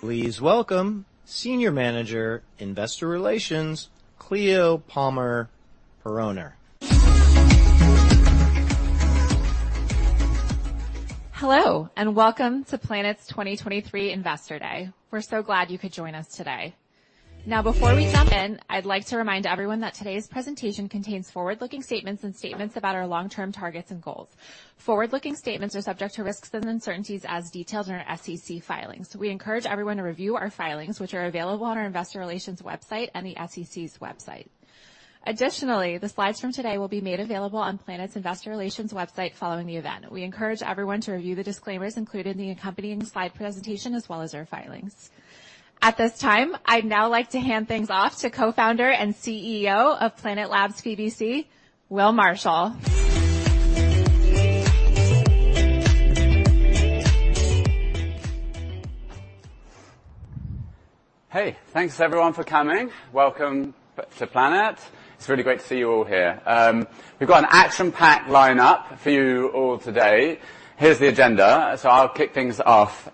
Please welcome Senior Manager, Investor Relations, Cleo Palmer-Poroner. Hello, and welcome to Planet's 2023 Investor Day. We're so glad you could join us today. Now, before we jump in, I'd like to remind everyone that today's presentation contains forward-looking statements and statements about our long-term targets and goals. Forward-looking statements are subject to risks and uncertainties, as detailed in our SEC filings. We encourage everyone to review our filings, which are available on our investor relations website and the SEC's website. Additionally, the slides from today will be made available on Planet's investor relations website following the event. We encourage everyone to review the disclaimers included in the accompanying slide presentation, as well as our filings. At this time, I'd now like to hand things off to Co-Founder and CEO of Planet Labs PBC, Will Marshall. Hey, thanks everyone for coming. Welcome to Planet. It's really great to see you all here. We've got an action-packed lineup for you all today. Here's the agenda. So I'll kick things off.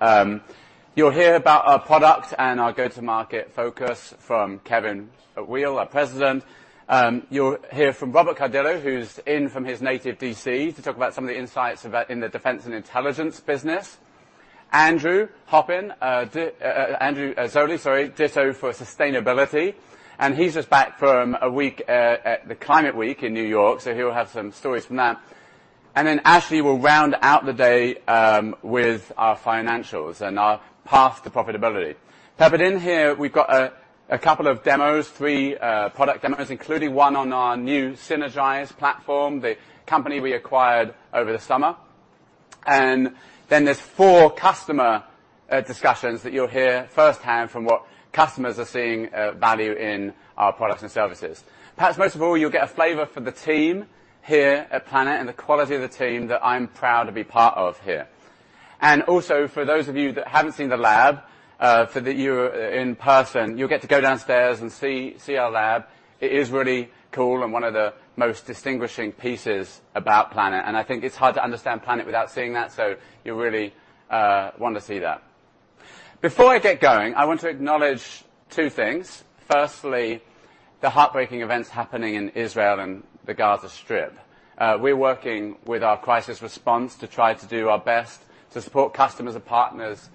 You'll hear about our product and our go-to-market focus from Kevin Weil, our President. You'll hear from Robert Cardillo, who's in from his native D.C., to talk about some of the insights about in the defense and intelligence business. Andrew Zolli, sorry, ditto for sustainability, and he's just back from a week at the Climate Week in New York, so he'll have some stories from that. And then Ashley will round out the day with our financials and our path to profitability. Peppered in here, we've got a couple of demos, three product demos, including one on our new Sinergise platform, the company we acquired over the summer. And then there's four customer discussions that you'll hear firsthand from what customers are seeing value in our products and services. Perhaps most of all, you'll get a flavor for the team here at Planet and the quality of the team that I'm proud to be part of here. And also, for those of you that haven't seen the lab, for those in person, you'll get to go downstairs and see, see our lab. It is really cool and one of the most distinguishing pieces about Planet, and I think it's hard to understand Planet without seeing that, so you'll really want to see that. Before I get going, I want to acknowledge two things. Firstly, the heartbreaking events happening in Israel and the Gaza Strip. We're working with our crisis response to try to do our best to support customers and partners,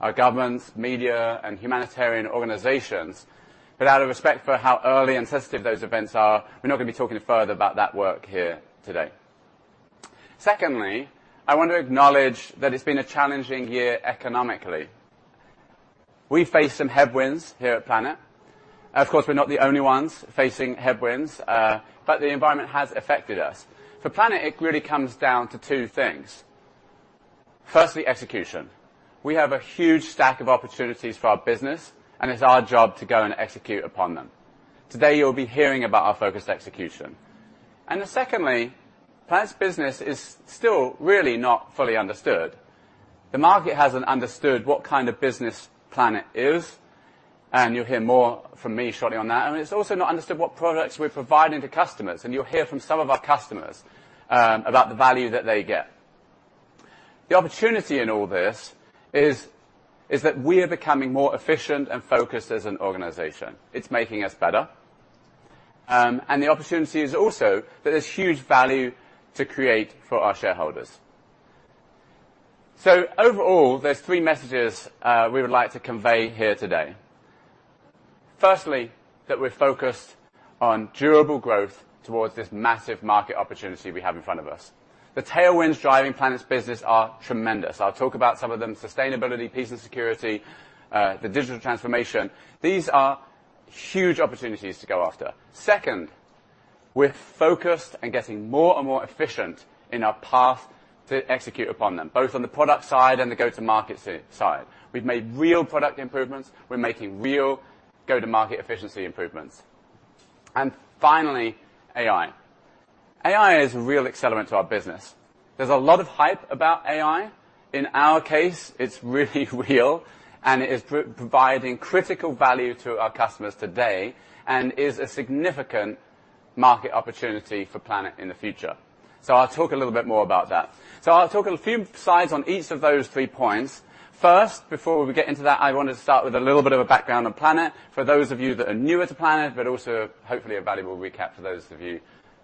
our governments, media, and humanitarian organizations, but out of respect for how early and sensitive those events are, we're not gonna be talking further about that work here today. Secondly, I want to acknowledge that it's been a challenging year economically. We've faced some headwinds here at Planet. Of course, we're not the only ones facing headwinds, but the environment has affected us. For Planet, it really comes down to two things. Firstly, execution. We have a huge stack of opportunities for our business, and it's our job to go and execute upon them. Today, you'll be hearing about our focused execution. Then secondly, Planet's business is still really not fully understood. The market hasn't understood what kind of business Planet is, and you'll hear more from me shortly on that. And it's also not understood what products we're providing to customers, and you'll hear from some of our customers about the value that they get. The opportunity in all this is that we are becoming more efficient and focused as an organization. It's making us better. And the opportunity is also that there's huge value to create for our shareholders. So overall, there's three messages we would like to convey here today. Firstly, that we're focused on durable growth towards this massive market opportunity we have in front of us. The tailwinds driving Planet's business are tremendous. I'll talk about some of them, sustainability, peace and security, the digital transformation. These are huge opportunities to go after. Second, we're focused and getting more and more efficient in our path to execute upon them, both on the product side and the go-to-market side. We've made real product improvements. We're making real go-to-market efficiency improvements. And finally, AI. AI is a real accelerant to our business. There's a lot of hype about AI. In our case, it's really real, and it is providing critical value to our customers today and is a significant market opportunity for Planet in the future. So I'll talk a little bit more about that. So I'll talk a few slides on each of those three points. First, before we get into that, I want to start with a little bit of a background on Planet, for those of you that are new to Planet, but also hopefully a valuable recap for those of you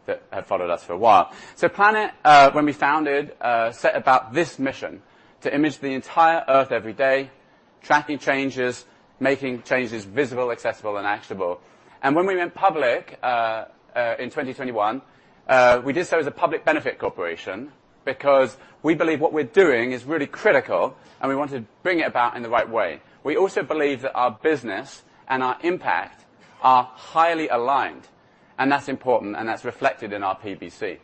that have followed us for a while. So Planet, when we founded, set about this mission, to image the entire Earth every day, tracking changes, making changes visible, accessible, and actionable. And when we went public, in 2021, we did so as a public benefit corporation, because we believe what we're doing is really critical, and we want to bring it about in the right way. We also believe that our business and our impact are highly aligned, and that's important, and that's reflected in our PBC.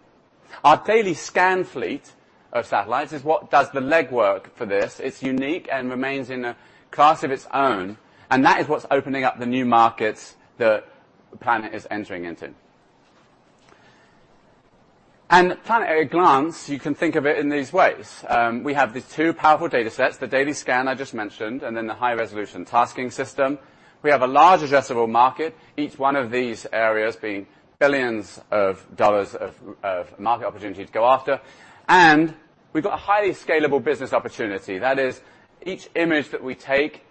Our daily scan fleet of satellites is what does the legwork for this. It's unique and remains in a class of its own, and that is what's opening up the new markets that Planet is entering into. And Planet, at a glance, you can think of it in these ways. We have these two powerful datasets, the daily scan I just mentioned, and then the high-resolution tasking system. We have a large addressable market, each one of these areas being billions of dollars of market opportunity to go after, and we've got a highly scalable business opportunity. That is, each image that we take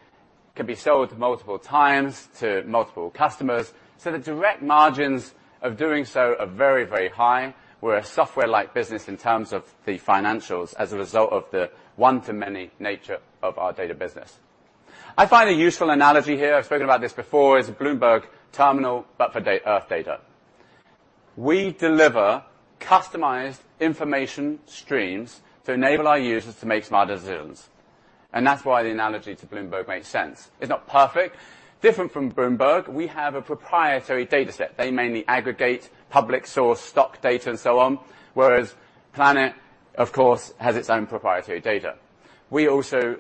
can be sold multiple times to multiple customers. So the direct margins of doing so are very, very high. We're a software-like business in terms of the financials as a result of the one-to-many nature of our data business. I find a useful analogy here, I've spoken about this before, is a Bloomberg Terminal, but for Earth data. We deliver customized information streams to enable our users to make smart decisions, and that's why the analogy to Bloomberg makes sense. It's not perfect. Different from Bloomberg, we have a proprietary dataset. They mainly aggregate public source, stock data, and so on, whereas Planet, of course, has its own proprietary data. We also...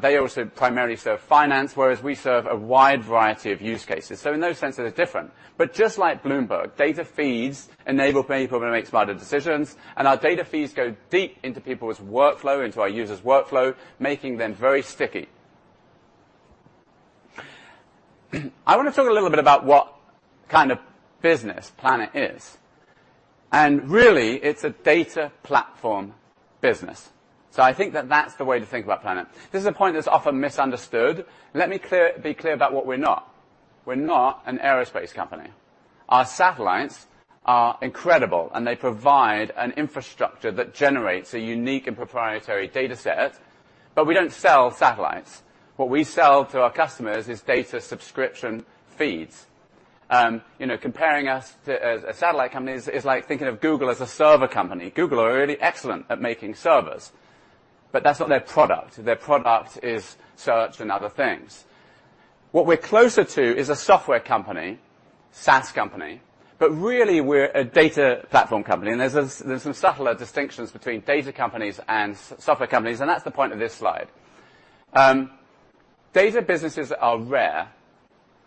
They also primarily serve finance, whereas we serve a wide variety of use cases, so in those sense, they're different. But just like Bloomberg, data feeds enable people to make smarter decisions, and our data feeds go deep into people's workflow, into our users' workflow, making them very sticky. I wanna talk a little bit about what kind of business Planet is, and really, it's a data platform business. So I think that that's the way to think about Planet. This is a point that's often misunderstood. Let me be clear about what we're not. We're not an aerospace company. Our satellites are incredible, and they provide an infrastructure that generates a unique and proprietary dataset, but we don't sell satellites. What we sell to our customers is data subscription feeds. You know, comparing us to a satellite company is like thinking of Google as a server company. Google are really excellent at making servers, but that's not their product. Their product is search and other things. What we're closer to is a software company, SaaS company, but really, we're a data platform company, and there's a-- there's some subtler distinctions between data companies and software companies, and that's the point of this slide. Data businesses are rare,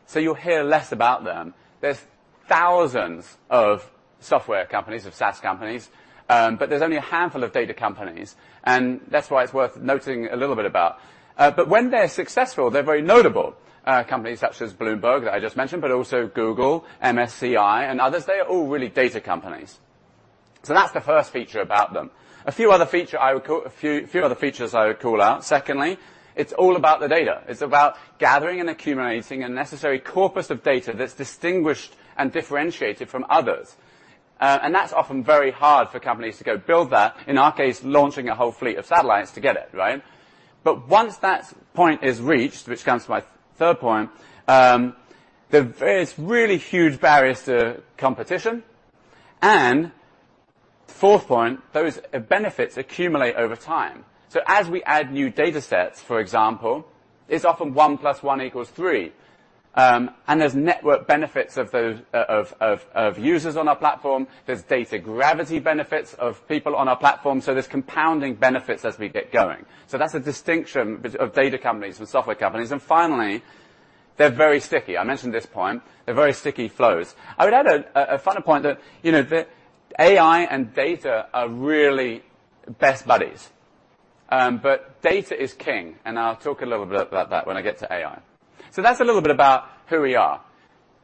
so you'll hear less about them. There's thousands of software companies, of SaaS companies, but there's only a handful of data companies, and that's why it's worth noting a little bit about. But when they're successful, they're very notable companies such as Bloomberg, that I just mentioned, but also Google, MSCI, and others. They are all really data companies. So that's the first feature about them. A few other features I would call out. Secondly, it's all about the data. It's about gathering and accumulating a necessary corpus of data that's distinguished and differentiated from others, and that's often very hard for companies to go build that, in our case, launching a whole fleet of satellites to get it, right? But once that point is reached, which comes to my third point, there's various really huge barriers to competition, and fourth point, those benefits accumulate over time. So as we add new datasets, for example, it's often one plus one equals three. And there's network benefits of those, of users on our platform. There's data gravity benefits of people on our platform, so there's compounding benefits as we get going. So that's a distinction of data companies and software companies. And finally, they're very sticky. I mentioned this point. They're very sticky flows. I would add a further point that, you know, the AI and data are really best buddies, but data is king, and I'll talk a little bit about that when I get to AI. So that's a little bit about who we are.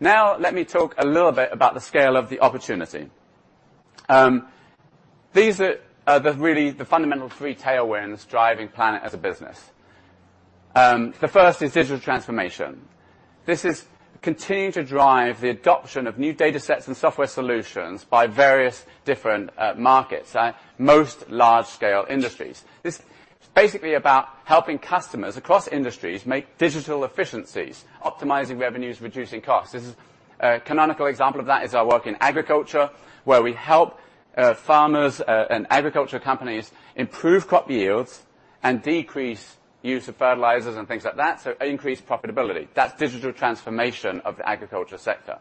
Now, let me talk a little bit about the scale of the opportunity. These are really the fundamental three tailwinds driving Planet as a business. The first is digital transformation. This is continuing to drive the adoption of new datasets and software solutions by various different markets, most large-scale industries. This is basically about helping customers across industries make digital efficiencies, optimizing revenues, reducing costs. This is... A canonical example of that is our work in agriculture, where we help farmers and agriculture companies improve crop yields and decrease use of fertilizers and things like that, so increase profitability. That's digital transformation of the agriculture sector.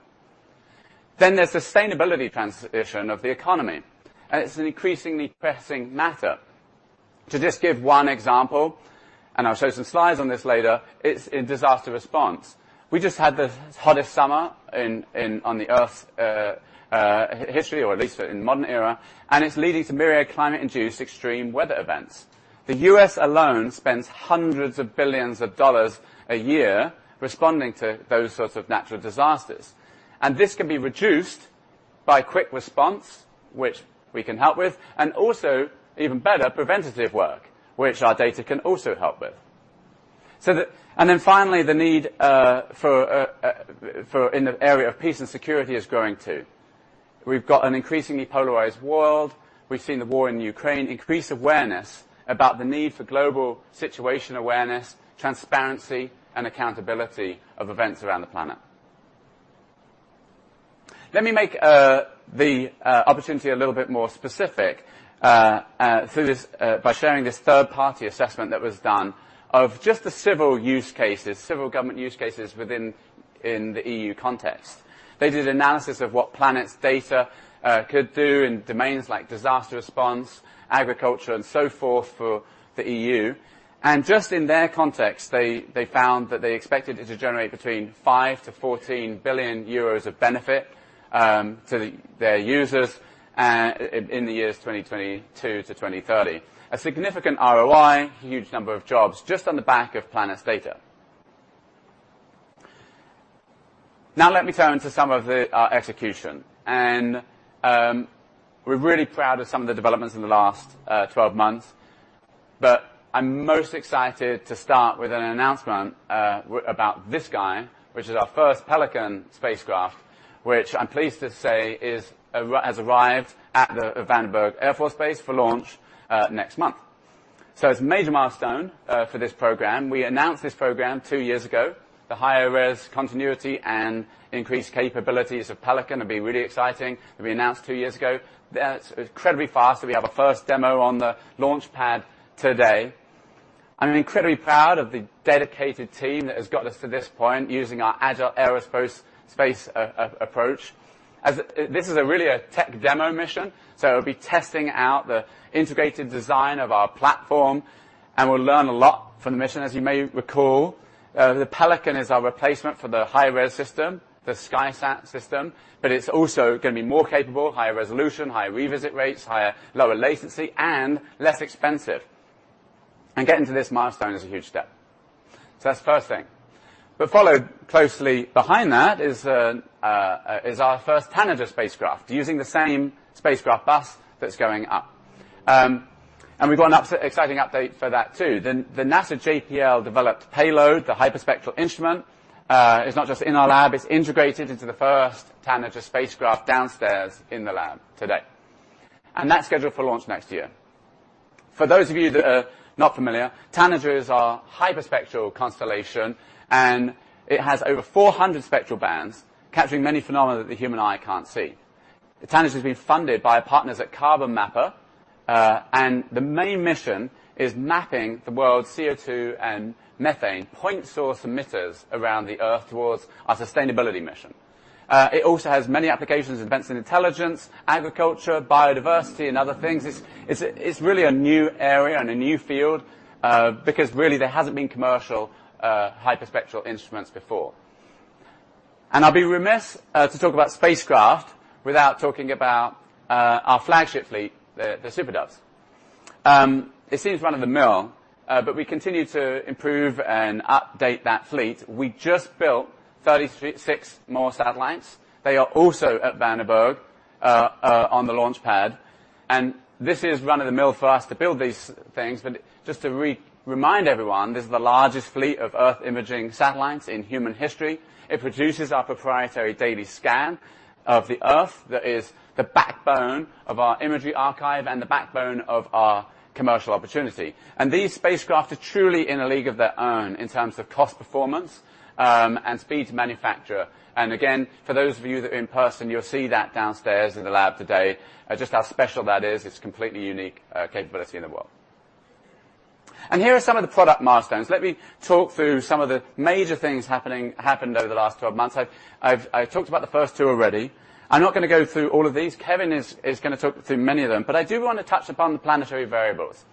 Then, there's sustainability transition of the economy, and it's an increasingly pressing matter. To just give one example, and I'll show some slides on this later, it's in disaster response. We just had the hottest summer in on the Earth's history, or at least in modern era, and it's leading to myriad climate-induced extreme weather events. The U.S. alone spends hundreds of billions a year responding to those sorts of natural disasters, and this can be reduced by quick response, which we can help with, and also, even better, preventative work, which our data can also help with. And then finally, the need for in the area of peace and security is growing, too. We've got an increasingly polarized world. We've seen the war in Ukraine increase awareness about the need for global situation awareness, transparency, and accountability of events around the planet. Let me make the opportunity a little bit more specific through this by sharing this third-party assessment that was done of just the civil use cases, civil government use cases within the E.U. context. They did analysis of what Planet's data could do in domains like disaster response, agriculture, and so forth, for the E.U. And just in their context, they found that they expected it to generate between 5 billion-14 billion euros of benefit to their users in the years 2022 to 2030. A significant ROI, huge number of jobs just on the back of Planet's data. Now let me turn to some of the execution. And we're really proud of some of the developments in the last 12 months, but I'm most excited to start with an announcement about this guy, which is our first Pelican spacecraft, which I'm pleased to say has arrived at the Vandenberg Air Force Base for launch next month. So it's a major milestone for this program. We announced this program two years ago. The high-res continuity and increased capabilities of Pelican have been really exciting. It was announced two years ago. That's incredibly fast, and we have our first demo on the launch pad today. I'm incredibly proud of the dedicated team that has got us to this point using our Agile Aerospace approach. As this is really a tech demo mission, so it'll be testing out the integrated design of our platform, and we'll learn a lot from the mission. As you may recall, the Pelican is our replacement for the high-res system, the SkySat system, but it's also gonna be more capable, higher resolution, higher revisit rates, lower latency, and less expensive. And getting to this milestone is a huge step. So that's the first thing. But followed closely behind that is our first Tanager spacecraft, using the same spacecraft bus that's going up. And we've got an exciting update for that, too. The NASA JPL developed payload, the hyperspectral instrument, is not just in our lab, it's integrated into the first Tanager spacecraft downstairs in the lab today. And that's scheduled for launch next year. For those of you that are not familiar, Tanager is our hyperspectral constellation, and it has over 400 spectral bands, capturing many phenomena that the human eye can't see. The Tanager has been funded by our partners at Carbon Mapper, and the main mission is mapping the world's CO2 and methane point source emitters around the Earth towards our sustainability mission. It also has many applications in advanced intelligence, agriculture, biodiversity, and other things. It's really a new area and a new field, because really, there hasn't been commercial hyperspectral instruments before. And I'd be remiss to talk about spacecraft without talking about our flagship fleet, the SuperDoves. It seems run-of-the-mill, but we continue to improve and update that fleet. We just built 36 more satellites. They are also at Vandenberg on the launch pad, and this is run-of-the-mill for us to build these things. But just to re-remind everyone, this is the largest fleet of Earth-imaging satellites in human history. It produces our proprietary daily scan of the Earth that is the backbone of our imagery archive and the backbone of our commercial opportunity. And these spacecraft are truly in a league of their own in terms of cost performance and speed to manufacture. Again, for those of you that are in person, you'll see that downstairs in the lab today, just how special that is. It's a completely unique capability in the world. Here are some of the product milestones. Let me talk through some of the major things happened over the last 12 months. I've talked about the first two already. I'm not gonna go through all of these. Kevin is gonna talk through many of them, but I do want to touch upon the Planetary Variables.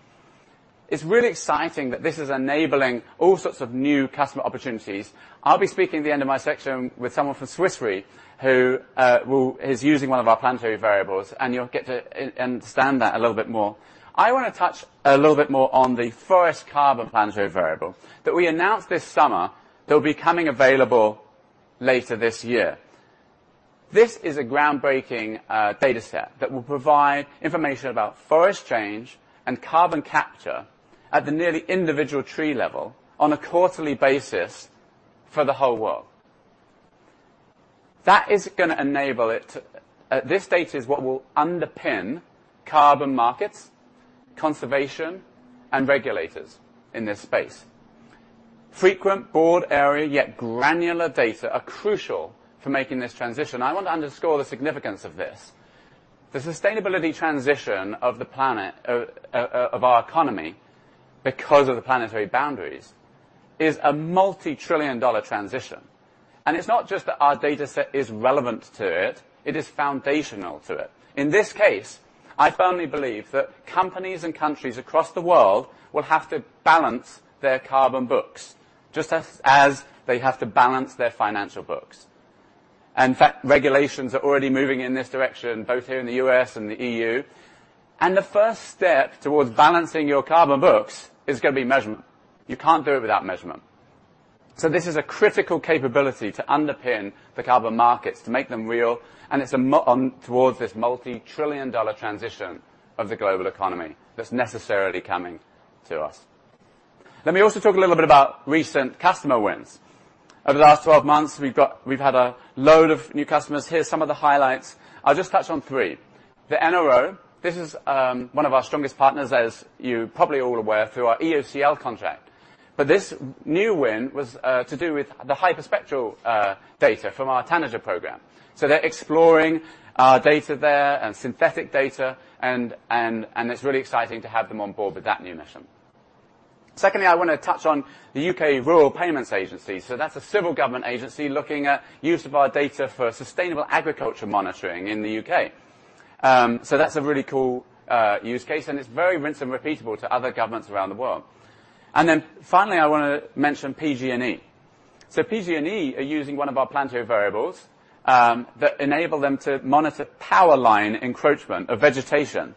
It's really exciting that this is enabling all sorts of new customer opportunities. I'll be speaking at the end of my section with someone from Swiss Re, who is using one of our Planetary Variables, and you'll get to understand that a little bit more. I wanna touch a little bit more on the Forest Carbon Planetary Variable that we announced this summer. They'll be coming available later this year. This is a groundbreaking dataset that will provide information about forest change and carbon capture at the nearly individual tree level on a quarterly basis for the whole world. That is gonna enable it to... this data is what will underpin carbon markets, conservation, and regulators in this space. Frequent, broad-area, yet granular data are crucial for making this transition. I want to underscore the significance of this. The sustainability transition of the planet—of our economy, because of the planetary boundaries, is a multitrillion-dollar transition, and it's not just that our dataset is relevant to it, it is foundational to it. In this case, I firmly believe that companies and countries across the world will have to balance their carbon books just as they have to balance their financial books. And in fact, regulations are already moving in this direction, both here in the U.S. and the E.U. And the first step towards balancing your carbon books is gonna be measurement. You can't do it without measurement. So this is a critical capability to underpin the carbon markets, to make them real, and it's towards this multitrillion-dollar transition of the global economy that's necessarily coming to us. Let me also talk a little bit about recent customer wins. Over the last 12 months, we've had a load of new customers. Here are some of the highlights. I'll just touch on three. The NRO, this is one of our strongest partners, as you probably all aware, through our EOCL contract. But this new win was to do with the hyperspectral data from our Tanager program. So they're exploring data there and synthetic data, and it's really exciting to have them on board with that new mission. Secondly, I want to touch on the U.K. Rural Payments Agency. So that's a civil government agency looking at use of our data for sustainable agriculture monitoring in the U.K. So that's a really cool use case, and it's very rich and repeatable to other governments around the world. And then finally, I want to mention PG&E. So PG&E are using one of our Planetary Variables that enable them to monitor power line encroachment of vegetation.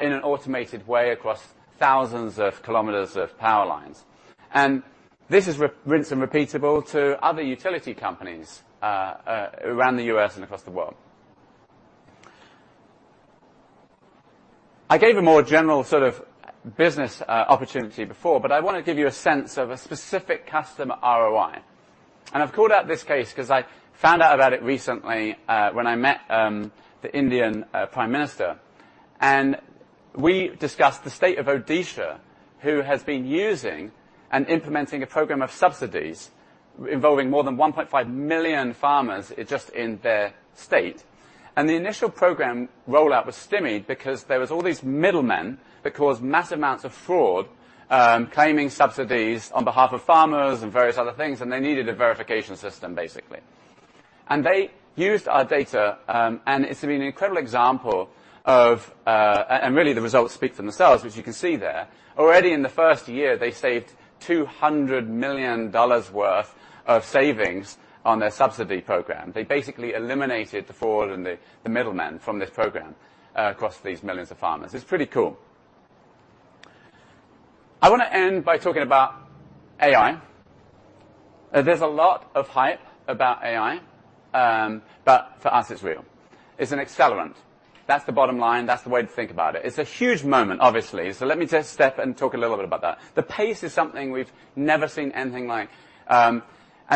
In an automated way across thousands of kilometers of power lines. And this is rinse and repeatable to other utility companies around the U.S. and across the world. I gave a more general sort of business opportunity before, but I wanna give you a sense of a specific customer ROI. And I've called out this case 'cause I found out about it recently, when I met the Indian Prime Minister, and we discussed the state of Odisha, who has been using and implementing a program of subsidies involving more than 1.5 million farmers just in their state. And the initial program rollout was stymied because there was all these middlemen that caused massive amounts of fraud, claiming subsidies on behalf of farmers and various other things, and they needed a verification system, basically. They used our data, and it's been an incredible example of... Really, the results speak for themselves, which you can see there. Already in the first year, they saved $200 million worth of savings on their subsidy program. They basically eliminated the fraud and the middlemen from this program, across these millions of farmers. It's pretty cool. I wanna end by talking about AI. There's a lot of hype about AI, but for us, it's real. It's an accelerant. That's the bottom line. That's the way to think about it. It's a huge moment, obviously, so let me just step and talk a little bit about that. The pace is something we've never seen anything like, and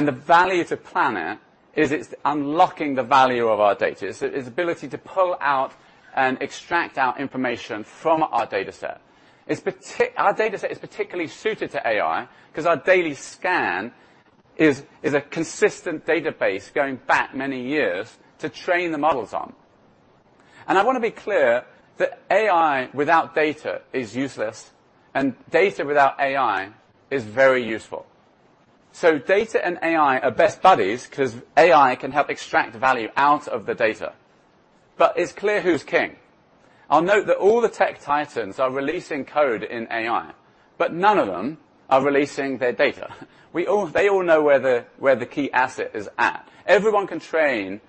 the value to Planet is it's unlocking the value of our data. It's the ability to pull out and extract our information from our dataset. Our dataset is particularly suited to AI 'cause our daily scan is a consistent database going back many years to train the models on. And I wanna be clear that AI without data is useless, and data without AI is very useful. So data and AI are best buddies, 'cause AI can help extract value out of the data, but it's clear who's king. I'll note that all the tech titans are releasing code in AI, but none of them are releasing their data. They all know where the key asset is at. Everyone can train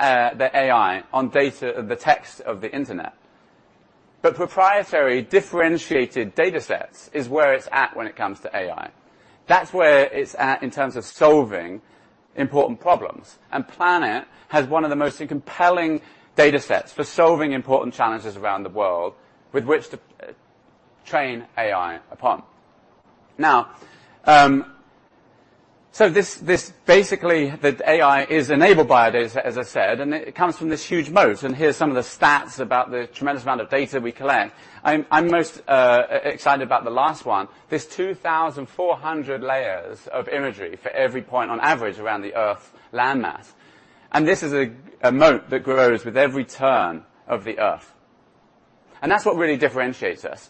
their AI on data, the text of the Internet. But proprietary, differentiated datasets is where it's at when it comes to AI. That's where it's at in terms of solving important problems, and Planet has one of the most compelling datasets for solving important challenges around the world, with which to train AI upon. Now, this basically the AI is enabled by our data, as I said, and it comes from this huge moat, and here's some of the stats about the tremendous amount of data we collect. I'm most excited about the last one. There's 2,400 layers of imagery for every point, on average, around the Earth's landmass, and this is a moat that grows with every turn of the Earth. That's what really differentiates us.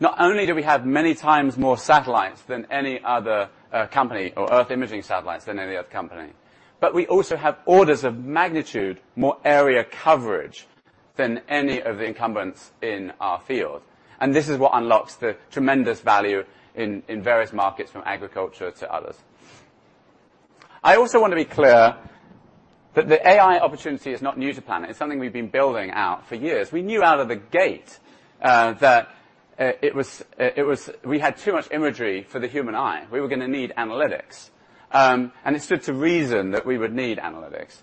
Not only do we have many times more satellites than any other company, or Earth imaging satellites than any other company, but we also have orders of magnitude more area coverage than any of the incumbents in our field, and this is what unlocks the tremendous value in various markets, from agriculture to others. I also want to be clear that the AI opportunity is not new to Planet. It's something we've been building out for years. We knew out of the gate that we had too much imagery for the human eye. We were gonna need analytics. And it stood to reason that we would need analytics.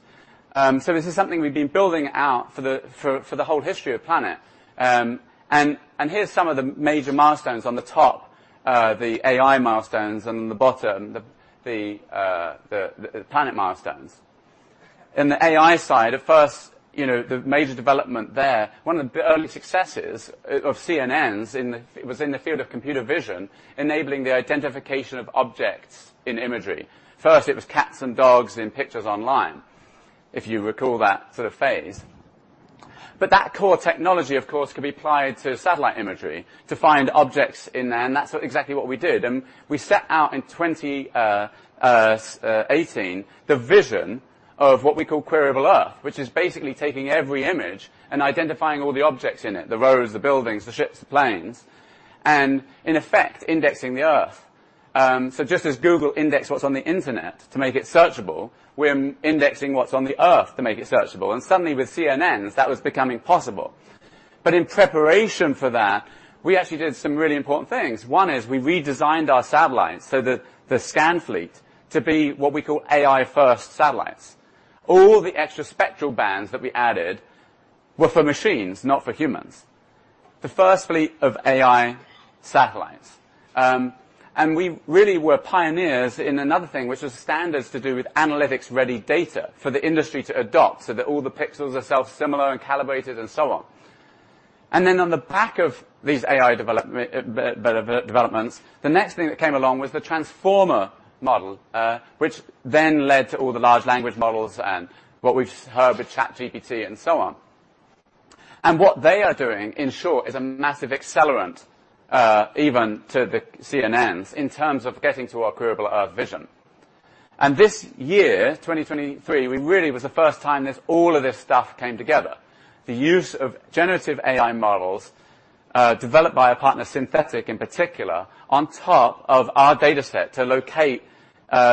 So this is something we've been building out for the whole history of Planet. And here's some of the major milestones. On the top, the AI milestones, and on the bottom, the Planet milestones. In the AI side, at first, you know, the major development there, one of the early successes of CNNs in the. It was in the field of computer vision, enabling the identification of objects in imagery. First, it was cats and dogs in pictures online, if you recall that sort of phase. But that core technology, of course, could be applied to satellite imagery, to find objects in there, and that's exactly what we did. And we set out in 2018, the vision of what we call Queryable Earth, which is basically taking every image and identifying all the objects in it, the roads, the buildings, the ships, the planes, and in effect, indexing the Earth. So just as Google indexed what's on the Internet to make it searchable, we're indexing what's on the Earth to make it searchable, and suddenly, with CNNs, that was becoming possible. But in preparation for that, we actually did some really important things. One is we redesigned our satellites so that the scan fleet to be what we call AI first satellites. All the extra spectral bands that we added were for machines, not for humans. The first fleet of AI satellites. And we really were pioneers in another thing, which was standards to do with analytics-ready data for the industry to adopt, so that all the pixels are self-similar and calibrated and so on. And then on the back of these AI developments, the next thing that came along was the Transformer model, which then led to all the large language models and what we've heard with ChatGPT and so on. And what they are doing, in short, is a massive accelerant, even to the CNNs, in terms of getting to our Queryable Earth vision. And this year, 2023, we really was the first time this, all of this stuff came together. The use of generative AI models developed by our partner Synthetaic, in particular, on top of our data set to locate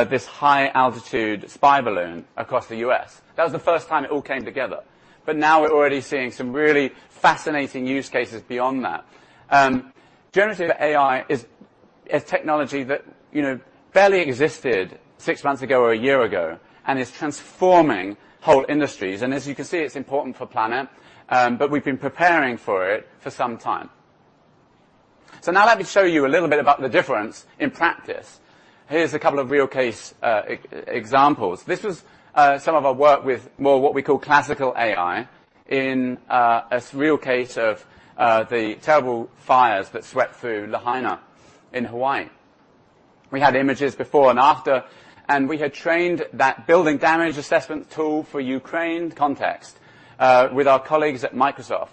this high-altitude spy balloon across the U.S. That was the first time it all came together, but now we're already seeing some really fascinating use cases beyond that. Generative AI is technology that, you know, barely existed six months ago or a year ago and is transforming whole industries. As you can see, it's important for Planet, but we've been preparing for it for some time. Now let me show you a little bit about the difference in practice. Here's a couple of real case examples. This was some of our work with more what we call classical AI in a real case of the terrible fires that swept through Lahaina in Hawaii. We had images before and after, and we had trained that building damage assessment tool for Ukraine context with our colleagues at Microsoft,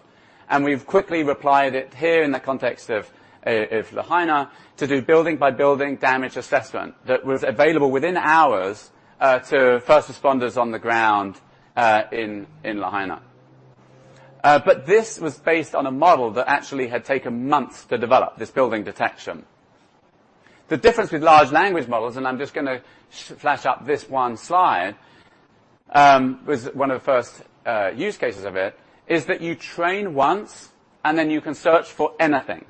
and we've quickly applied it here in the context of Lahaina to do building-by-building damage assessment that was available within hours to first responders on the ground in Lahaina. But this was based on a model that actually had taken months to develop this building detection. The difference with large language models, and I'm just gonna flash up this one slide, was one of the first use cases of it, is that you train once, and then you can search for anything.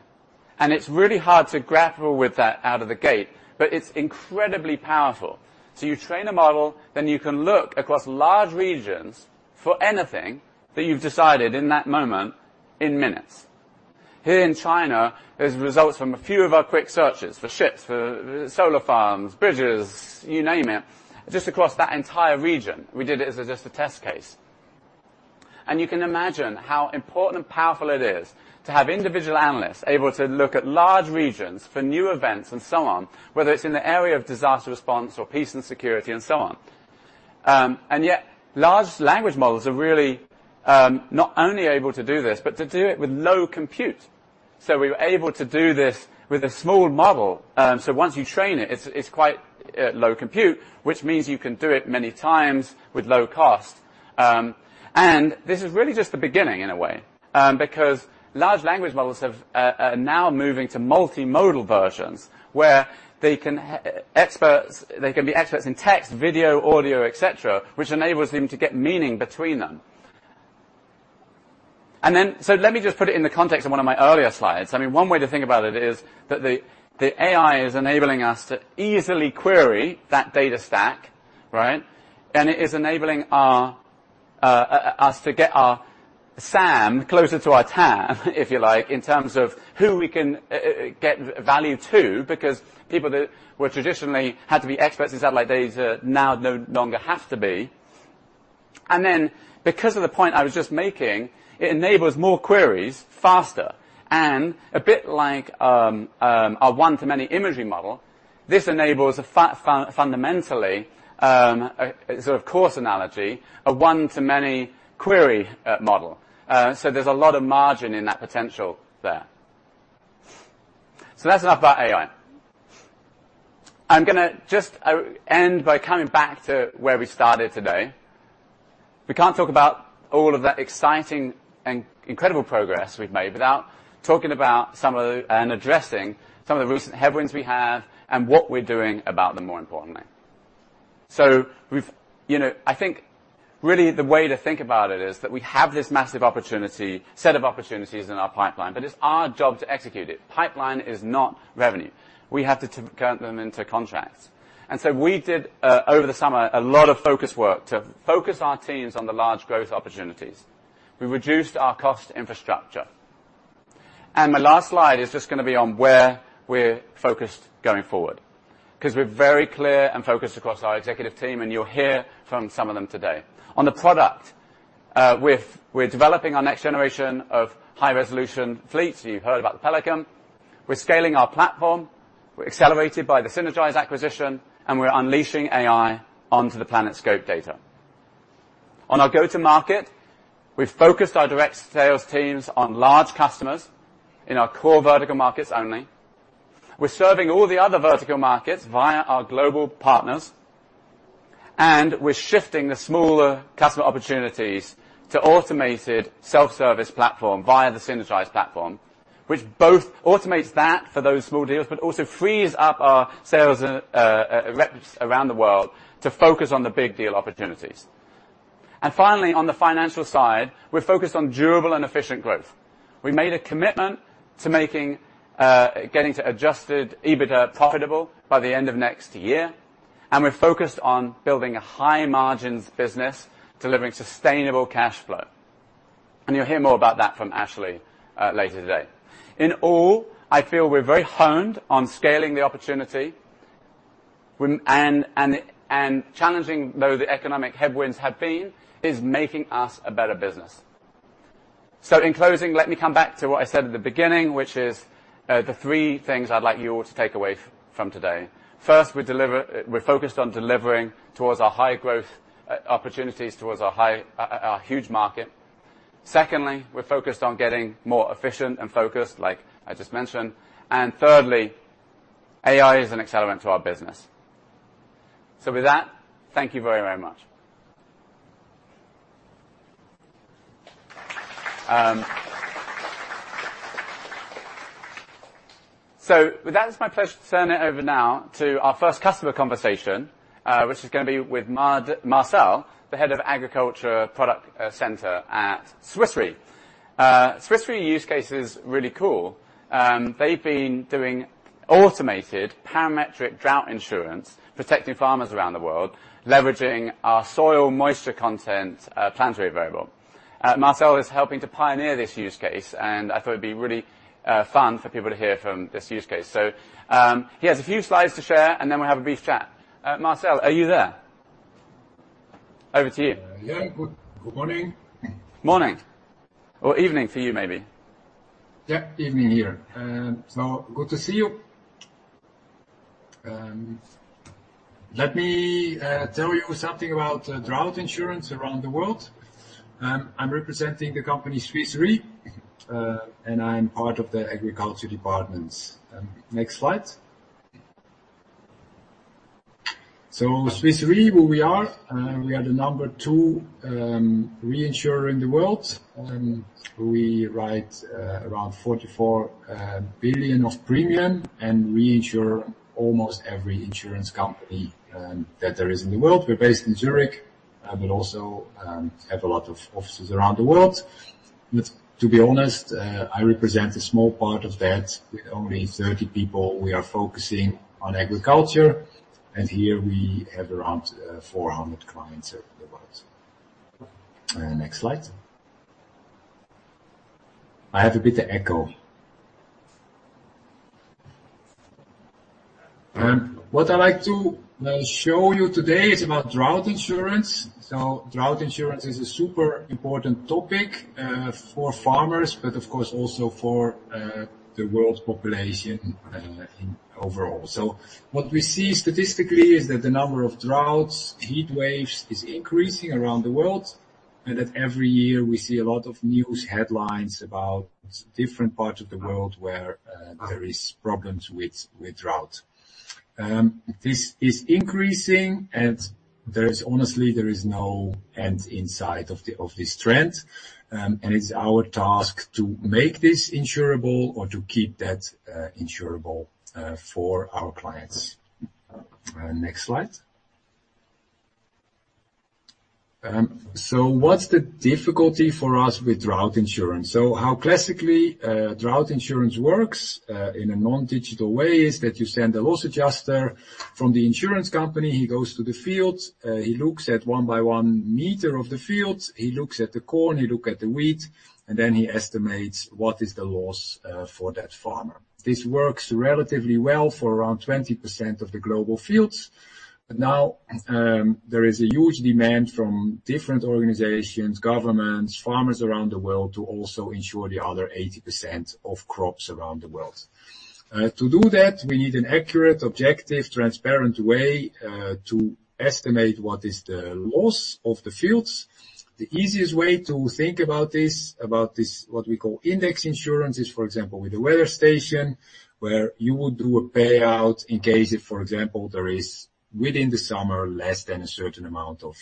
And it's really hard to grapple with that out of the gate, but it's incredibly powerful. So you train a model, then you can look across large regions for anything that you've decided in that moment in minutes. Here in China, there's results from a few of our quick searches for ships, for solar farms, bridges, you name it, just across that entire region. We did it as just a test case. And you can imagine how important and powerful it is to have individual analysts able to look at large regions for new events and so on, whether it's in the area of disaster response or peace and security and so on. And yet, large language models are really, not only able to do this, but to do it with low compute. So we were able to do this with a small model. So once you train it, it's quite low compute, which means you can do it many times with low cost. And this is really just the beginning in a way, because large language models are now moving to multimodal versions, where they can be experts in text, video, audio, et cetera, which enables them to get meaning between them. And then, so let me just put it in the context of one of my earlier slides. I mean, one way to think about it is that the AI is enabling us to easily query that data stack, right? And it is enabling us to get our SAM closer to our TAM, if you like, in terms of who we can get value to, because people that were traditionally had to be experts in satellite data now no longer have to be. And then, because of the point I was just making, it enables more queries faster and a bit like, a one-to-many imagery model, this enables a fundamentally, a sort of course analogy, a one-to-many query, model. So there's a lot of margin in that potential there. So that's enough about AI. I'm gonna just, end by coming back to where we started today. We can't talk about all of that exciting and incredible progress we've made without talking about some of the... and addressing some of the recent headwinds we have and what we're doing about them, more importantly. So we've... You know, I think really the way to think about it is that we have this massive opportunity, set of opportunities in our pipeline, but it's our job to execute it. Pipeline is not revenue. We have to turn them into contracts. And so we did over the summer a lot of focus work to focus our teams on the large growth opportunities. We reduced our cost infrastructure. And my last slide is just gonna be on where we're focused going forward, 'cause we're very clear and focused across our executive team, and you'll hear from some of them today. On the product, we're developing our next generation of high-resolution fleets. You've heard about the Pelican. We're scaling our platform. We're accelerated by the Sinergise acquisition, and we're unleashing AI onto the PlanetScope data. On our go-to-market, we've focused our direct sales teams on large customers in our core vertical markets only. We're serving all the other vertical markets via our global partners, and we're shifting the smaller customer opportunities to automated self-service platform via the Sinergise platform, which both automates that for those small deals, but also frees up our sales reps around the world to focus on the big deal opportunities. And finally, on the financial side, we're focused on durable and efficient growth. We made a commitment to making, getting to Adjusted EBITDA profitable by the end of next year, and we're focused on building a high-margins business, delivering sustainable cash flow. You'll hear more about that from Ashley later today. In all, I feel we're very honed on scaling the opportunity, and challenging though the economic headwinds have been, is making us a better business. So in closing, let me come back to what I said at the beginning, which is, the three things I'd like you all to take away from today. First, we're focused on delivering towards our high-growth opportunities, towards our huge market. Secondly, we're focused on getting more efficient and focused, like I just mentioned. And thirdly, AI is an accelerant to our business. So with that, thank you very, very much. So with that, it's my pleasure to turn it over now to our first customer conversation, which is gonna be with Marcel, the Head of Agriculture Product Center at Swiss Re. Swiss Re use case is really cool. They've been doing automated parametric drought insurance, protecting farmers around the world, leveraging our soil moisture content, Planetary Variable. Marcel is helping to pioneer this use case, and I thought it'd be really fun for people to hear from this use case. So, he has a few slides to share, and then we'll have a brief chat. Marcel, are you there? Over to you. Yeah. Good, good morning. Morning. Or evening for you, maybe. Yeah, evening here. So good to see you. Let me tell you something about drought insurance around the world. I'm representing the company, Swiss Re, and I'm part of the agriculture department. Next slide. So Swiss Re, who we are? We are the number two reinsurer in the world, and we write around $44 billion of premium, and we insure almost every insurance company that there is in the world. We're based in Zurich, but also have a lot of offices around the world. But to be honest, I represent a small part of that. With only 30 people, we are focusing on agriculture, and here we have around 400 clients around the world. Next slide. I have a bit of echo. What I'd like to show you today is about drought insurance. So drought insurance is a super important topic for farmers, but of course, also for the world's population in overall. So what we see statistically is that the number of droughts, heatwaves, is increasing around the world, and that every year we see a lot of news headlines about different parts of the world where there is problems with drought. This is increasing and there is honestly no end in sight of this trend, and it's our task to make this insurable or to keep that insurable for our clients. Next slide. So what's the difficulty for us with drought insurance? So how classically, drought insurance works, in a non-digital way, is that you send a loss adjuster from the insurance company, he goes to the field, he looks at 1 by 1 m of the fields, he looks at the corn, he look at the wheat, and then he estimates what is the loss, for that farmer. This works relatively well for around 20% of the global fields, but now, there is a huge demand from different organizations, governments, farmers around the world to also ensure the other 80% of crops around the world. To do that, we need an accurate, objective, transparent way, to estimate what is the loss of the fields. The easiest way to think about this, what we call index insurance, is, for example, with a weather station where you would do a payout in case if, for example, there is, within the summer, less than a certain amount of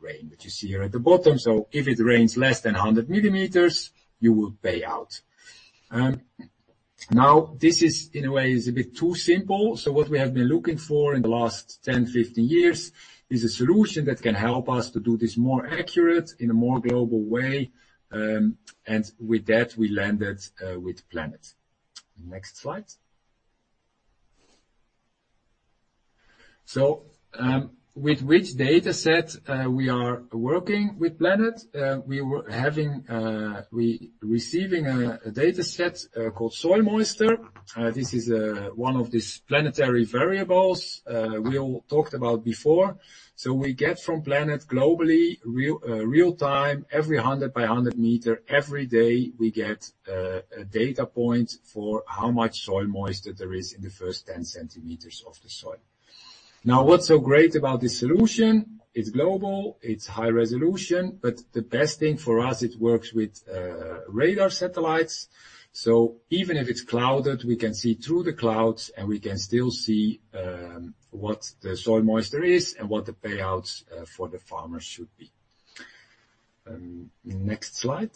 rain, which you see here at the bottom. So if it rains less than 100 mm, you will pay out. Now, this is in a way, is a bit too simple. So what we have been looking for in the last 10, 15 years is a solution that can help us to do this more accurate, in a more global way. And with that, we landed with Planet. Next slide. So, with which data set we are working with Planet? We were receiving a data set called soil moisture. This is one of these Planetary Variables we all talked about before. So we get from Planet globally, real time, every 100 by 100 m, every day, we get a data point for how much soil moisture there is in the first 10 cm of the soil. Now, what's so great about this solution? It's global, it's high resolution, but the best thing for us, it works with radar satellites. So even if it's clouded, we can see through the clouds, and we can still see what the soil moisture is and what the payouts for the farmers should be. Next slide.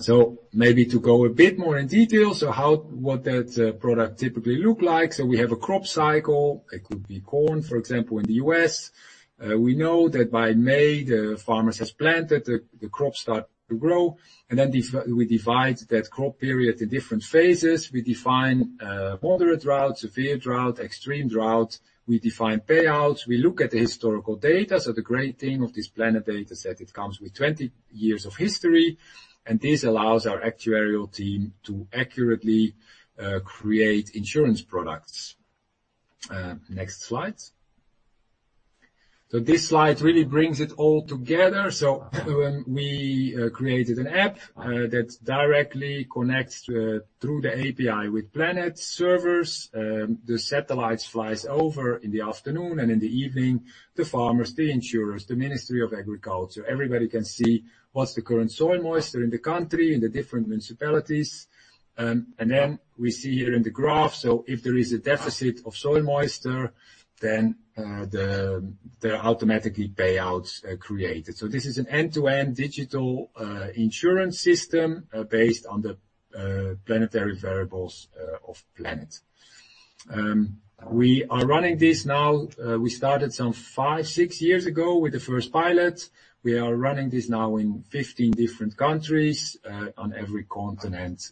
So maybe to go a bit more in detail, what that product typically look like? So we have a crop cycle. It could be corn, for example, in the U.S. We know that by May, the farmers has planted, the crops start to grow, and then these we divide that crop period into different phases. We define moderate drought, severe drought, extreme drought. We define payouts. We look at the historical data. So the great thing of this Planet data set, it comes with 20 years of history, and this allows our actuarial team to accurately create insurance products. Next slide. So this slide really brings it all together. So we created an app that directly connects through the API with Planet servers. The satellites flies over in the afternoon and in the evening, the farmers, the insurers, the Ministry of Agriculture, everybody can see what's the current soil moisture in the country, in the different municipalities. And then we see here in the graph, so if there is a deficit of soil moisture, then there are automatically payouts created. So this is an end-to-end digital insurance system based on the Planetary Variables of Planet. We are running this now, we started some five, six years ago with the first pilot. We are running this now in 15 different countries, on every continent,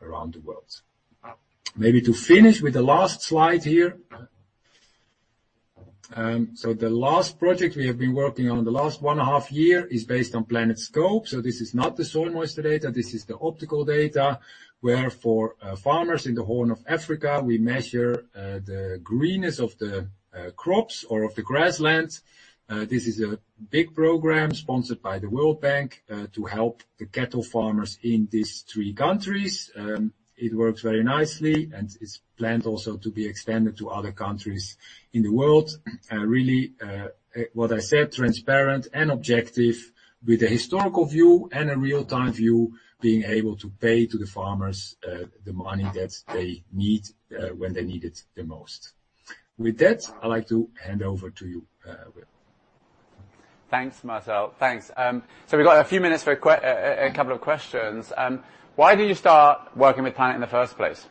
around the world. Maybe to finish with the last slide here. So the last project we have been working on, the last 1.5 year, is based on PlanetScope. So this is not the soil moisture data, this is the optical data, where for farmers in the Horn of Africa, we measure the greenness of the crops or of the grasslands. This is a big program sponsored by the World Bank, to help the cattle farmers in these three countries. It works very nicely, and it's planned also to be expanded to other countries in the world. Really, what I said, transparent and objective with a historical view and a real-time view, being able to pay to the farmers, the money that they need, when they need it the most. With that, I'd like to hand over to you, Will. Thanks, Marcel. Thanks. So we've got a few minutes for a couple of questions. Why did you start working with Planet in the first place?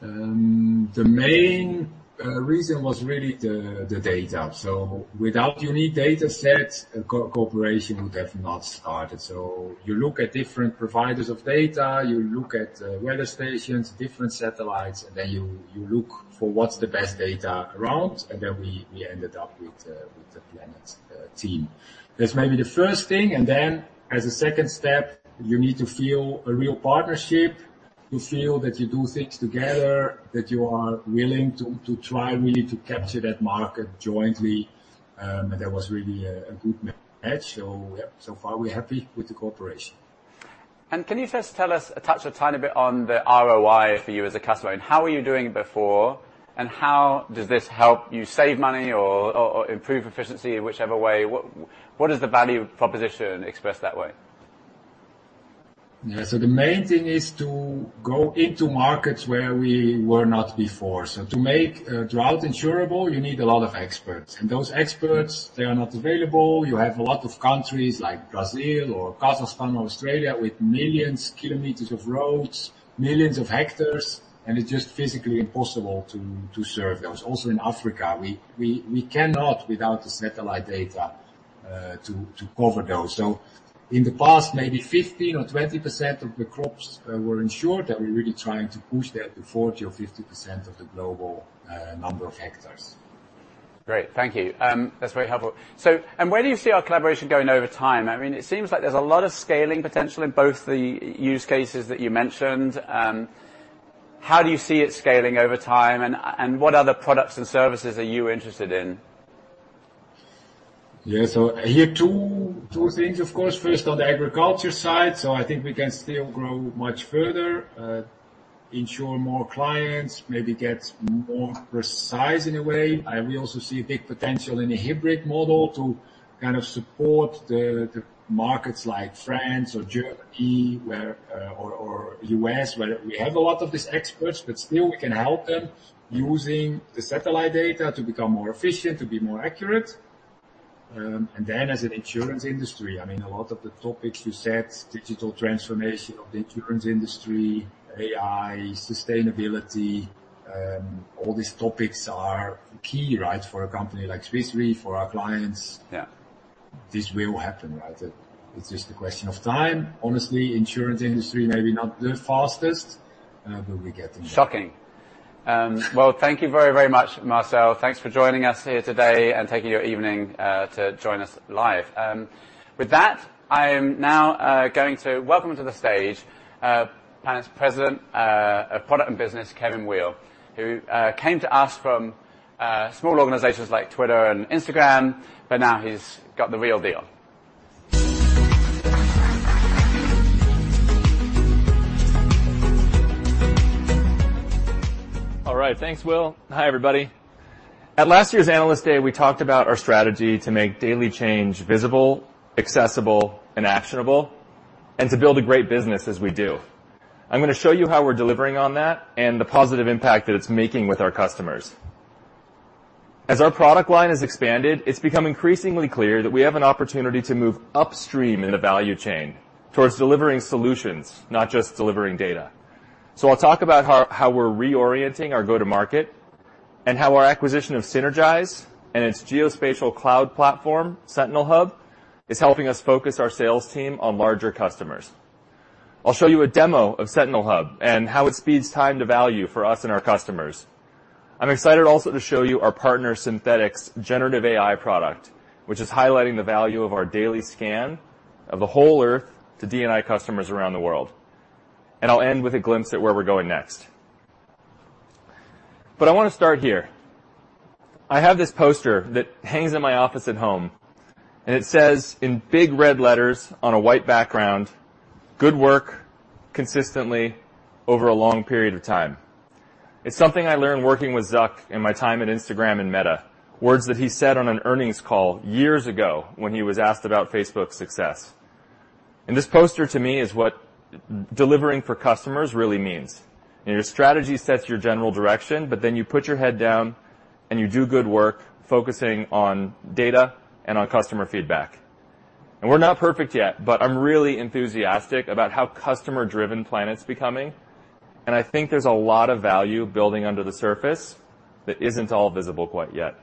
The main reason was really the data. So without unique data set, cooperation would have not started. So you look at different providers of data, you look at weather stations, different satellites, and then you look for what's the best data around, and then we ended up with the Planet team. That's maybe the first thing. And then, as a second step, you need to feel a real partnership, you feel that you do things together, that you are willing to try really to capture that market jointly. And that was really a good match. So yeah, so far, we're happy with the cooperation. Can you first tell us, touch a tiny bit on the ROI for you as a customer, and how were you doing before, and how does this help you save money or improve efficiency in whichever way? What is the value proposition expressed that way? Yeah. So the main thing is to go into markets where we were not before. So to make a drought insurable, you need a lot of experts, and those experts, they are not available. You have a lot of countries like Brazil or Queensland, Australia, with millions of kilometers of roads, millions of hectares, and it's just physically impossible to serve those. Also in Africa, we cannot, without the satellite data, to cover those. So in the past, maybe 15% or 20% of the crops were insured, and we're really trying to push that to 40% or 50% of the global number of hectares. Great. Thank you. That's very helpful. So, where do you see our collaboration going over time? I mean, it seems like there's a lot of scaling potential in both the use cases that you mentioned. How do you see it scaling over time, and what other products and services are you interested in? Yeah. So here, two things, of course. First, on the agriculture side, so I think we can still grow much further, insure more clients, maybe get more precise in a way. We also see a big potential in a hybrid model to kind of support the markets like France or Germany, where or U.S., where we have a lot of these experts, but still we can help them using the satellite data to become more efficient, to be more accurate. And then as an insurance industry, I mean, a lot of the topics you said, digital transformation of the insurance industry, AI, sustainability, all these topics are key, right? For a company like Swiss Re, for our clients- Yeah. This will happen, right? It's just a question of time. Honestly, insurance industry, maybe not the fastest, but we get there. Shocking. Well, thank you very, very much, Marcel. Thanks for joining us here today and taking your evening to join us live. With that, I am now going to welcome to the stage Planet's President of Product and Business, Kevin Weil, who came to us from small organizations like Twitter and Instagram, but now he's got the real deal. All right, thanks, Will. Hi, everybody. At last year's Analyst Day, we talked about our strategy to make daily change visible, accessible and actionable, and to build a great business as we do. I'm gonna show you how we're delivering on that and the positive impact that it's making with our customers. As our product line has expanded, it's become increasingly clear that we have an opportunity to move upstream in the value chain towards delivering solutions, not just delivering data. I'll talk about how we're reorienting our go-to market, and how our acquisition of Sinergise and its geospatial cloud platform, Sentinel Hub, is helping us focus our sales team on larger customers. I'll show you a demo of Sentinel Hub and how it speeds time to value for us and our customers. I'm excited also to show you our partner, Synthetaic's generative AI product, which is highlighting the value of our daily scan of the whole Earth to D&I customers around the world. I'll end with a glimpse at where we're going next. But I wanna start here. I have this poster that hangs in my office at home, and it says in big red letters on a white background: "Good work, consistently, over a long period of time." It's something I learned working with Zuck in my time at Instagram and Meta. Words that he said on an earnings call years ago when he was asked about Facebook's success. And this poster, to me, is what delivering for customers really means. Your strategy sets your general direction, but then you put your head down and you do good work focusing on data and on customer feedback. We're not perfect yet, but I'm really enthusiastic about how customer-driven Planet's becoming, and I think there's a lot of value building under the surface that isn't all visible quite yet.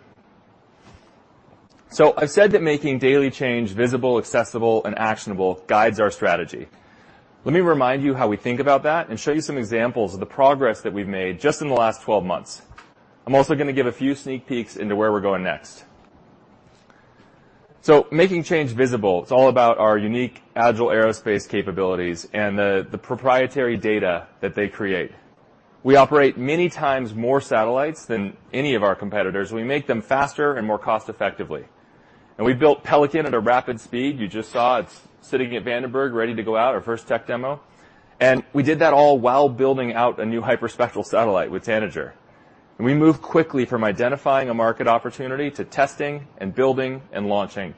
So I've said that making daily change visible, accessible, and actionable guides our strategy. Let me remind you how we think about that and show you some examples of the progress that we've made just in the last 12 months. I'm also gonna give a few sneak peeks into where we're going next. So making change visible, it's all about our unique Agile Aerospace capabilities and the proprietary data that they create. We operate many times more satellites than any of our competitors. We make them faster and more cost-effectively. And we built Pelican at a rapid speed. You just saw it sitting at Vandenberg, ready to go out, our first tech demo, and we did that all while building out a new hyperspectral satellite with Tanager. We moved quickly from identifying a market opportunity to testing and building and launching.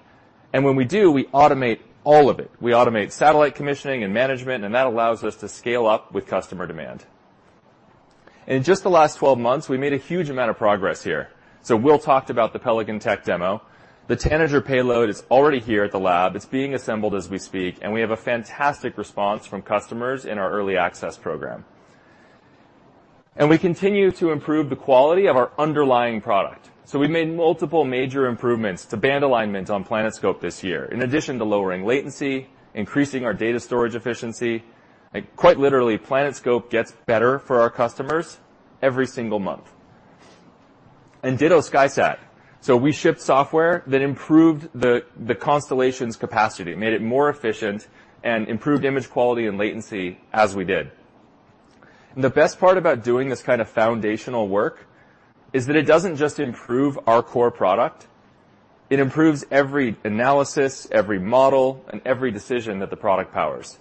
And when we do, we automate all of it. We automate satellite commissioning and management, and that allows us to scale up with customer demand. In just the last 12 months, we made a huge amount of progress here. Will talked about the Pelican tech demo. The Tanager payload is already here at the lab. It's being assembled as we speak, and we have a fantastic response from customers in our early access program. We continue to improve the quality of our underlying product. We've made multiple major improvements to band alignment on PlanetScope this year. In addition to lowering latency, increasing our data storage efficiency, and quite literally, PlanetScope gets better for our customers every single month. Ditto SkySat. We shipped software that improved the constellation's capacity, made it more efficient, and improved image quality and latency as we did. The best part about doing this kind of foundational work is that it doesn't just improve our core product, it improves every analysis, every model, and every decision that the product powers.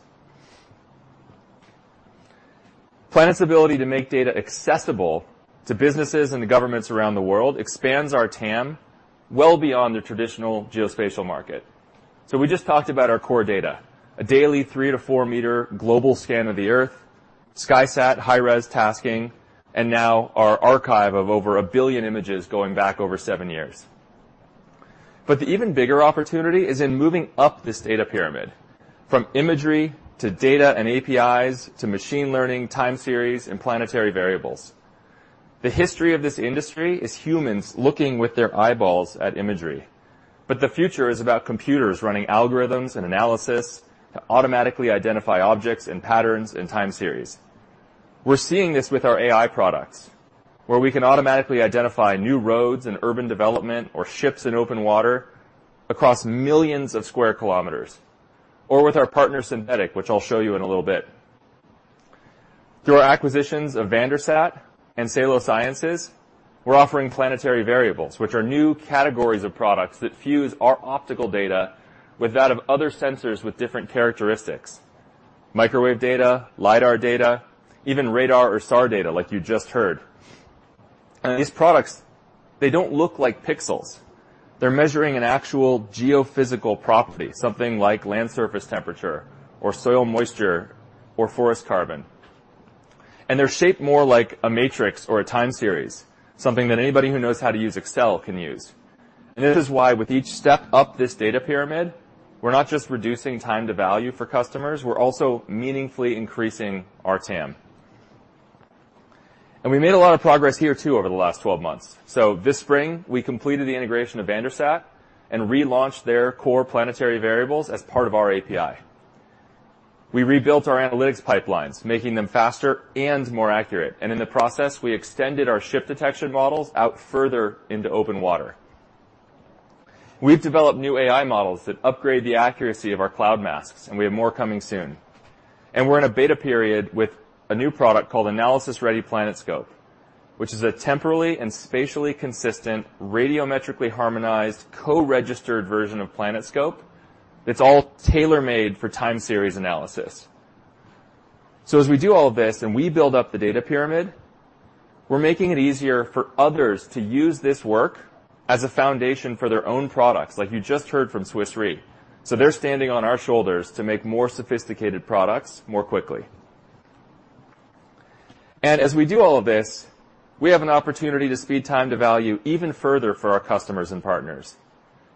Planet's ability to make data accessible to businesses and the governments around the world expands our TAM well beyond the traditional geospatial market. We just talked about our core data, a daily 3-4 m global scan of the Earth, SkySat high-res tasking, and now our archive of over 1 billion images going back over seven years. But the even bigger opportunity is in moving up this data pyramid, from imagery to data and APIs, to machine learning, time series, and Planetary Variables. The history of this industry is humans looking with their eyeballs at imagery, but the future is about computers running algorithms and analysis to automatically identify objects and patterns and time series. We're seeing this with our AI products, where we can automatically identify new roads and urban development or ships in open water across millions of sq km, or with our partner, Synthetaic, which I'll show you in a little bit. Through our acquisitions of VanderSat and Salo Sciences, we're offering Planetary Variables, which are new categories of products that fuse our optical data with that of other sensors with different characteristics: microwave data, LiDAR data, even radar or SAR data, like you just heard. And these products, they don't look like pixels. They're measuring an actual geophysical property, something like land surface temperature or soil moisture or forest carbon. They're shaped more like a matrix or a time series, something that anybody who knows how to use Excel can use. This is why with each step up this data pyramid, we're not just reducing time to value for customers, we're also meaningfully increasing our TAM. We made a lot of progress here, too, over the last 12 months. This spring, we completed the integration of VanderSat and relaunched their core Planetary Variables as part of our API. We rebuilt our analytics pipelines, making them faster and more accurate, and in the process, we extended our ship detection models out further into open water. We've developed new AI models that upgrade the accuracy of our cloud masks, and we have more coming soon. We're in a beta period with a new product called Analysis-Ready PlanetScope, which is a temporally and spatially consistent, radiometrically harmonized, co-registered version of PlanetScope that's all tailor-made for time series analysis. As we do all of this and we build up the data pyramid, we're making it easier for others to use this work as a foundation for their own products, like you just heard from Swiss Re. They're standing on our shoulders to make more sophisticated products more quickly. As we do all of this, we have an opportunity to speed time to value even further for our customers and partners.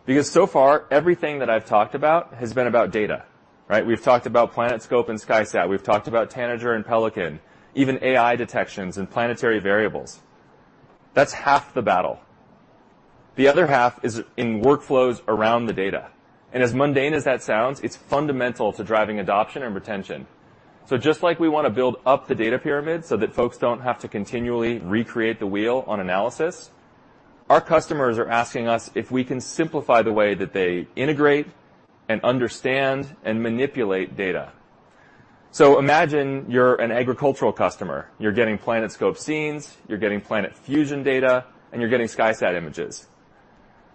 Because so far, everything that I've talked about has been about data, right? We've talked about PlanetScope and SkySat. We've talked about Tanager and Pelican, even AI detections and Planetary Variables. That's half the battle. The other half is in workflows around the data, and as mundane as that sounds, it's fundamental to driving adoption and retention. So just like we wanna build up the data pyramid so that folks don't have to continually recreate the wheel on analysis, our customers are asking us if we can simplify the way that they integrate and understand and manipulate data. So imagine you're an agricultural customer. You're getting PlanetScope scenes, you're getting Planet Fusion data, and you're getting SkySat images.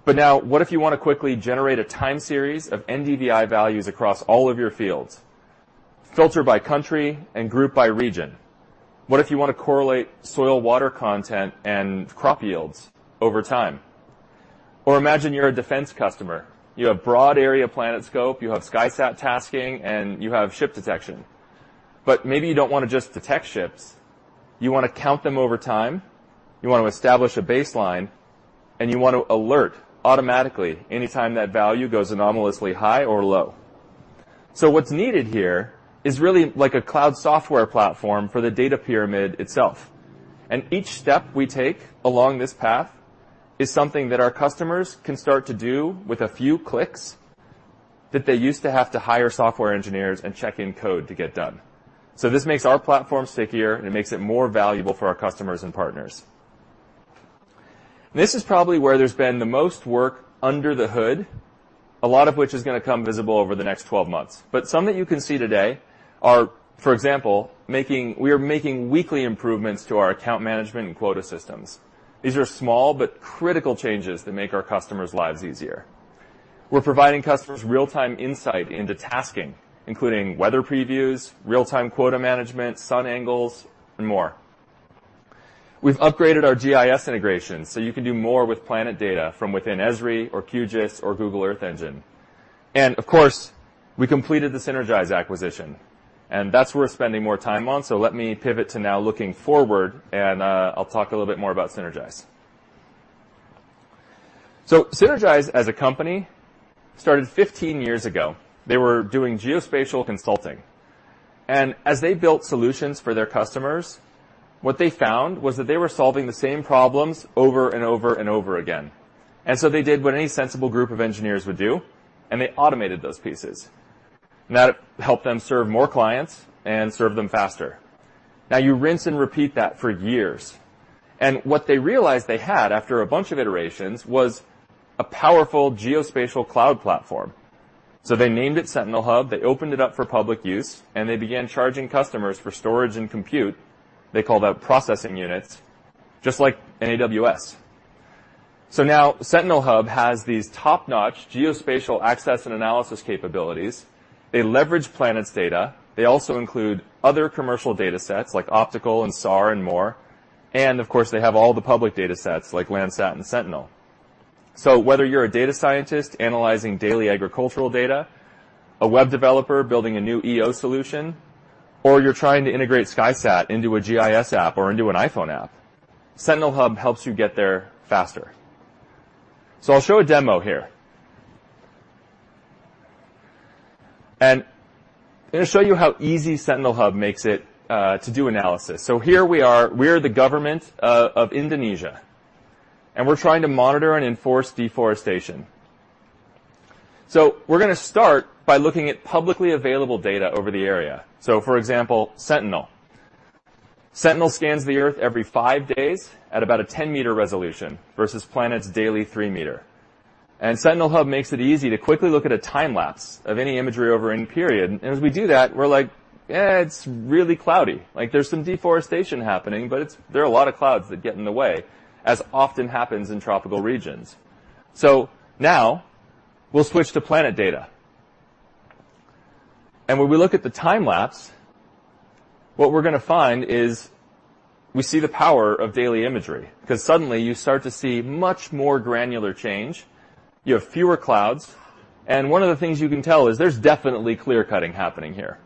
But now, what if you want to quickly generate a time series of NDVI values across all of your fields, filter by country, and group by region? What if you want to correlate soil-water content and crop yields over time? Or imagine you're a defense customer. You have broad area PlanetScope, you have SkySat tasking, and you have ship detection. But maybe you don't want to just detect ships, you want to count them over time, you want to establish a baseline, and you want to alert automatically anytime that value goes anomalously high or low. So what's needed here is really like a cloud software platform for the data pyramid itself. And each step we take along this path is something that our customers can start to do with a few clicks, that they used to have to hire software engineers and check in code to get done. So this makes our platform stickier, and it makes it more valuable for our customers and partners. This is probably where there's been the most work under the hood, a lot of which is gonna come visible over the next 12 months. But some that you can see today are, for example, we are making weekly improvements to our account management and quota systems. These are small but critical changes that make our customers' lives easier. We're providing customers real-time insight into tasking, including weather previews, real-time quota management, sun angles, and more. We've upgraded our GIS integration so you can do more with Planet data from within Esri or QGIS or Google Earth Engine. And of course, we completed the Sinergise acquisition, and that's worth spending more time on. So let me pivot to now looking forward, and, I'll talk a little bit more about Sinergise. So Sinergise, as a company, started 15 years ago. They were doing geospatial consulting, and as they built solutions for their customers, what they found was that they were solving the same problems over and over and over again. And so they did what any sensible group of engineers would do, and they automated those pieces. That helped them serve more clients and serve them faster. Now, you rinse and repeat that for years, and what they realized they had, after a bunch of iterations, was a powerful geospatial cloud platform. They named it Sentinel Hub, they opened it up for public use, and they began charging customers for storage and compute. They call that processing units, just like AWS. Now Sentinel Hub has these top-notch geospatial access and analysis capabilities. They leverage Planet's data. They also include other commercial data sets like optical and SAR and more. And of course, they have all the public data sets like Landsat and Sentinel. Whether you're a data scientist analyzing daily agricultural data, a web developer building a new EO solution, or you're trying to integrate SkySat into a GIS app or into an iPhone app, Sentinel Hub helps you get there faster. I'll show a demo here. I'm gonna show you how easy Sentinel Hub makes it to do analysis. Here we are. We're the government of Indonesia, and we're trying to monitor and enforce deforestation. We're gonna start by looking at publicly available data over the area. For example, Sentinel. Sentinel scans the Earth every five days at about a 10 m resolution versus Planet's daily 3 m. And Sentinel Hub makes it easy to quickly look at a time-lapse of any imagery over any period. And as we do that, we're like, "Eh, it's really cloudy." Like, there's some deforestation happening, but it's... There are a lot of clouds that get in the way, as often happens in tropical regions. So now we'll switch to Planet data. And when we look at the time-lapse, what we're gonna find is we see the power of daily imagery, 'cause suddenly you start to see much more granular change. You have fewer clouds, and one of the things you can tell is there's definitely clear-cutting happening here.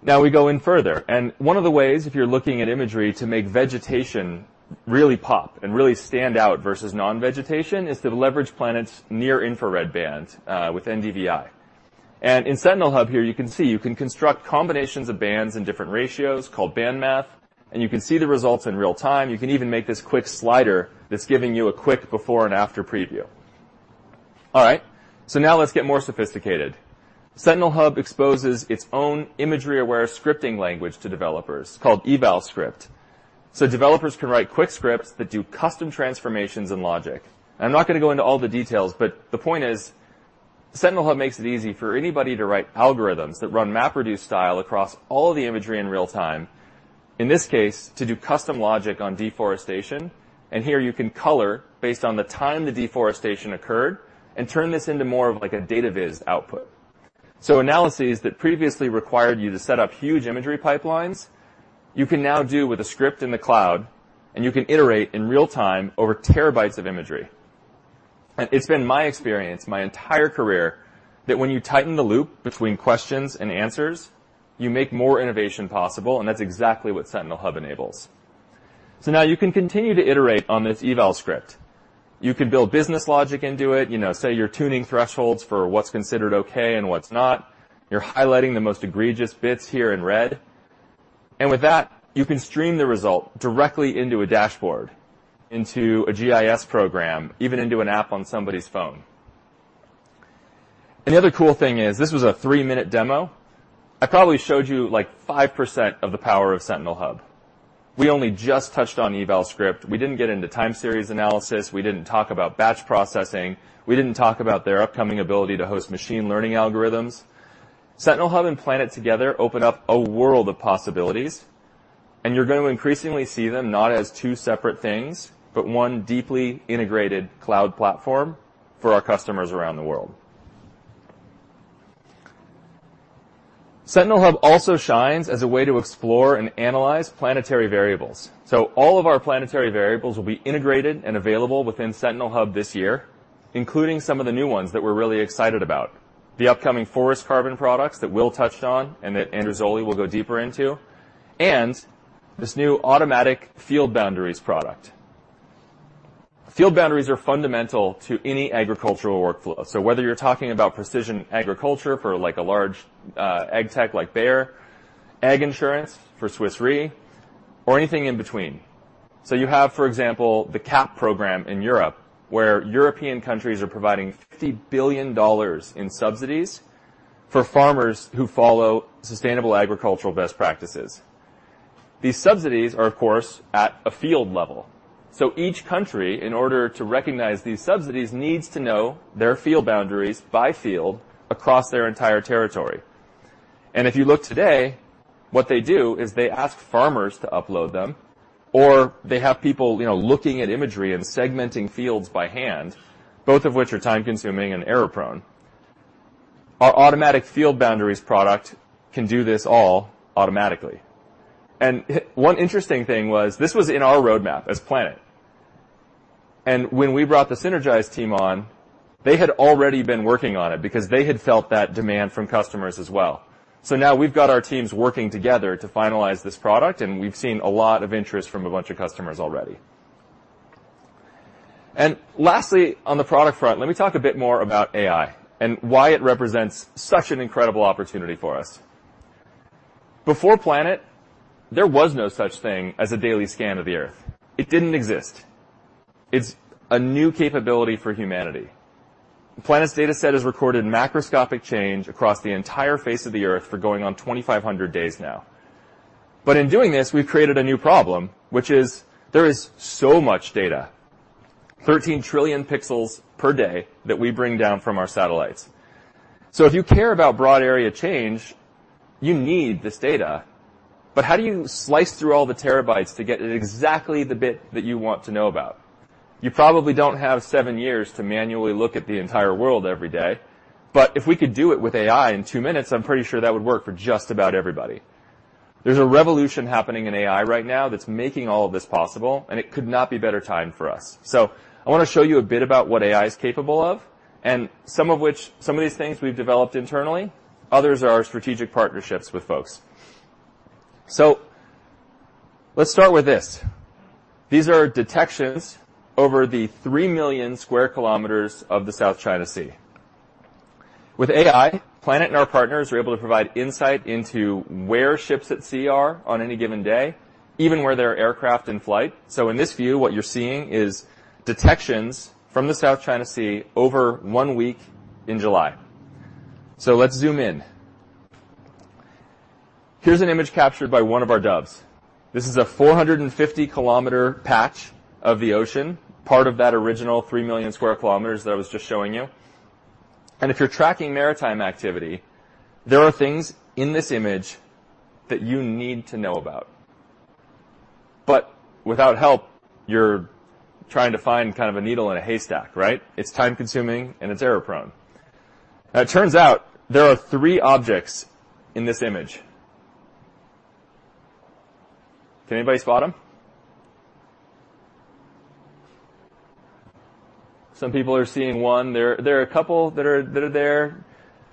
Now we go in further, and one of the ways, if you're looking at imagery, to make vegetation really pop and really stand out versus non-vegetation, is to leverage Planet's near-infrared band with NDVI. And in Sentinel Hub here, you can see, you can construct combinations of bands in different ratios called Band Math, and you can see the results in real time. You can even make this quick slider that's giving you a quick before and after preview. All right, so now let's get more sophisticated. Sentinel Hub exposes its own imagery-aware scripting language to developers called Evalscript. So developers can write quick scripts that do custom transformations and logic. I'm not gonna go into all the details, but the point is, Sentinel Hub makes it easy for anybody to write algorithms that run MapReduce style across all the imagery in real time. In this case, to do custom logic on deforestation, and here you can color based on the time the deforestation occurred and turn this into more of like a data viz output. So analyses that previously required you to set up huge imagery pipelines, you can now do with a script in the cloud, and you can iterate in real time over terabytes of imagery. And it's been my experience, my entire career, that when you tighten the loop between questions and answers, you make more innovation possible, and that's exactly what Sentinel Hub enables. So now you can continue to iterate on this Evalscript. You can build business logic into it. You know, say, you're tuning thresholds for what's considered okay and what's not. You're highlighting the most egregious bits here in red. And with that, you can stream the result directly into a dashboard, into a GIS program, even into an app on somebody's phone. And the other cool thing is, this was a three-minute demo. I probably showed you, like, 5% of the power of Sentinel Hub. We only just touched on Evalscript. We didn't get into time series analysis. We didn't talk about batch processing. We didn't talk about their upcoming ability to host machine learning algorithms. Hub and Planet together open up a world of possibilities, and you're going to increasingly see them not as two separate things, but one deeply integrated cloud platform for our customers around the world. Sentinel Hub also shines as a way to explore and analyze Planetary Variables. So all of our Planetary Variables will be integrated and available within Sentinel Hub this year, including some of the new ones that we're really excited about. The upcoming forest carbon products that Will touched on and that Andrew Zolli will go deeper into, and this new automatic Field Boundaries product. Field Boundaries are fundamental to any agricultural workflow. So whether you're talking about precision agriculture for, like, a large, ag tech like Bayer, ag insurance for Swiss Re, or anything in between. So you have, for example, the CAP program in Europe, where European countries are providing $50 billion in subsidies for farmers who follow sustainable agricultural best practices. These subsidies are, of course, at a field level. So each country, in order to recognize these subsidies, needs to know their field boundaries by field across their entire territory. And if you look today, what they do is they ask farmers to upload them, or they have people, you know, looking at imagery and segmenting fields by hand, both of which are time-consuming and error-prone. Our automatic Field Boundaries product can do this all automatically. And one interesting thing was, this was in our roadmap as Planet. And when we brought the Sinergise team on, they had already been working on it because they had felt that demand from customers as well. So now we've got our teams working together to finalize this product, and we've seen a lot of interest from a bunch of customers already. And lastly, on the product front, let me talk a bit more about AI and why it represents such an incredible opportunity for us. Before Planet, there was no such thing as a daily scan of the Earth. It didn't exist. It's a new capability for humanity. Planet's data set has recorded macroscopic change across the entire face of the Earth for going on 2,500 days now. But in doing this, we've created a new problem, which is there is so much data, 13 trillion pixels per day, that we bring down from our satellites. So if you care about broad area change, you need this data. But how do you slice through all the terabytes to get at exactly the bit that you want to know about? You probably don't have seven years to manually look at the entire world every day, but if we could do it with AI in two minutes, I'm pretty sure that would work for just about everybody. There's a revolution happening in AI right now that's making all of this possible, and it could not be a better time for us. So I want to show you a bit about what AI is capable of, and some of which, some of these things we've developed internally, others are our strategic partnerships with folks. So let's start with this. These are detections over the 3 million sq km of the South China Sea. With AI, Planet and our partners are able to provide insight into where ships at sea are on any given day, even where there are aircraft in flight. So in this view, what you're seeing is detections from the South China Sea over one week in July. So let's zoom in. Here's an image captured by one of our Doves. This is a 450 km patch of the ocean, part of that original 3 million sq km that I was just showing you. And if you're tracking maritime activity, there are things in this image that you need to know about. But without help, you're trying to find kind of a needle in a haystack, right? It's time-consuming, and it's error-prone. Now, it turns out there are three objects in this image. Can anybody spot them? Some people are seeing one. There are a couple that are there.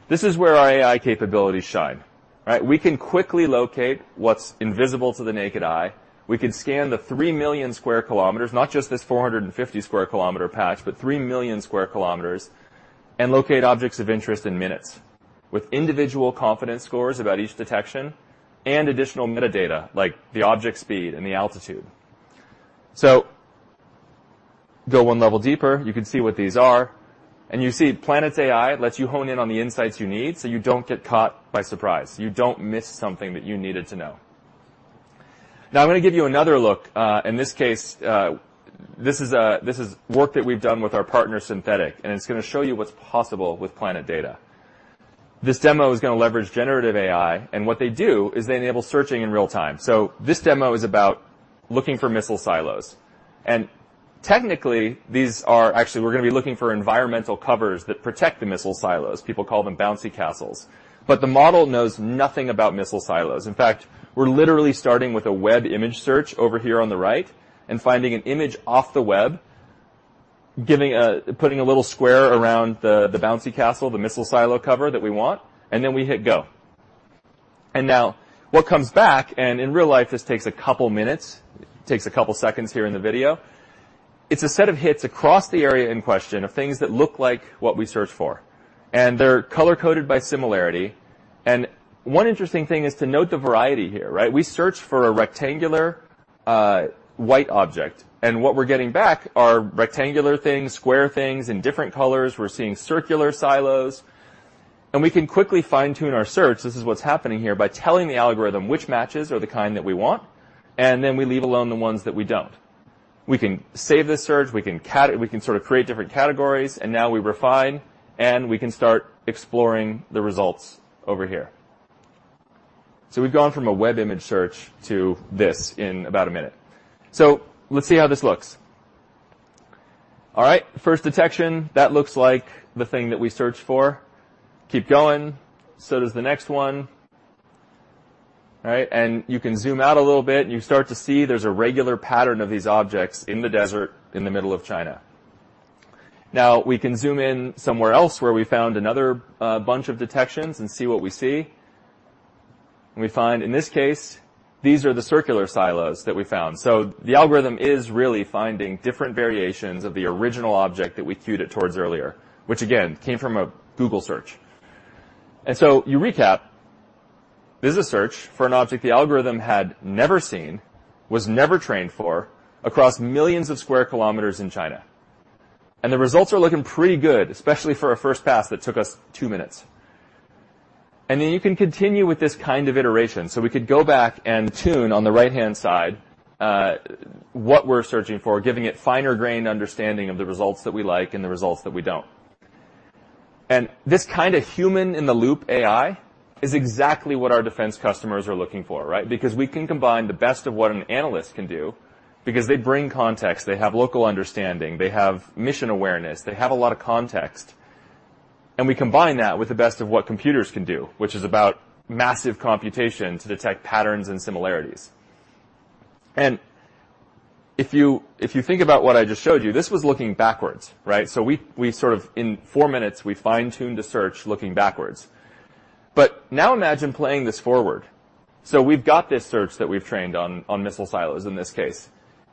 This is where our AI capabilities shine, right? We can quickly locate what's invisible to the naked eye. We can scan the 3 million sq km, not just this 450 sq km patch, but 3 million sq km, and locate objects of interest in minutes with individual confidence scores about each detection and additional metadata, like the object speed and the altitude. So go one level deeper. You can see what these are, and you see Planet's AI lets you hone in on the insights you need, so you don't get caught by surprise. You don't miss something that you needed to know. Now, I'm gonna give you another look. In this case, this is work that we've done with our partner, Synthetaic, and it's gonna show you what's possible with Planet data. This demo is gonna leverage generative AI, and what they do is they enable searching in real time. So this demo is about looking for missile silos. And technically, these are... Actually, we're gonna be looking for environmental covers that protect the missile silos. People call them bouncy castles. But the model knows nothing about missile silos. In fact, we're literally starting with a web image search over here on the right and finding an image off the web, putting a little square around the bouncy castle, the missile silo cover that we want, and then we hit go. And now, what comes back, and in real life, this takes a couple of minutes, takes a couple of seconds here in the video. It's a set of hits across the area in question of things that look like what we searched for, and they're color-coded by similarity. And one interesting thing is to note the variety here, right? We searched for a rectangular, white object, and what we're getting back are rectangular things, square things in different colors. We're seeing circular silos, and we can quickly fine-tune our search, this is what's happening here, by telling the algorithm which matches are the kind that we want, and then we leave alone the ones that we don't. We can save this search, we can sort of create different categories, and now we refine, and we can start exploring the results over here. So we've gone from a web image search to this in about a minute. So let's see how this looks. All right, first detection. That looks like the thing that we searched for. Keep going. So does the next one. Right? And you can zoom out a little bit, and you start to see there's a regular pattern of these objects in the desert in the middle of China. Now, we can zoom in somewhere else, where we found another bunch of detections and see what we see. And we find in this case, these are the circular silos that we found. So the algorithm is really finding different variations of the original object that we queued it towards earlier, which, again, came from a Google search. So, to recap, this is a search for an object the algorithm had never seen, was never trained for, across millions of sq km in China. The results are looking pretty good, especially for a first pass that took us two minutes. Then you can continue with this kind of iteration. We could go back and tune on the right-hand side what we're searching for, giving it finer-grained understanding of the results that we like and the results that we don't. This kind of human-in-the-loop AI is exactly what our defense customers are looking for, right? Because we can combine the best of what an analyst can do because they bring context, they have local understanding, they have mission awareness, they have a lot of context, and we combine that with the best of what computers can do, which is about massive computation to detect patterns and similarities. If you, if you think about what I just showed you, this was looking backwards, right? We, we sort of in four minutes, we fine-tuned a search looking backwards. But now imagine playing this forward. We've got this search that we've trained on, on missile silos, in this case.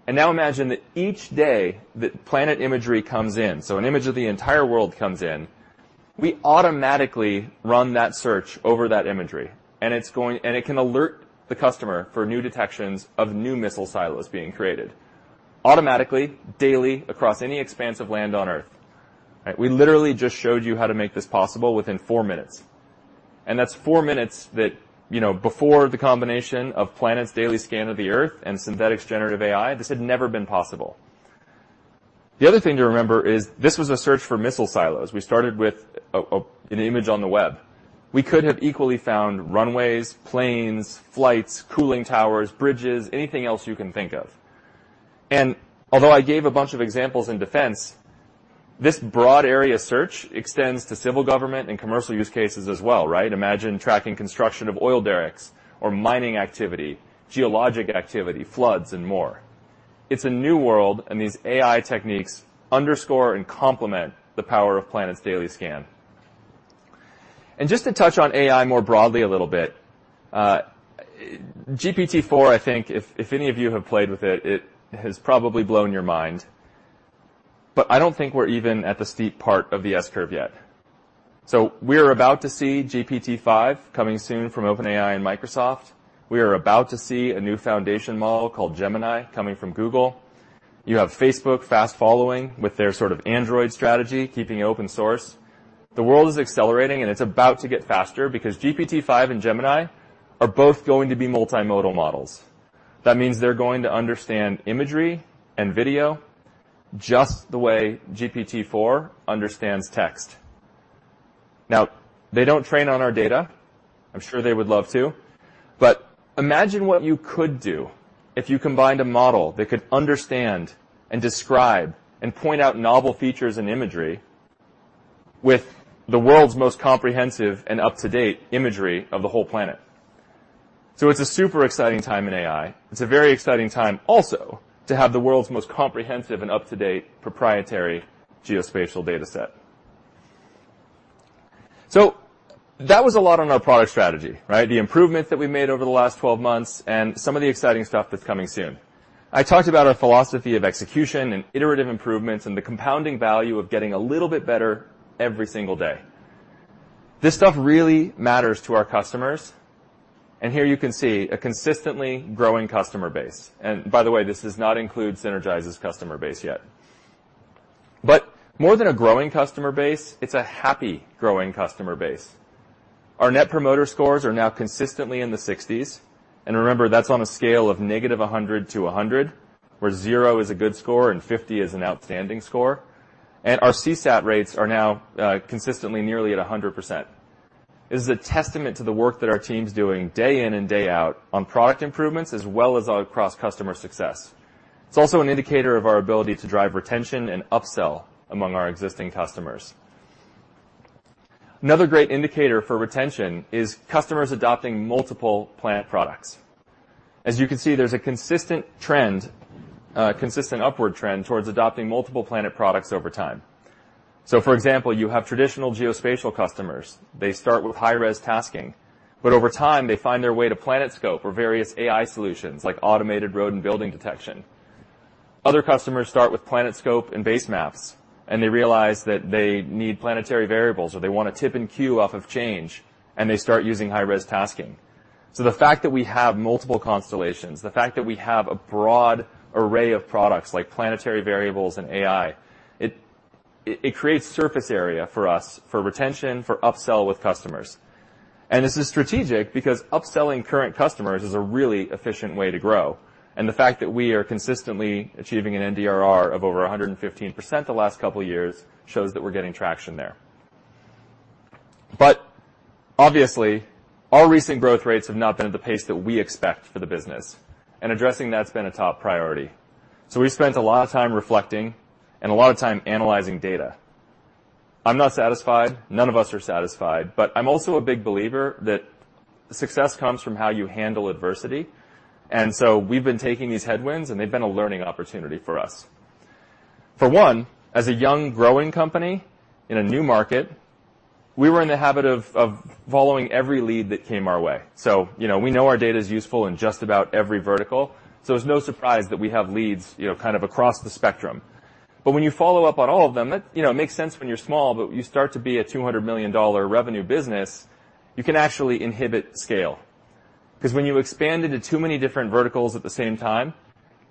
And now imagine that each day that Planet imagery comes in, so an image of the entire world comes in. We automatically run that search over that imagery, and it's going, and it can alert the customer for new detections of new missile silos being created automatically, daily, across any expanse of land on Earth. Right? We literally just showed you how to make this possible within four minutes. And that's four minutes that, you know, before the combination of Planet's daily scan of the Earth and Synthetaic generative AI, this had never been possible. The other thing to remember is this was a search for missile silos. We started with an image on the web. We could have equally found runways, planes, flights, cooling towers, bridges, anything else you can think of. And although I gave a bunch of examples in defense, this broad area search extends to civil government and commercial use cases as well, right? Imagine tracking construction of oil derricks or mining activity, geologic activity, floods, and more. It's a new world, and these AI techniques underscore and complement the power of Planet's daily scan. Just to touch on AI more broadly a little bit, GPT-4, I think if, if any of you have played with it, it has probably blown your mind. But I don't think we're even at the steep part of the S-curve yet. We're about to see GPT-5 coming soon from OpenAI and Microsoft. We are about to see a new foundation model called Gemini, coming from Google. You have Facebook fast following with their sort of Android strategy, keeping it open source. The world is accelerating, and it's about to get faster because GPT-5 and Gemini are both going to be multimodal models. That means they're going to understand imagery and video just the way GPT-4 understands text. Now, they don't train on our data. I'm sure they would love to, but imagine what you could do if you combined a model that could understand and describe and point out novel features and imagery with the world's most comprehensive and up-to-date imagery of the whole planet. So it's a super exciting time in AI. It's a very exciting time also to have the world's most comprehensive and up-to-date proprietary geospatial data set. So that was a lot on our product strategy, right? The improvements that we made over the last 12 months and some of the exciting stuff that's coming soon. I talked about our philosophy of execution and iterative improvements and the compounding value of getting a little bit better every single day. This stuff really matters to our customers, and here you can see a consistently growing customer base. And by the way, this does not include Sinergise's customer base yet. But more than a growing customer base, it's a happy, growing customer base. Our net promoter scores are now consistently in the 60s. And remember, that's on a scale of -100 to 100, where zero is a good score and 50 is an outstanding score. And our CSAT rates are now, consistently nearly at 100%. This is a testament to the work that our team's doing day in and day out on product improvements, as well as across customer success. It's also an indicator of our ability to drive retention and upsell among our existing customers. Another great indicator for retention is customers adopting multiple Planet products. As you can see, there's a consistent trend, consistent upward trend towards adopting multiple Planet products over time. So, for example, you have traditional geospatial customers. They start with high-res tasking, but over time, they find their way to PlanetScope or various AI solutions like automated road and building detection. Other customers start with PlanetScope and base maps, and they realize that they need Planetary Variables, or they want to tip and cue off of change, and they start using high-res tasking. So the fact that we have multiple constellations, the fact that we have a broad array of products like Planetary Variables and AI, it, it creates surface area for us for retention, for upsell with customers. And this is strategic because upselling current customers is a really efficient way to grow. And the fact that we are consistently achieving an NDRR of over 115% the last couple of years shows that we're getting traction there. But obviously, our recent growth rates have not been at the pace that we expect for the business, and addressing that's been a top priority. So we spent a lot of time reflecting and a lot of time analyzing data. I'm not satisfied. None of us are satisfied, but I'm also a big believer that success comes from how you handle adversity, and so we've been taking these headwinds, and they've been a learning opportunity for us. For one, as a young, growing company in a new market, we were in the habit of following every lead that came our way. So, you know, we know our data is useful in just about every vertical, so it's no surprise that we have leads, you know, kind of across the spectrum. But when you follow up on all of them, that, you know, makes sense when you're small, but you start to be a $200 million revenue business, you can actually inhibit scale. 'Cause when you expand into too many different verticals at the same time,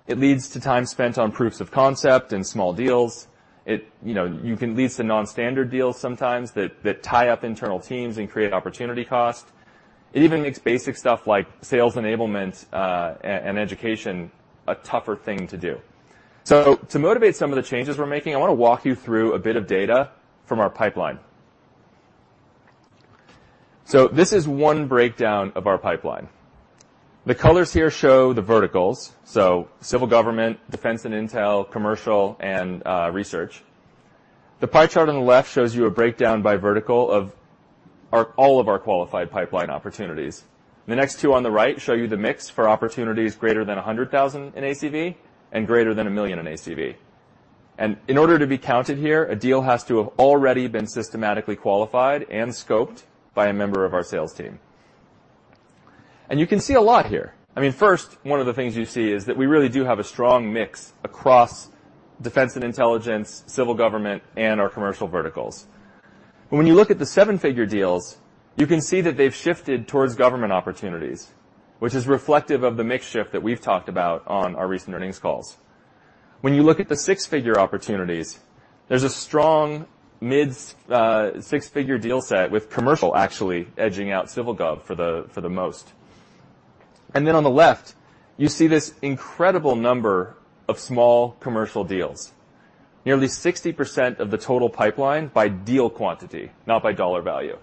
it leads to time spent on proofs of concept and small deals. It, you know, you can lead to non-standard deals sometimes that that tie up internal teams and create opportunity cost. It even makes basic stuff like sales enablement and education a tougher thing to do. So to motivate some of the changes we're making, I wanna walk you through a bit of data from our pipeline. So this is one breakdown of our pipeline. The colors here show the verticals, so civil government, defense and intel, commercial, and research. The pie chart on the left shows you a breakdown by vertical of our—all of our qualified pipeline opportunities. The next two on the right show you the mix for opportunities greater than $100,000 in ACV and greater than $1 million in ACV. In order to be counted here, a deal has to have already been systematically qualified and scoped by a member of our sales team. You can see a lot here. I mean, first, one of the things you see is that we really do have a strong mix across defense and intelligence, defense and intel, civil government, and our commercial verticals. When you look at the seven-figure deals, you can see that they've shifted towards government opportunities, which is reflective of the mix shift that we've talked about on our recent earnings calls. When you look at the six-figure opportunities, there's a strong mid six-figure deal set, with commercial actually edging out civil gov for the most. And then on the left, you see this incredible number of small commercial deals. Nearly 60% of the total pipeline by deal quantity, not by dollar value.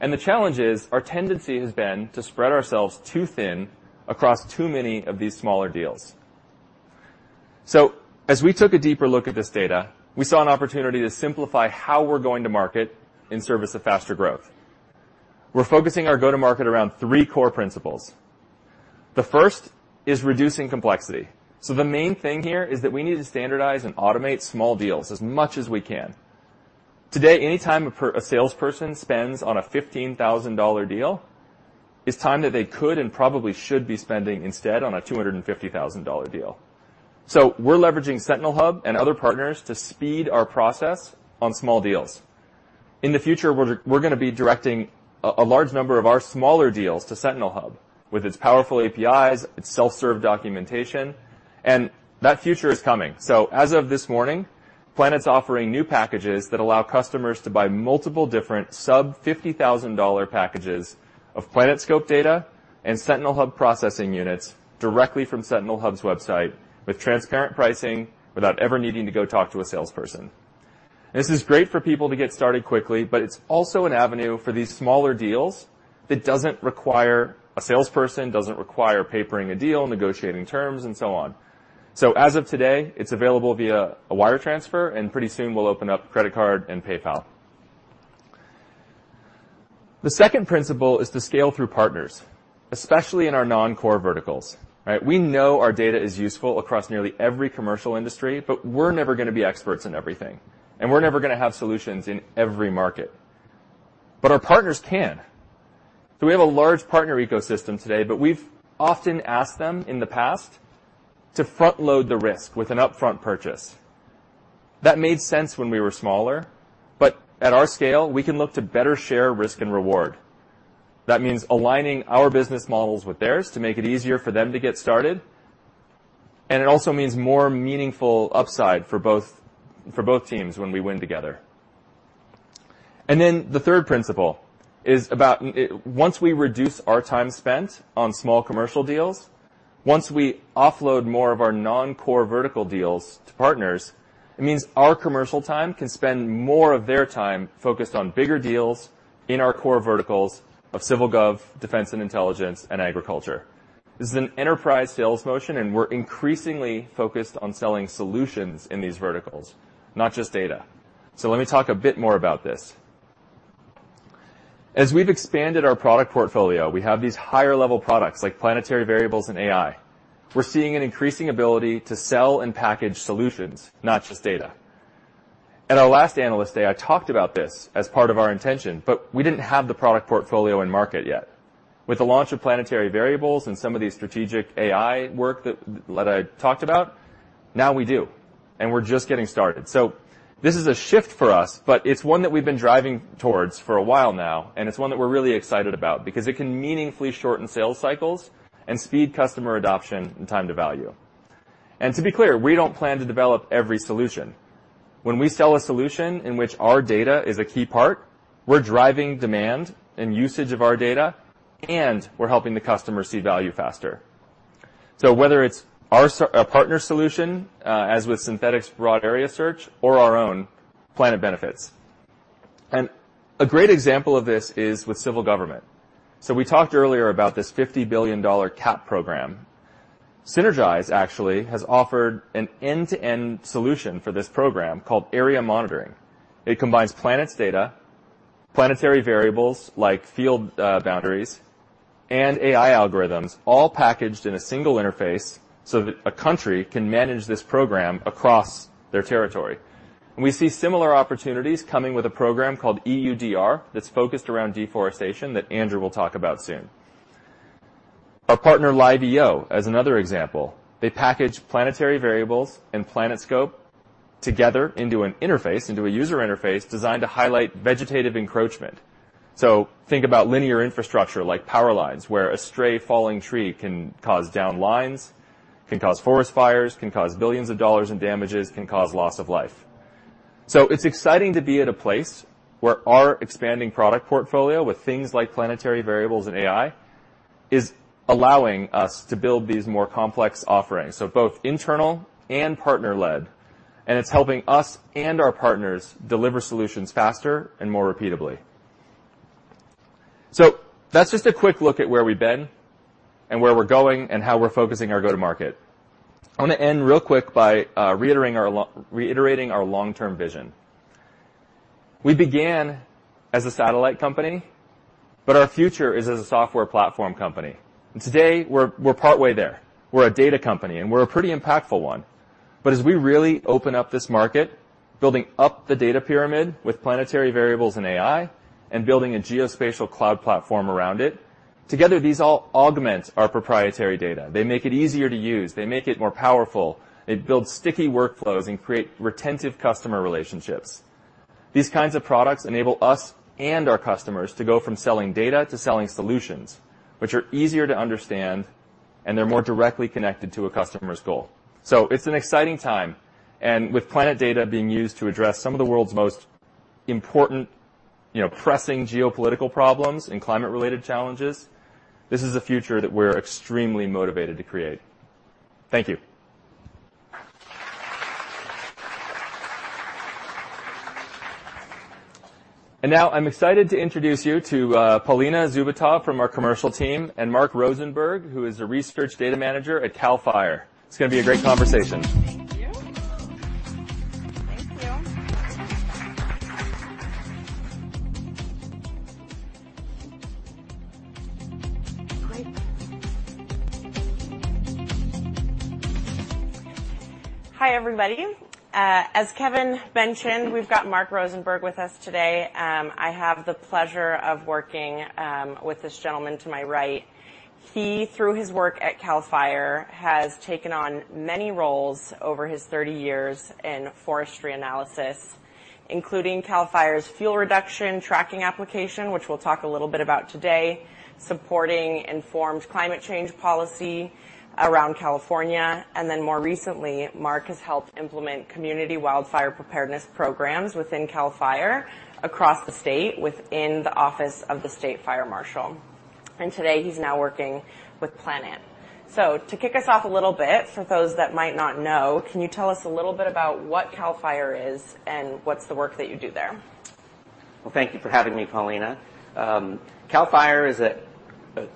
And the challenge is our tendency has been to spread ourselves too thin across too many of these smaller deals. So as we took a deeper look at this data, we saw an opportunity to simplify how we're going to market in service of faster growth. We're focusing our go-to market around three core principles. The first is reducing complexity. So the main thing here is that we need to standardize and automate small deals as much as we can. Today, any time a salesperson spends on a $15,000 deal is time that they could, and probably should, be spending instead on a $250,000 deal. So we're leveraging Sentinel Hub and other partners to speed our process on small deals. In the future, we're gonna be directing a large number of our smaller deals to Sentinel Hub, with its powerful APIs, its self-serve documentation, and that future is coming. So as of this morning, Planet's offering new packages that allow customers to buy multiple different sub-$50,000 packages of PlanetScope data and Sentinel Hub processing units directly from Sentinel Hub's website, with transparent pricing, without ever needing to go talk to a salesperson. This is great for people to get started quickly, but it's also an avenue for these smaller deals that doesn't require a salesperson, doesn't require papering a deal, negotiating terms, and so on. So as of today, it's available via a wire transfer, and pretty soon we'll open up credit card and PayPal. The second principle is to scale through partners, especially in our non-core verticals, right? We know our data is useful across nearly every commercial industry, but we're never gonna be experts in everything, and we're never gonna have solutions in every market. But our partners can. So we have a large partner ecosystem today, but we've often asked them in the past to front-load the risk with an upfront purchase. That made sense when we were smaller, but at our scale, we can look to better share risk and reward. That means aligning our business models with theirs to make it easier for them to get started, and it also means more meaningful upside for both, for both teams when we win together. Then the third principle is about once we reduce our time spent on small commercial deals, once we offload more of our non-core vertical deals to partners, it means our commercial team can spend more of their time focused on bigger deals in our core verticals of civil gov, defense and intelligence, and agriculture. This is an enterprise sales motion, and we're increasingly focused on selling solutions in these verticals, not just data. So let me talk a bit more about this. As we've expanded our product portfolio, we have these higher-level products like Planetary Variables and AI. We're seeing an increasing ability to sell and package solutions, not just data. At our last Analyst Day, I talked about this as part of our intention, but we didn't have the product portfolio in market yet. With the launch of Planetary Variables and some of these strategic AI work that I talked about, now we do, and we're just getting started. So this is a shift for us, but it's one that we've been driving towards for a while now, and it's one that we're really excited about because it can meaningfully shorten sales cycles and speed customer adoption and time to value. And to be clear, we don't plan to develop every solution. When we sell a solution in which our data is a key part, we're driving demand and usage of our data, and we're helping the customer see value faster. So whether it's a partner solution, as with Synthetaic's broad area search or our own Planet Insights. A great example of this is with civil government. So we talked earlier about this $50 billion CAP program. SInergise actually has offered an end-to-end solution for this program called Area Monitoring. It combines Planet's data, Planetary Variables like Field Boundaries, and AI algorithms, all packaged in a single interface so that a country can manage this program across their territory. And we see similar opportunities coming with a program called EUDR, that's focused around deforestation that Andrew will talk about soon. Our partner, LiveEO, as another example, they package Planetary Variables and PlanetScope together into an interface, into a user interface, designed to highlight vegetative encroachment. So think about linear infrastructure, like power lines, where a stray falling tree can cause down lines, can cause forest fires, can cause billions of dollars in damages, can cause loss of life. So it's exciting to be at a place where our expanding product portfolio, with things like Planetary Variables and AI, is allowing us to build these more complex offerings, so both internal and partner-led, and it's helping us and our partners deliver solutions faster and more repeatably. So that's just a quick look at where we've been and where we're going and how we're focusing our go-to-market. I want to end real quick by reiterating our long-term vision. We began as a satellite company, but our future is as a software platform company. And today, we're partway there. We're a data company, and we're a pretty impactful one. As we really open up this market, building up the data pyramid with Planetary Variables and AI, and building a geospatial cloud platform around it, together, these all augment our proprietary data. They make it easier to use, they make it more powerful, they build sticky workflows and create retentive customer relationships. These kinds of products enable us and our customers to go from selling data to selling solutions, which are easier to understand, and they're more directly connected to a customer's goal. It's an exciting time, and with Planet data being used to address some of the world's most important, you know, pressing geopolitical problems and climate-related challenges, this is a future that we're extremely motivated to create. Thank you. Now I'm excited to introduce you to Paulina Zubatov from our commercial team, and Mark Rosenberg, who is a research data manager at CAL FIRE. It's gonna be a great conversation. Thank you. Hi, everybody. As Kevin mentioned, we've got Mark Rosenberg with us today. I have the pleasure of working with this gentleman to my right. He, through his work at CAL FIRE, has taken on many roles over his 30 years in forestry analysis, including CAL FIRE's fuel reduction tracking application, which we'll talk a little bit about today, supporting informed climate change policy around California. Then more recently, Mark has helped implement community wildfire preparedness programs within CAL FIRE across the state, within the Office of the State Fire Marshal. Today, he's now working with Planet. To kick us off a little bit, for those that might not know, can you tell us a little bit about what CAL FIRE is and what's the work that you do there? Well, thank you for having me, Paulina. CAL FIRE is an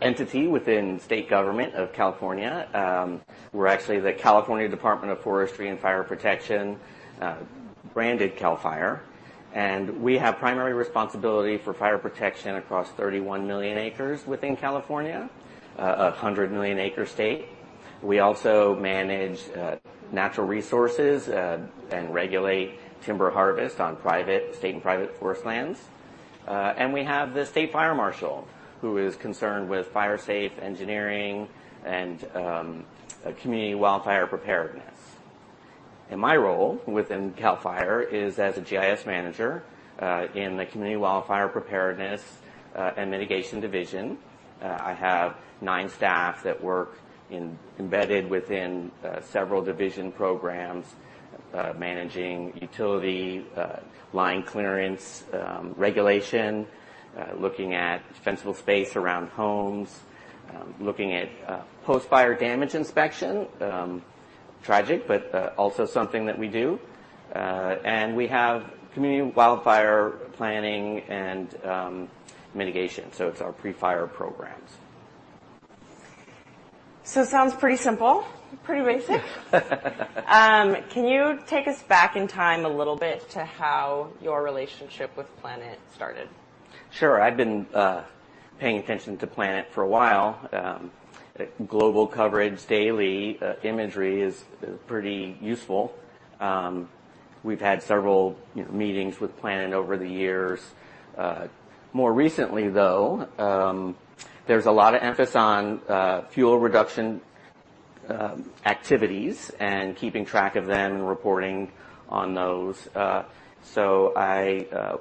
entity within state government of California. We're actually the California Department of Forestry and Fire Protection, branded CAL FIRE, and we have primary responsibility for fire protection across 31 million acres within California, a 100 million acre state. We also manage natural resources and regulate timber harvest on private, state and private forest lands. And we have the state fire marshal, who is concerned with fire safe engineering and community wildfire preparedness. My role within CAL FIRE is as a GIS manager in the Community Wildfire Preparedness and Mitigation Division. I have nine staff that work in, embedded within, several division programs, managing utility line clearance regulation, looking at defensible space around homes, looking at post-fire damage inspection. Tragic, but also something that we do. And we have community wildfire planning and mitigation, so it's our pre-fire programs. Sounds pretty simple, pretty basic. Can you take us back in time a little bit to how your relationship with Planet started? Sure. I've been paying attention to Planet for a while. Global coverage, daily imagery is pretty useful. We've had several, you know, meetings with Planet over the years. More recently, though, there's a lot of emphasis on fuel reduction activities and keeping track of them and reporting on those. So I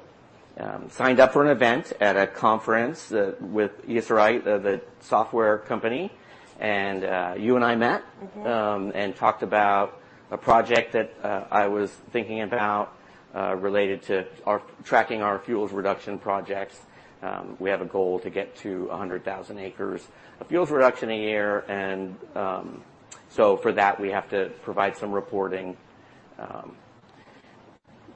signed up for an event at a conference with Esri, the software company, and you and I met- Mm-hmm. And talked about a project that I was thinking about related to our tracking our fuels reduction projects. We have a goal to get to 100,000 acres of fuels reduction a year, and so for that, we have to provide some reporting.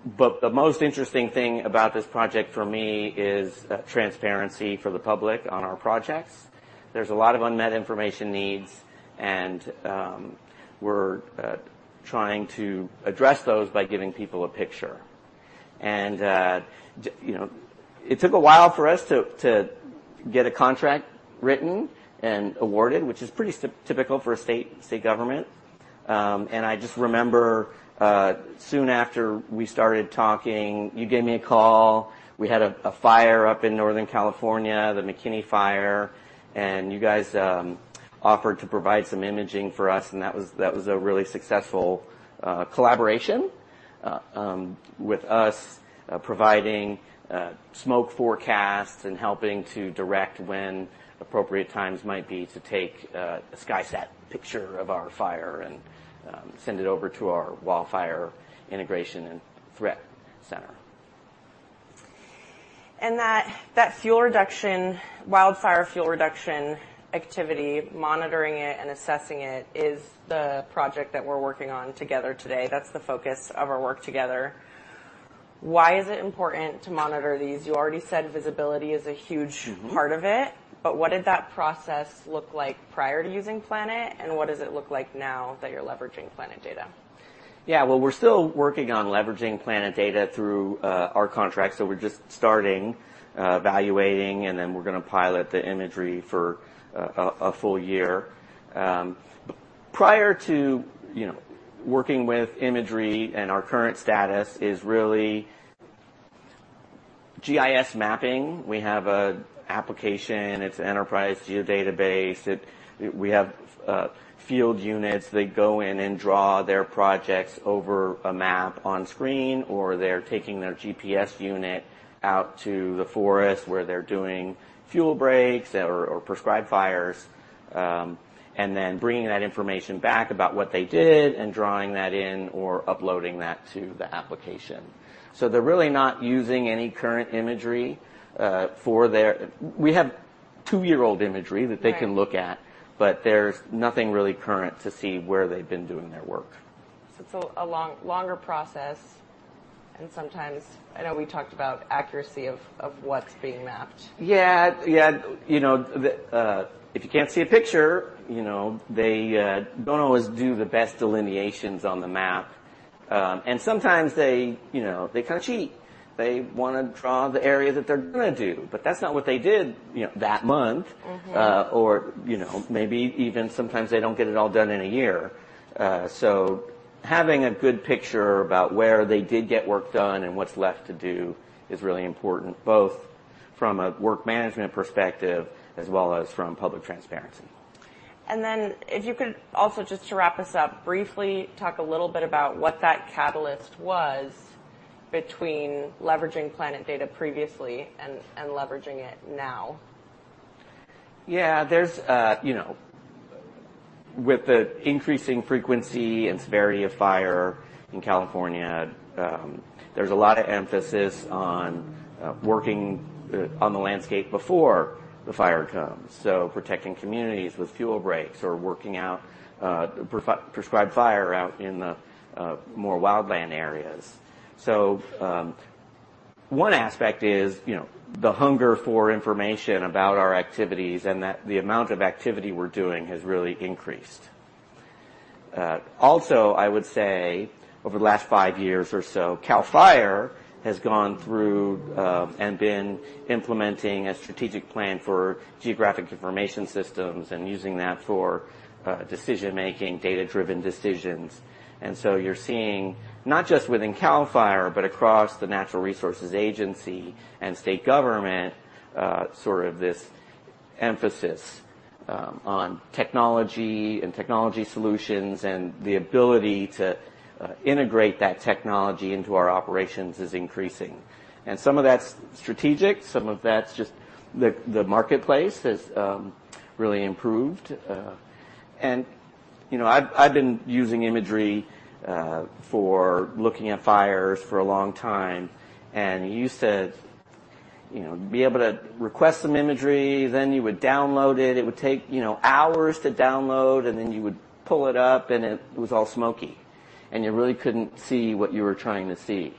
But the most interesting thing about this project for me is transparency for the public on our projects. There's a lot of unmet information needs, and we're trying to address those by giving people a picture. And you know, it took a while for us to get a contract written and awarded, which is pretty typical for a state government. And I just remember soon after we started talking, you gave me a call. We had a fire up in Northern California, the McKinney Fire, and you guys offered to provide some imaging for us, and that was, that was a really successful collaboration with us providing smoke forecasts and helping to direct when appropriate times might be to take a SkySat picture of our fire and send it over to our Wildfire Integration and Threat Center. That, that fuel reduction, wildfire fuel reduction activity, monitoring it and assessing it, is the project that we're working on together today. That's the focus of our work together. Why is it important to monitor these? You already said visibility is a huge- Mm-hmm. -part of it, but what did that process look like prior to using Planet, and what does it look like now that you're leveraging Planet data? Yeah, well, we're still working on leveraging Planet data through our contract, so we're just starting evaluating, and then we're gonna pilot the imagery for a full year. Prior to, you know, working with imagery and our current status is really GIS mapping. We have an application, it's an enterprise geodatabase. It—we have field units, they go in and draw their projects over a map on screen, or they're taking their GPS unit out to the forest, where they're doing fuel breaks or prescribed fires, and then bringing that information back about what they did and drawing that in or uploading that to the application. So they're really not using any current imagery for their... We have two-year-old imagery- Right. that they can look at, but there's nothing really current to see where they've been doing their work. So it's a longer process, and sometimes, I know we talked about accuracy of what's being mapped. Yeah. Yeah, you know, if you can't see a picture, you know, they don't always do the best delineations on the map. Sometimes they, you know, they kinda cheat. They wanna draw the area that they're gonna do, but that's not what they did, you know, that month. Mm-hmm. You know, maybe even sometimes they don't get it all done in a year. So having a good picture about where they did get work done and what's left to do is really important, both from a work management perspective as well as from public transparency. Then if you could also, just to wrap us up, briefly talk a little bit about what that catalyst was between leveraging Planet data previously and leveraging it now. Yeah, there's, you know... With the increasing frequency and severity of fire in California, there's a lot of emphasis on working on the landscape before the fire comes, so protecting communities with fuel breaks or working out prescribed fire out in the more wildland areas. So, one aspect is, you know, the hunger for information about our activities and that the amount of activity we're doing has really increased. Also, I would say over the last five years or so, CAL FIRE has gone through and been implementing a strategic plan for geographic information systems and using that for decision-making, data-driven decisions. And so you're seeing, not just within CAL FIRE, but across the Natural Resources Agency and state government, sort of this emphasis on technology and technology solutions, and the ability to integrate that technology into our operations is increasing. And some of that's strategic, some of that's just the marketplace has really improved. And, you know, I've been using imagery for looking at fires for a long time. And you said, you know, be able to request some imagery, then you would download it. It would take, you know, hours to download, and then you would pull it up, and it was all smoky, and you really couldn't see what you were trying to see.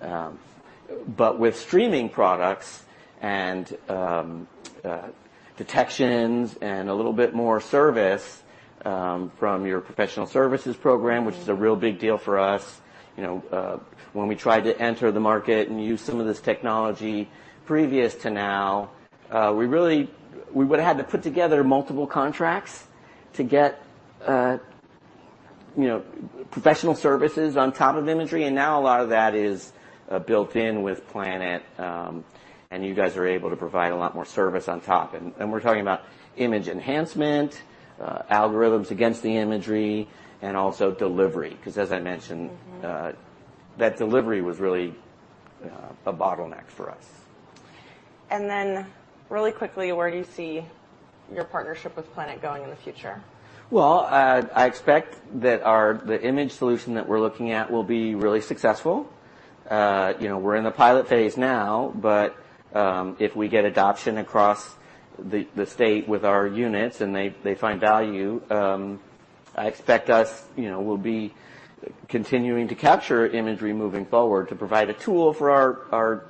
But with streaming products and detections and a little bit more service from your professional services program- Mm-hmm. which is a real big deal for us. You know, when we tried to enter the market and use some of this technology previous to now, we really, we would've had to put together multiple contracts to get, you know, professional services on top of imagery, and now a lot of that is, built in with Planet. And you guys are able to provide a lot more service on top. And we're talking about image enhancement, algorithms against the imagery, and also delivery, 'cause as I mentioned- Mm-hmm.... that delivery was really a bottleneck for us. Really quickly, where do you see your partnership with Planet going in the future? Well, I expect that our, the image solution that we're looking at will be really successful. You know, we're in the pilot phase now, but if we get adoption across the state with our units, and they find value, I expect us, you know, we'll be continuing to capture imagery moving forward, to provide a tool for our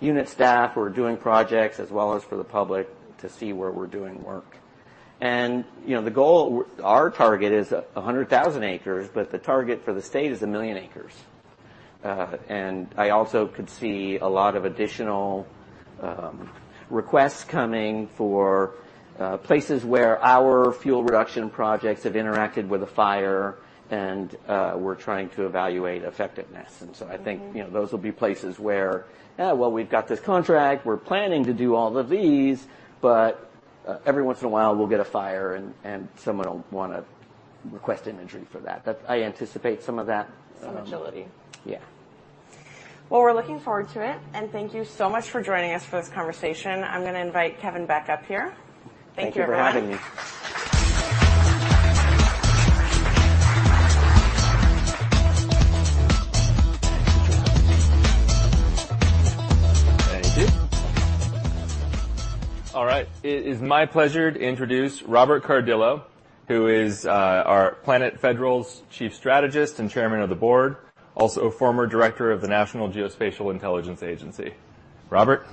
unit staff who are doing projects, as well as for the public to see where we're doing work. And, you know, the goal, our target is 100,000 acres, but the target for the state is 1 million acres. And I also could see a lot of additional requests coming for places where our fuel reduction projects have interacted with a fire, and we're trying to evaluate effectiveness. Mm-hmm. And so I think, you know, those will be places where, "Ah, well, we've got this contract. We're planning to do all of these," but every once in a while, we'll get a fire, and someone will wanna request imagery for that. That- I anticipate some of that- Some agility. Yeah. Well, we're looking forward to it, and thank you so much for joining us for this conversation. I'm gonna invite Kevin back up here. Thank you, Mark. Thank you for having me. Thank you. All right, it is my pleasure to introduce Robert Cardillo, who is our Planet Federal's Chief Strategist and Chairman of the Board, also former Director of the National Geospatial-Intelligence Agency. Robert?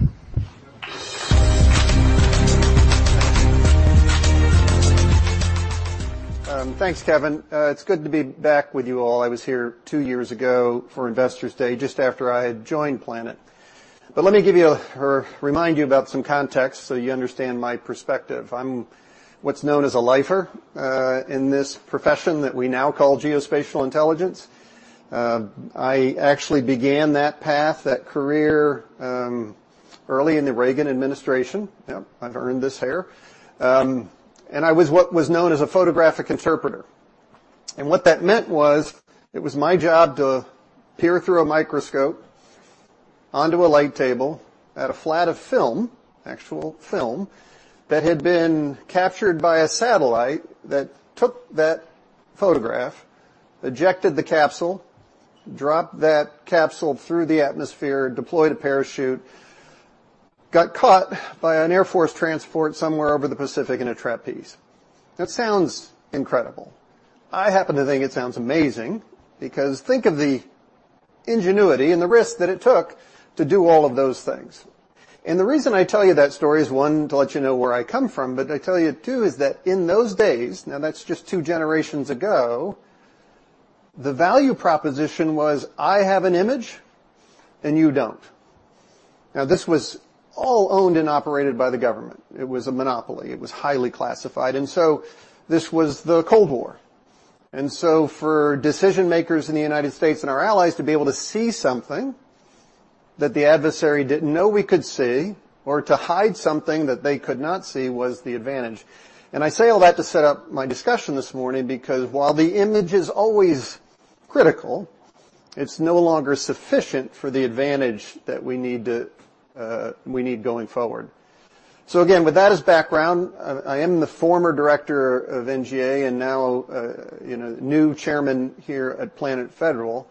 Thanks, Kevin. It's good to be back with you all. I was here two years ago for Investors Day, just after I had joined Planet. But let me give you or remind you about some context so you understand my perspective. I'm what's known as a lifer in this profession that we now call geospatial intelligence. I actually began that path, that career, early in the Reagan administration. Yep, I've earned this hair. And I was what was known as a photographic interpreter, and what that meant was it was my job to peer through a microscope onto a light table at a flat of film, actual film, that had been captured by a satellite that took that photograph, ejected the capsule, dropped that capsule through the atmosphere, deployed a parachute, got caught by an Air Force transport somewhere over the Pacific in a trapeze. That sounds incredible. I happen to think it sounds amazing because think of the ingenuity and the risk that it took to do all of those things. And the reason I tell you that story is, one, to let you know where I come from, but I tell you, too, is that in those days, now, that's just two generations ago, the value proposition was, I have an image and you don't. Now, this was all owned and operated by the government. It was a monopoly. It was highly classified, and so this was the Cold War. And so for decision-makers in the United States and our allies to be able to see something that the adversary didn't know we could see, or to hide something that they could not see, was the advantage. And I say all that to set up my discussion this morning because while the image is always critical, it's no longer sufficient for the advantage that we need to, we need going forward. So again, with that as background, I am the former Director of NGA and now, you know, new Chairman here at Planet Federal.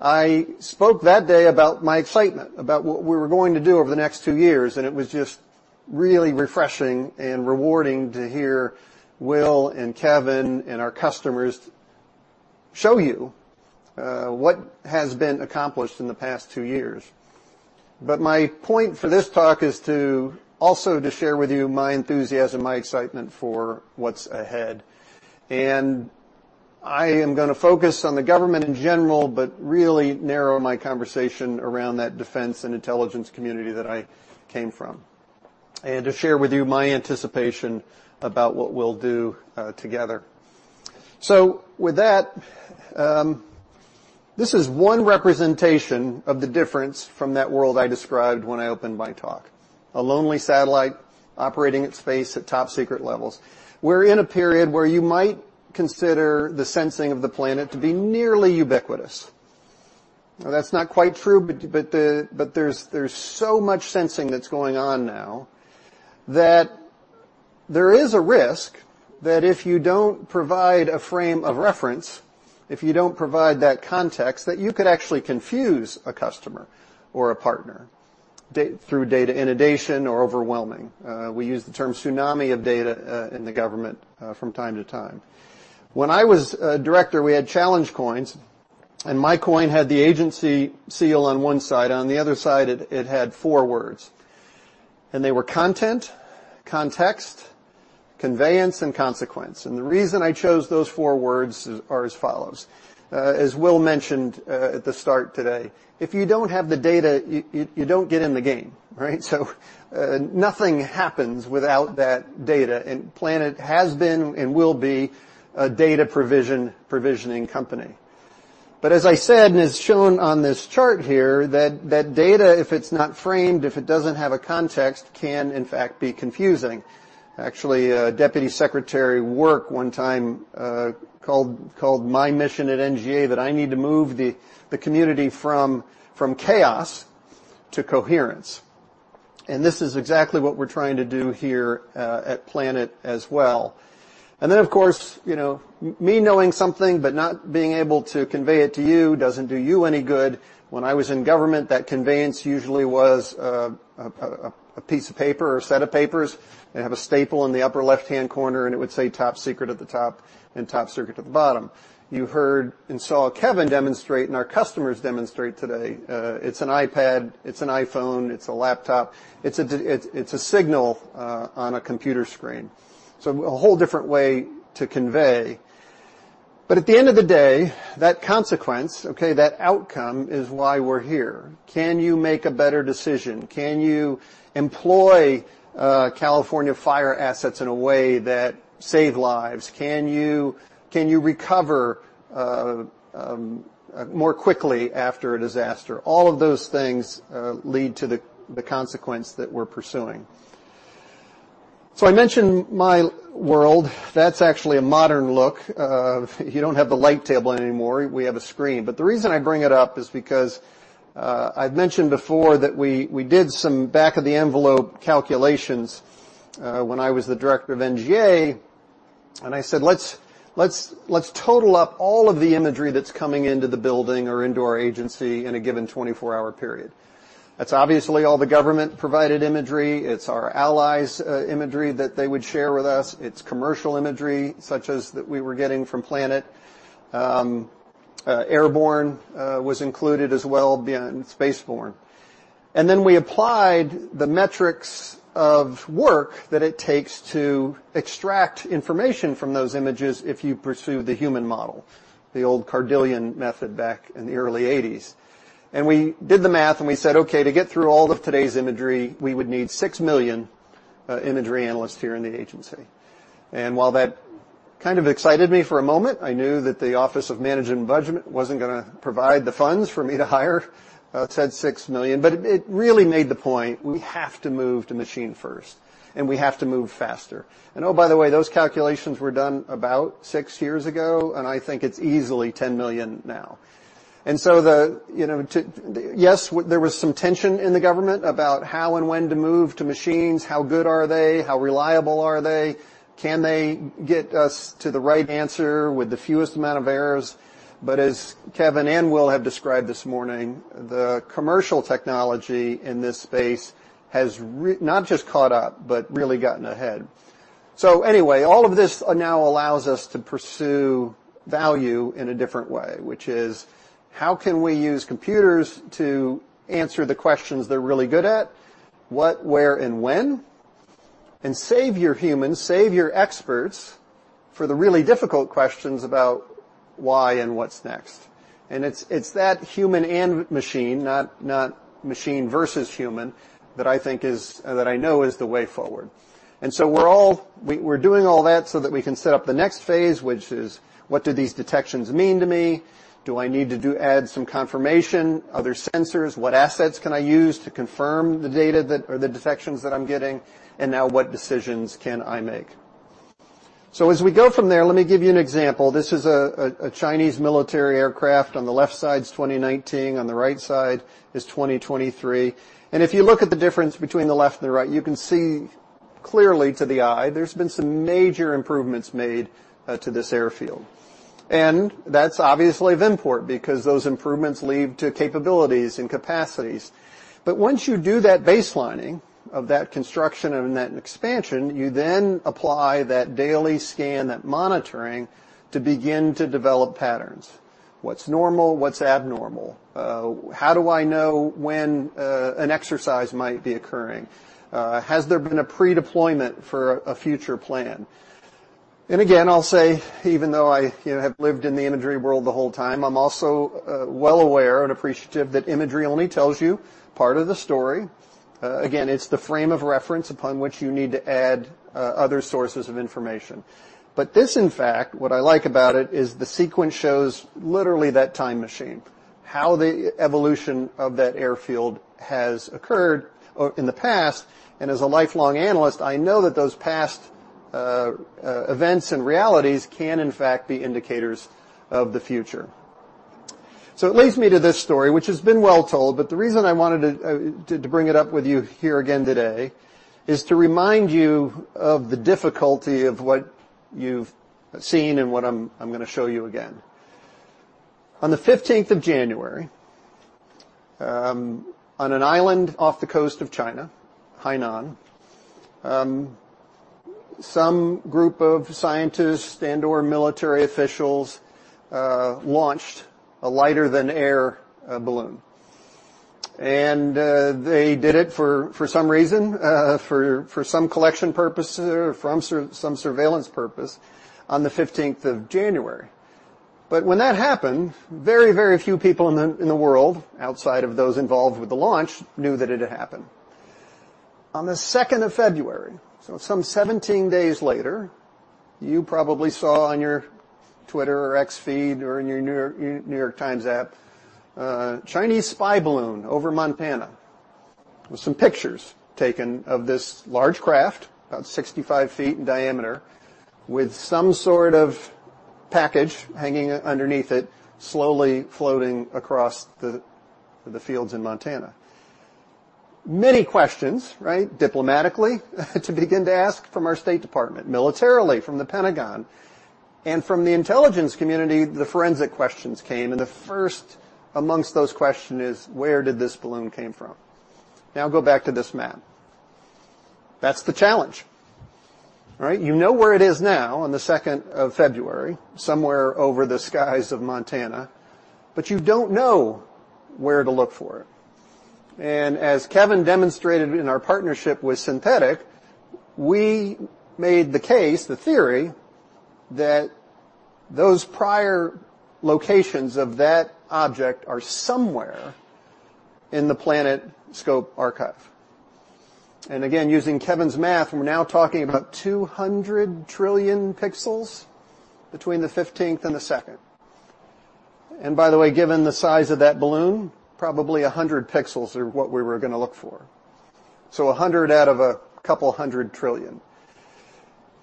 I spoke that day about my excitement about what we were going to do over the next two years, and it was just really refreshing and rewarding to hear Will and Kevin and our customers show you what has been accomplished in the past two years. But my point for this talk is also to share with you my enthusiasm, my excitement for what's ahead. I am gonna focus on the government in general, but really narrow my conversation around that defense and intelligence community that I came from, and to share with you my anticipation about what we'll do together. With that, this is one representation of the difference from that world I described when I opened my talk. A lonely satellite operating in space at top-secret levels. We're in a period where you might consider the sensing of the planet to be nearly ubiquitous. Now, that's not quite true, but there's so much sensing that's going on now, that there is a risk that if you don't provide a frame of reference, if you don't provide that context, that you could actually confuse a customer or a partner through data inundation or overwhelming. We use the term tsunami of data in the government from time to time. When I was a director, we had challenge coins, and my coin had the agency seal on one side. On the other side, it had four words, and they were content, context, conveyance, and consequence. And the reason I chose those four words is as follows: As Will mentioned, at the start today, if you don't have the data, you don't get in the game, right? So, nothing happens without that data, and Planet has been and will be a data provisioning company. But as I said, and it's shown on this chart here, that data, if it's not framed, if it doesn't have a context, can, in fact, be confusing. Actually, Deputy Secretary Work one time called my mission at NGA, that I need to move the community from chaos to coherence. And this is exactly what we're trying to do here at Planet as well. And then, of course, you know, me knowing something but not being able to convey it to you doesn't do you any good. When I was in government, that conveyance usually was a piece of paper or a set of papers. They have a staple in the upper left-hand corner, and it would say, "Top Secret," at the top and, "Top Secret," at the bottom. You heard and saw Kevin demonstrate, and our customers demonstrate today, it's an iPad, it's an iPhone, it's a laptop. It's a signal on a computer screen, so a whole different way to convey. But at the end of the day, that consequence, okay, that outcome is why we're here. Can you make a better decision? Can you employ California fire assets in a way that save lives? Can you recover more quickly after a disaster? All of those things lead to the consequence that we're pursuing. So I mentioned my world. That's actually a modern look. You don't have the light table anymore. We have a screen. But the reason I bring it up is because, I'd mentioned before that we, we did some back-of-the-envelope calculations, when I was the Director of NGA, and I said: Let's, let's, let's total up all of the imagery that's coming into the building or into our agency in a given 24-hour period. That's obviously all the government-provided imagery. It's our allies', imagery that they would share with us. It's commercial imagery, such as that we were getting from Planet. Airborne, was included as well, being spaceborne. And then we applied the metrics of work that it takes to extract information from those images if you pursue the human model, the old Cardillo method back in the early 1980s. We did the math, and we said, "Okay, to get through all of today's imagery, we would need 6 million imagery analysts here in the agency." While that kind of excited me for a moment, I knew that the Office of Management and Budget wasn't gonna provide the funds for me to hire said 6 million. But it really made the point: We have to move to machine first, and we have to move faster. And oh, by the way, those calculations were done about six years ago, and I think it's easily 10 million now. So you know, there was some tension in the government about how and when to move to machines. How good are they? How reliable are they? Can they get us to the right answer with the fewest amount of errors? But as Kevin and Will have described this morning, the commercial technology in this space has not just caught up, but really gotten ahead. So anyway, all of this now allows us to pursue value in a different way, which is: How can we use computers to answer the questions they're really good at? What, where, and when? And save your humans, save your experts for the really difficult questions about why and what's next. And it's that human and machine, not machine versus human, that I know is the way forward. And so we're doing all that so that we can set up the next phase, which is: What do these detections mean to me? Do I need to add some confirmation, other sensors? What assets can I use to confirm the data that, or the detections that I'm getting? And now, what decisions can I make? So as we go from there, let me give you an example. This is a Chinese military aircraft. On the left side is 2019, on the right side is 2023. And if you look at the difference between the left and the right, you can see clearly to the eye, there's been some major improvements made to this airfield. And that's obviously of import, because those improvements lead to capabilities and capacities. But once you do that baselining of that construction and that expansion, you then apply that daily scan, that monitoring, to begin to develop patterns. What's normal? What's abnormal? How do I know when an exercise might be occurring? Has there been a pre-deployment for a future plan? And again, I'll say, even though I, you know, have lived in the imagery world the whole time, I'm also, well aware and appreciative that imagery only tells you part of the story. Again, it's the frame of reference upon which you need to add, other sources of information. But this, in fact, what I like about it, is the sequence shows literally that time machine, how the evolution of that airfield has occurred, in the past. And as a lifelong analyst, I know that those past events and realities can, in fact, be indicators of the future. So it leads me to this story, which has been well told, but the reason I wanted to, to bring it up with you here again today is to remind you of the difficulty of what you've seen and what I'm, I'm gonna show you again. On the 15th of January, on an island off the coast of China, Hainan, some group of scientists and/or military officials launched a lighter-than-air balloon. And they did it for, for some reason, for, for some collection purpose or for some, some surveillance purpose on the 15th of January. But when that happened, very, very few people in the, in the world, outside of those involved with the launch, knew that it had happened. On the 2nd of February, so some 17 days later, you probably saw on your Twitter or X feed or in your New York Times app, a Chinese spy balloon over Montana, with some pictures taken of this large craft, about 65 ft in diameter, with some sort of package hanging underneath it, slowly floating across the fields in Montana. Many questions, right? Diplomatically, to begin to ask from our State Department, militarily from the Pentagon, and from the intelligence community, the forensic questions came, and the first amongst those question is, where did this balloon came from? Now go back to this map. That's the challenge, right? You know where it is now, on the 2nd of February, somewhere over the skies of Montana, but you don't know where to look for it. As Kevin demonstrated in our partnership with Synthetaic, we made the case, the theory, that those prior locations of that object are somewhere in the PlanetScope archive. And again, using Kevin's math, we're now talking about 200 trillion pixels between the 15th and the 2nd. And by the way, given the size of that balloon, probably 100 pixels are what we were gonna look for. So 100 out of a couple hundred trillion.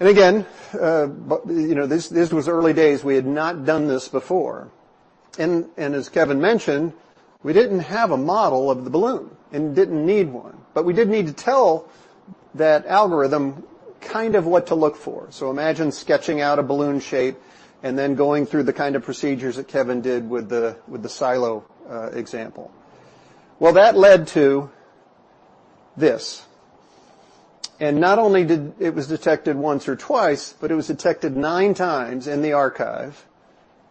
And again, but, you know, this, this was early days. We had not done this before. And, and as Kevin mentioned, we didn't have a model of the balloon and didn't need one, but we did need to tell that algorithm kind of what to look for. So imagine sketching out a balloon shape and then going through the kind of procedures that Kevin did with the silo example. Well, that led to this, and not only was it detected once or twice, but it was detected 9 times in the archive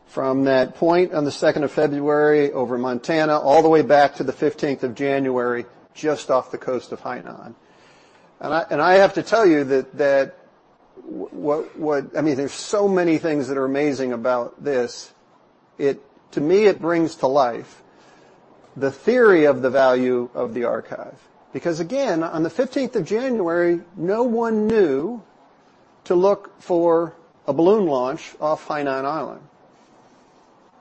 from that point on the 2nd of February over Montana, all the way back to the 15th of January, just off the coast of Hainan. I have to tell you that what—I mean, there's so many things that are amazing about this. It, to me, brings to life the theory of the value of the archive. Because again, on the 15th of January, no one knew to look for a balloon launch off Hainan Island.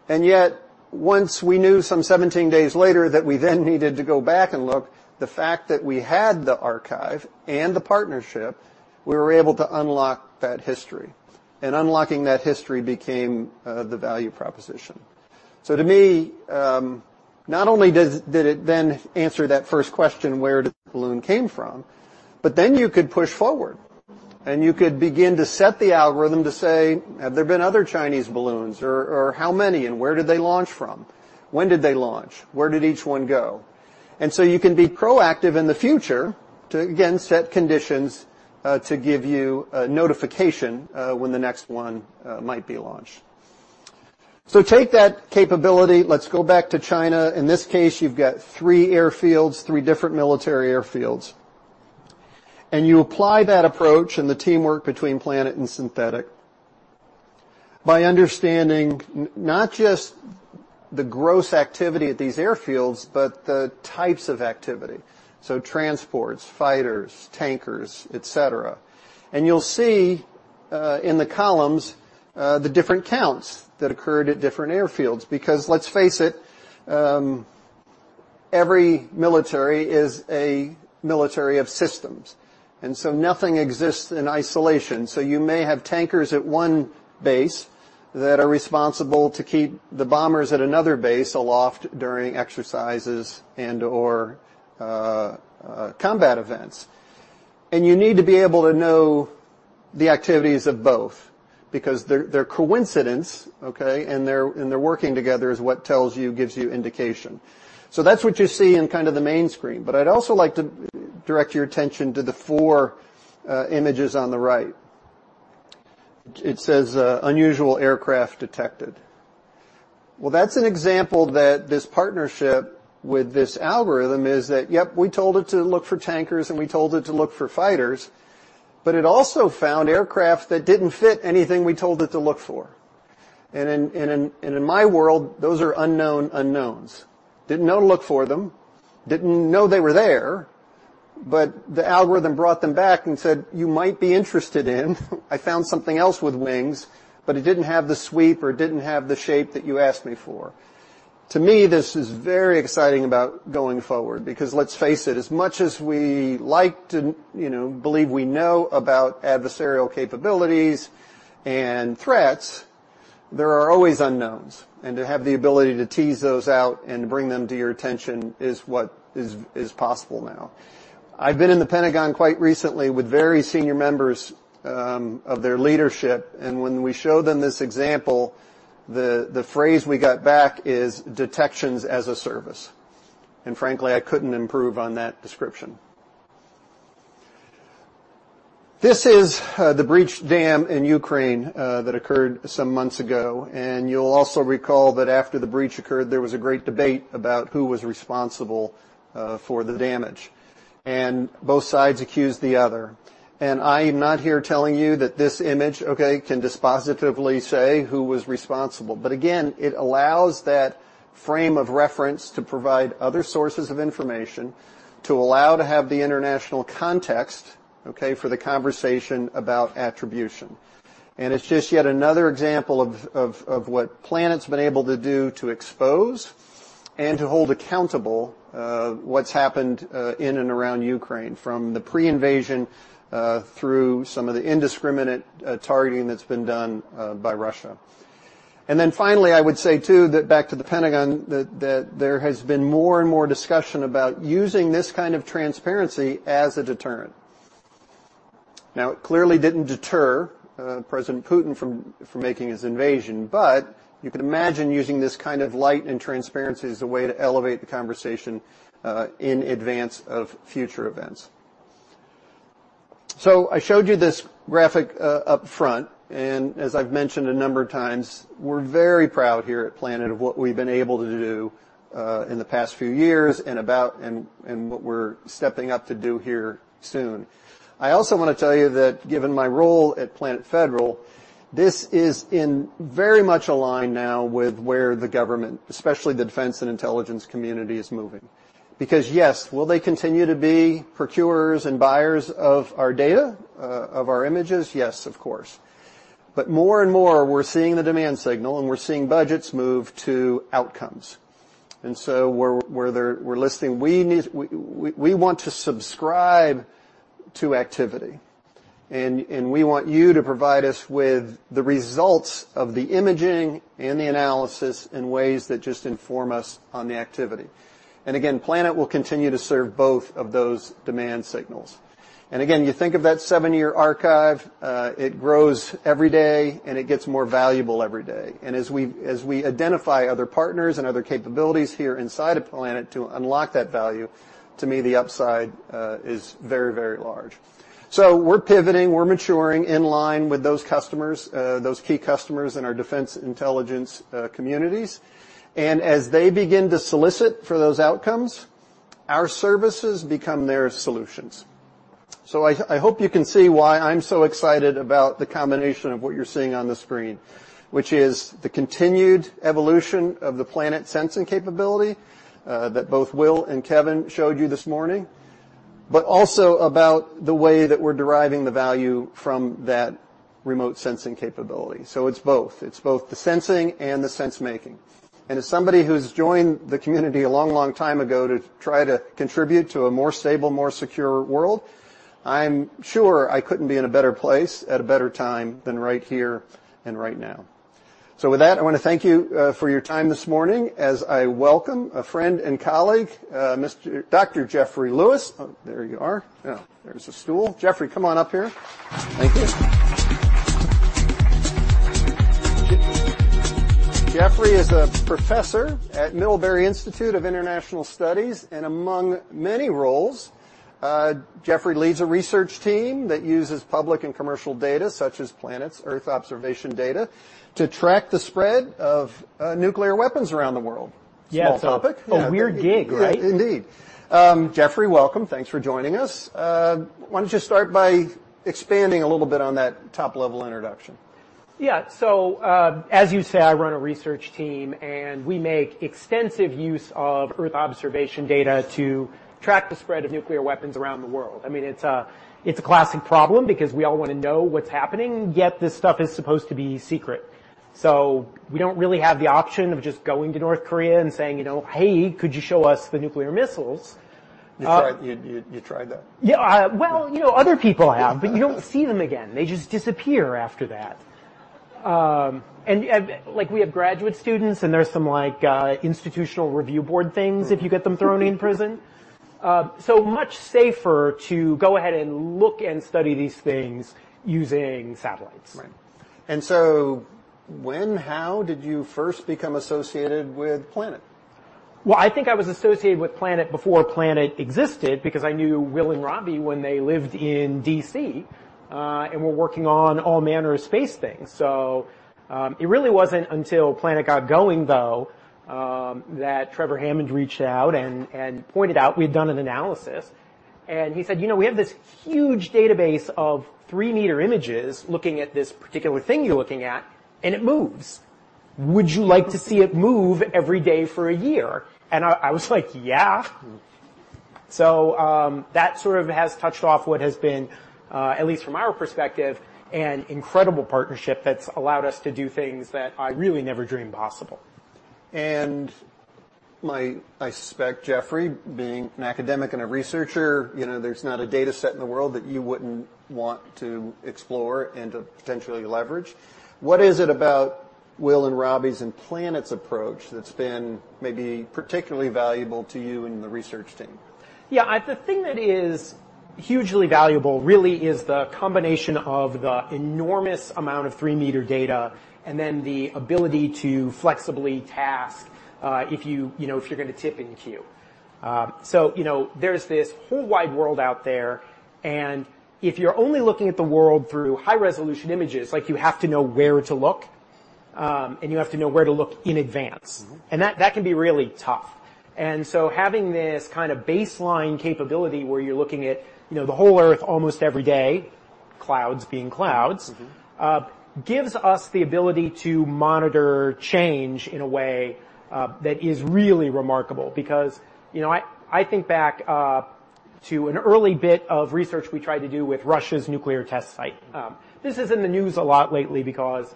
And yet, once we knew some 17 days later that we then needed to go back and look, the fact that we had the archive and the partnership, we were able to unlock that history, and unlocking that history became the value proposition. So to me, not only does, did it then answer that first question, where the balloon came from, but then you could push forward, and you could begin to set the algorithm to say: Have there been other Chinese balloons, or, or how many, and where did they launch from? When did they launch? Where did each one go? And so you can be proactive in the future to, again, set conditions to give you a notification when the next one might be launched. So take that capability. Let's go back to China. In this case, you've got three airfields, three different military airfields, and you apply that approach and the teamwork between Planet and Synthetaic. By understanding not just the gross activity at these airfields, but the types of activity, so transports, fighters, tankers, et cetera. And you'll see in the columns the different counts that occurred at different airfields because, let's face it, every military is a military of systems, and so nothing exists in isolation. So you may have tankers at one base that are responsible to keep the bombers at another base aloft during exercises and/or combat events. And you need to be able to know the activities of both, because they're coincidence, okay, and they're working together is what tells you, gives you indication. So that's what you see in kind of the main screen. I'd also like to direct your attention to the four images on the right. It says, "Unusual aircraft detected." Well, that's an example that this partnership with this algorithm is that, yep, we told it to look for tankers, and we told it to look for fighters, but it also found aircraft that didn't fit anything we told it to look for. And in my world, those are unknown unknowns. Didn't know to look for them, didn't know they were there, but the algorithm brought them back and said, "You might be interested in. I found something else with wings, but it didn't have the sweep or didn't have the shape that you asked me for." To me, this is very exciting about going forward because, let's face it, as much as we like to, you know, believe we know about adversarial capabilities and threats, there are always unknowns, and to have the ability to tease those out and bring them to your attention is what is possible now. I've been in the Pentagon quite recently with very senior members of their leadership, and when we showed them this example, the phrase we got back is: "Detections as a service." And frankly, I couldn't improve on that description. This is the breached dam in Ukraine that occurred some months ago, and you'll also recall that after the breach occurred, there was a great debate about who was responsible for the damage. And both sides accused the other. And I'm not here telling you that this image, okay, can dispositively say who was responsible, but again, it allows that frame of reference to provide other sources of information, to allow to have the international context, okay, for the conversation about attribution. And it's just yet another example of what Planet's been able to do to expose and to hold accountable what's happened in and around Ukraine, from the pre-invasion through some of the indiscriminate targeting that's been done by Russia. And then finally, I would say, too, that back to the Pentagon, that there has been more and more discussion about using this kind of transparency as a deterrent. Now, it clearly didn't deter President Putin from making his invasion, but you can imagine using this kind of light and transparency as a way to elevate the conversation in advance of future events. So I showed you this graphic up front, and as I've mentioned a number of times, we're very proud here at Planet of what we've been able to do in the past few years and about, and what we're stepping up to do here soon. I also wanna tell you that given my role at Planet Federal, this is in very much aligned now with where the government, especially the defense and intelligence community, is moving. Because, yes, will they continue to be procurers and buyers of our data, of our images? Yes, of course. But more and more, we're seeing the demand signal, and we're seeing budgets move to outcomes. And so we're there. We're listening. We want to subscribe to activity, and we want you to provide us with the results of the imaging and the analysis in ways that just inform us on the activity. And again, Planet will continue to serve both of those demand signals. And again, you think of that seven-year archive, it grows every day, and it gets more valuable every day. And as we identify other partners and other capabilities here inside of Planet to unlock that value, to me, the upside is very, very large. So we're pivoting, we're maturing in line with those customers, those key customers in our defense intelligence communities. And as they begin to solicit for those outcomes, our services become their solutions. So I, I hope you can see why I'm so excited about the combination of what you're seeing on the screen, which is the continued evolution of the Planet sensing capability that both Will and Kevin showed you this morning, but also about the way that we're deriving the value from that remote sensing capability. So it's both. It's both the sensing and the sense-making. And as somebody who's joined the community a long, long time ago to try to contribute to a more stable, more secure world, I'm sure I couldn't be in a better place at a better time than right here and right now. So with that, I wanna thank you for your time this morning as I welcome a friend and colleague, Mr. Dr. Jeffrey Lewis. Oh, there you are. Now, there's a stool. Jeffrey, come on up here. Thank you. Jeffrey is a professor at Middlebury Institute of International Studies, and among many roles, Jeffrey leads a research team that uses public and commercial data, such as Planet's Earth observation data, to track the spread of nuclear weapons around the world. Yeah. Small topic. A weird gig, right? Yeah, indeed. Jeffrey, welcome. Thanks for joining us. Why don't you start by expanding a little bit on that top-level introduction? Yeah. So, as you say, I run a research team, and we make extensive use of Earth observation data to track the spread of nuclear weapons around the world. I mean, it's a classic problem because we all wanna know what's happening, yet this stuff is supposed to be secret. So we don't really have the option of just going to North Korea and saying, you know, "Hey, could you show us the nuclear missiles?" You tried, you tried that? Yeah, well, you know, other people have but you don't see them again. They just disappear after that. Like, we have graduate students, and there's some, like, Institutional Review Board things if you get them thrown in prison. So much safer to go ahead and look and study these things using satellites. Right. And so when, how did you first become associated with Planet? Well, I think I was associated with Planet before Planet existed because I knew Will and Robbie when they lived in D.C., and were working on all manner of space things. So, it really wasn't until Planet got going, though, that Trevor Hammond reached out and pointed out we'd done an analysis, and he said: "You know, we have this huge database of 3 m images looking at this particular thing you're looking at, and it moves. Would you like to see it move every day for a year?" And I was like, "Yeah." So, that sort of has touched off what has been, at least from our perspective, an incredible partnership that's allowed us to do things that I really never dreamed possible. I suspect, Jeffrey, being an academic and a researcher, you know, there's not a data set in the world that you wouldn't want to explore and to potentially leverage. What is it about Will and Robbie's and Planet's approach that's been maybe particularly valuable to you and the research team? Yeah, the thing that is hugely valuable, really, is the combination of the enormous amount of 3 m data and then the ability to flexibly task, if you, you know, if you're gonna tip and cue. So, you know, there's this whole wide world out there, and if you're only looking at the world through high-resolution images, like, you have to know where to look, and you have to know where to look in advance. Mm-hmm. And that, that can be really tough. And so having this kind of baseline capability where you're looking at, you know, the whole Earth almost every day, clouds being clouds- Mm-hmm.... gives us the ability to monitor change in a way that is really remarkable because, you know, I think back to an early bit of research we tried to do with Russia's nuclear test site. This is in the news a lot lately because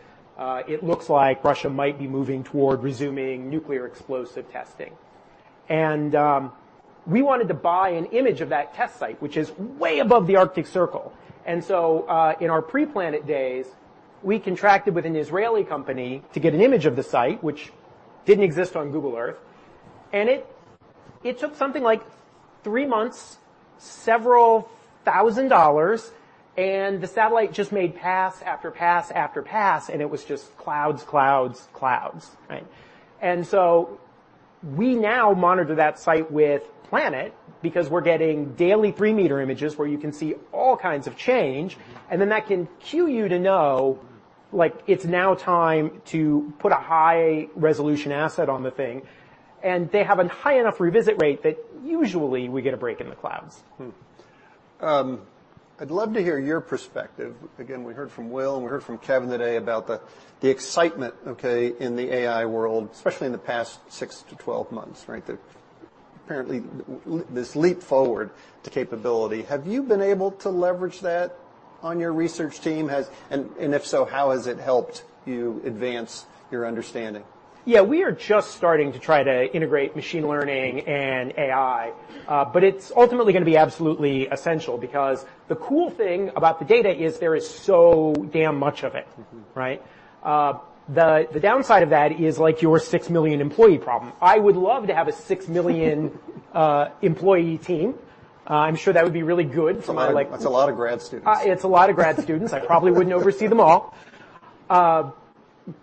it looks like Russia might be moving toward resuming nuclear explosive testing. And we wanted to buy an image of that test site, which is way above the Arctic Circle. And so, in our pre-Planet days, we contracted with an Israeli company to get an image of the site, which didn't exist on Google Earth, and it took something like three months, $several thousand, and the satellite just made pass after pass after pass, and it was just clouds, clouds, clouds, right? We now monitor that site with Planet because we're getting daily 3 m images where you can see all kinds of change, and then that can cue you to know, like, it's now time to put a high-resolution asset on the thing, and they have a high enough revisit rate that usually we get a break in the clouds. I'd love to hear your perspective. Again, we heard from Will, and we heard from Kevin today about the excitement, okay, in the AI world, especially in the past six to 12 months, right? Apparently, this leap forward to capability. Have you been able to leverage that on your research team? Has... And if so, how has it helped you advance your understanding? Yeah, we are just starting to try to integrate machine learning and AI. But it's ultimately gonna be absolutely essential because the cool thing about the data is there is so damn much of it. Mm-hmm. Right? The downside of that is, like, your 6 million employee problem. I would love to have a 6 million-employee team. I'm sure that would be really good for my, like- That's a lot of grad students. It's a lot of grad students. I probably wouldn't oversee them all.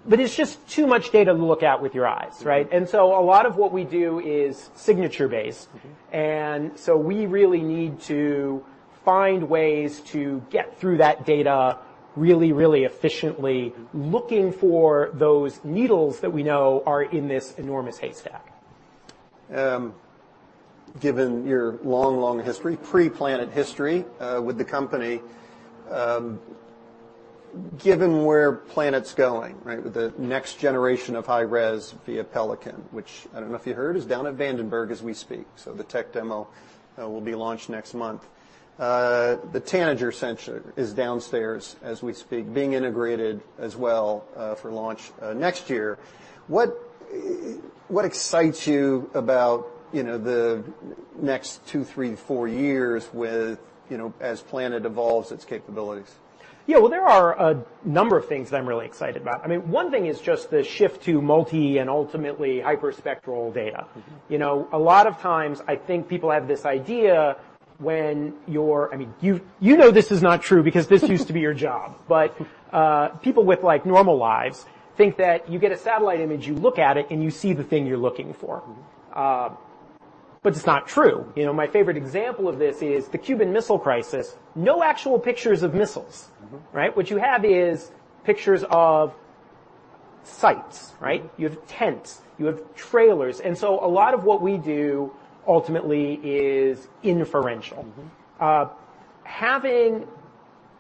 But it's just too much data to look at with your eyes, right? Mm-hmm. A lot of what we do is signature-based. Mm-hmm. And so we really need to find ways to get through that data really, really efficiently, looking for those needles that we know are in this enormous haystack. Given your long, long history, pre-Planet history, with the company, given where Planet's going, right, with the next generation of high res via Pelican, which I don't know if you heard, is down at Vandenberg as we speak. So the tech demo will be launched next month. The Tanager sensor is downstairs as we speak, being integrated as well, for launch next year. What, what excites you about, you know, the next two, three, four years with, you know, as Planet evolves its capabilities? Yeah, well, there are a number of things that I'm really excited about. I mean, one thing is just the shift to multi and ultimately hyperspectral data. Mm-hmm. You know, a lot of times, I think people have this idea when you're... I mean, you, you know this is not true because this used to be your job. But, people with, like, normal lives think that you get a satellite image, you look at it, and you see the thing you're looking for. Mm-hmm. But it's not true. You know, my favorite example of this is the Cuban Missile Crisis. No actual pictures of missiles. Mm-hmm. Right? What you have is pictures of sites, right? Mm-hmm. You have tents, you have trailers, and so a lot of what we do ultimately is inferential. Mm-hmm. Having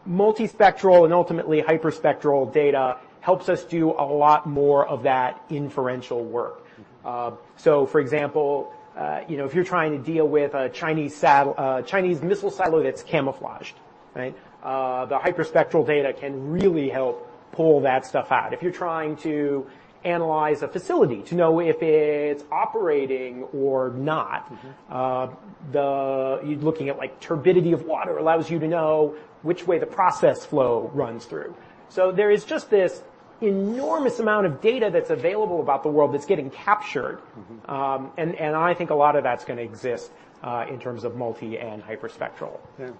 multispectral and ultimately hyperspectral data helps us do a lot more of that inferential work. Mm-hmm. So, for example, you know, if you're trying to deal with a Chinese missile silo that's camouflaged, right? The hyperspectral data can really help pull that stuff out. If you're trying to analyze a facility to know if it's operating or not- Mm-hmm.... you're looking at, like, turbidity of water allows you to know which way the process flow runs through. So there is just this enormous amount of data that's available about the world that's getting captured. Mm-hmm. And I think a lot of that's gonna exist in terms of multi and hyperspectral. Yeah.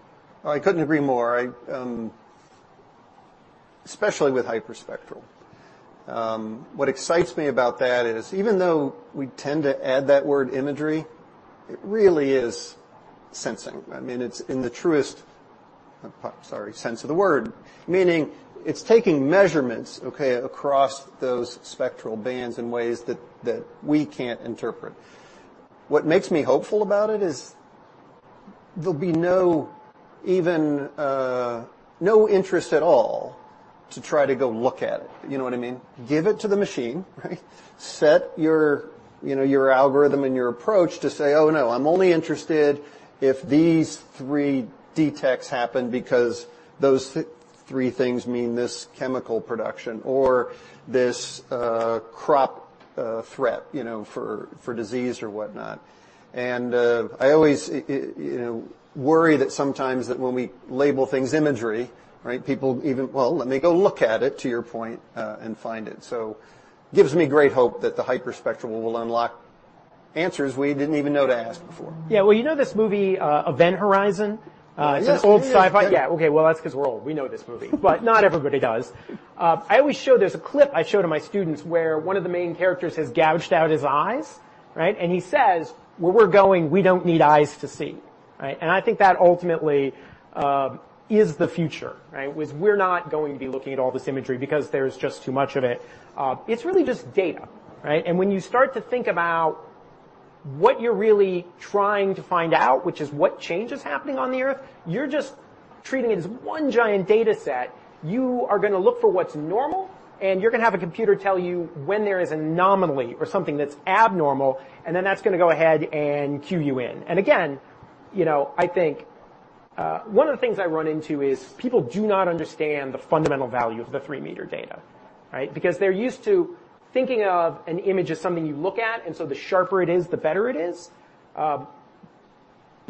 I couldn't agree more. I especially with hyperspectral. What excites me about that is, even though we tend to add that word, imagery, it really is sensing. I mean, it's in the truest sense of the word, meaning it's taking measurements, okay, across those spectral bands in ways that we can't interpret. What makes me hopeful about it is there'll be no, even, no interest at all to try to go look at it. You know what I mean? Give it to the machine, right? Set your, you know, your algorithm and your approach to say, oh, no, I'm only interested if these three detects happen because those three things mean this chemical production or this crop threat, you know, for disease or whatnot. I always, you know, worry that sometimes that when we label things imagery, right, people even, "Well, let me go look at it," to your point, and find it. Gives me great hope that the hyperspectral will unlock answers we didn't even know to ask before. Yeah. Well, you know, this movie, Event Horizon? It's an old sci-fi- Yes, yes, yeah. Yeah, okay, well, that's 'cause we're old. We know this movie. But not everybody does. I always show, there's a clip I show to my students, where one of the main characters has gouged out his eyes, right? And he says, "Where we're going, we don't need eyes to see." Right? And I think that ultimately is the future, right? With we're not going to be looking at all this imagery because there's just too much of it. It's really just data, right? And when you start to think about what you're really trying to find out, which is what change is happening on the Earth, you're just-... Treating it as one giant data set, you are gonna look for what's normal, and you're gonna have a computer tell you when there is an anomaly or something that's abnormal, and then that's gonna go ahead and cue you in. And again, you know, I think one of the things I run into is people do not understand the fundamental value of the 3 m data, right? Because they're used to thinking of an image as something you look at, and so the sharper it is, the better it is. But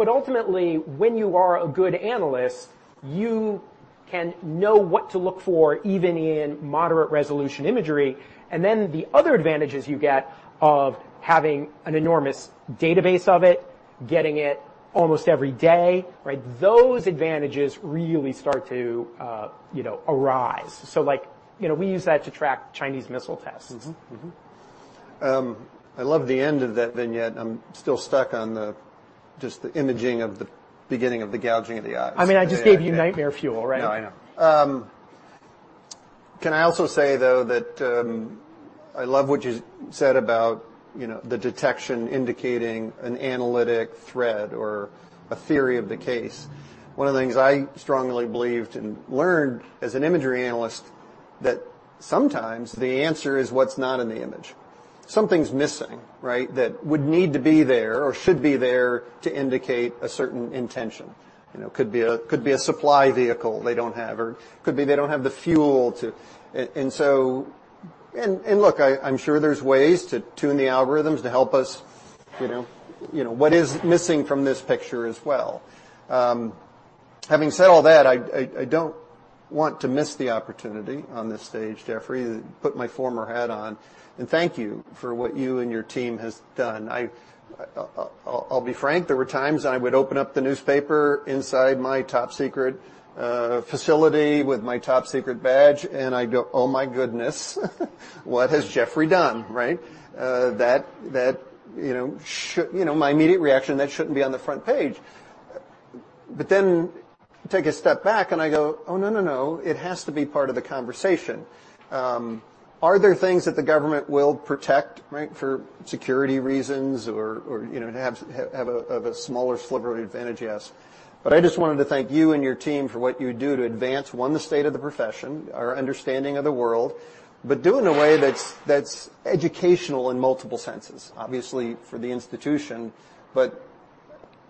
ultimately, when you are a good analyst, you can know what to look for, even in moderate-resolution imagery. And then the other advantages you get of having an enormous database of it, getting it almost every day, right, those advantages really start to, you know, arise. Like, you know, we use that to track Chinese missile tests. Mm-hmm. Mm-hmm. I love the end of that vignette. I'm still stuck on the, just the imaging of the beginning of the gouging of the eyes. I mean, I just gave you nightmare fuel, right? No, I know. Can I also say, though, that I love what you said about, you know, the detection indicating an analytic thread or a theory of the case. One of the things I strongly believed and learned as an imagery analyst, that sometimes the answer is what's not in the image. Something's missing, right, that would need to be there or should be there to indicate a certain intention. You know, could be a, could be a supply vehicle they don't have, or could be they don't have the fuel to... and so—and look, I'm sure there's ways to tune the algorithms to help us, you know, what is missing from this picture as well. Having said all that, I don't want to miss the opportunity on this stage, Jeffrey, to put my former hat on and thank you for what you and your team has done. I'll be frank, there were times I would open up the newspaper inside my top-secret facility with my top-secret badge, and I'd go: "Oh, my goodness, what has Jeffrey done," right? You know, my immediate reaction, that shouldn't be on the front page. But then take a step back, and I go: Oh, no, no, no, it has to be part of the conversation. Are there things that the government will protect, right, for security reasons or you know have a smaller sliver of advantage? Yes. But I just wanted to thank you and your team for what you do to advance, one, the state of the profession, our understanding of the world, but do in a way that's educational in multiple senses, obviously, for the institution. But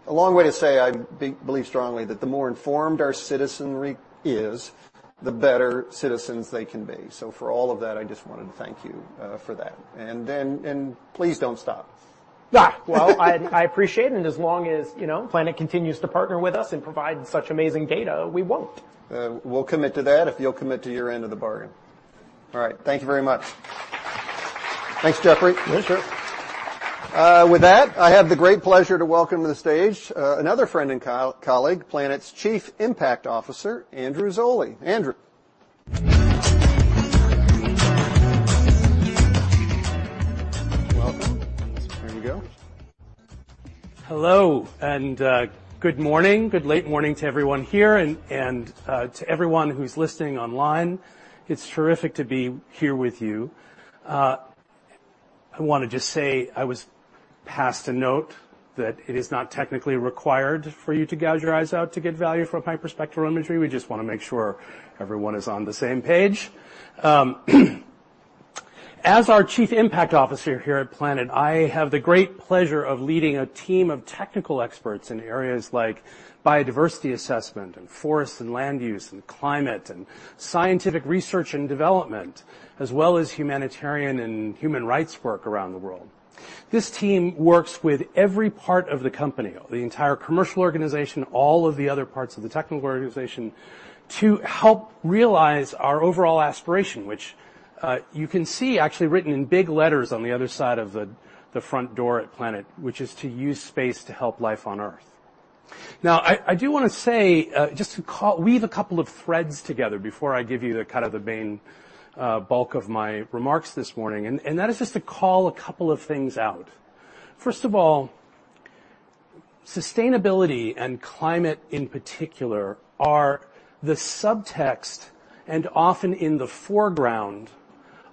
a long way to say, I believe strongly that the more informed our citizenry is, the better citizens they can be. So for all of that, I just wanted to thank you for that. And then please don't stop. Yeah. Well, I appreciate it, and as long as, you know, Planet continues to partner with us and provide such amazing data, we won't. We'll commit to that if you'll commit to your end of the bargain. All right. Thank you very much. Thanks, Jeffrey. Yes, sir. With that, I have the great pleasure to welcome to the stage another friend and colleague, Planet's Chief Impact Officer, Andrew Zolli. Andrew. Welcome. There you go. Hello, and, good morning. Good late morning to everyone here and, to everyone who's listening online. It's terrific to be here with you. I wanna just say I was passed a note that it is not technically required for you to gouge your eyes out to get value from hyperspectral imagery. We just wanna make sure everyone is on the same page. As our Chief Impact Officer here at Planet, I have the great pleasure of leading a team of technical experts in areas like biodiversity assessment and forest and land use and climate and scientific research and development, as well as humanitarian and human rights work around the world. This team works with every part of the company, the entire commercial organization, all of the other parts of the technical organization, to help realize our overall aspiration, which, you can see actually written in big letters on the other side of the front door at Planet, which is to use space to help life on Earth. Now, I do wanna say, just to weave a couple of threads together before I give you the kind of the main bulk of my remarks this morning, and that is just to call a couple of things out. First of all, sustainability and climate, in particular, are the subtext, and often in the foreground,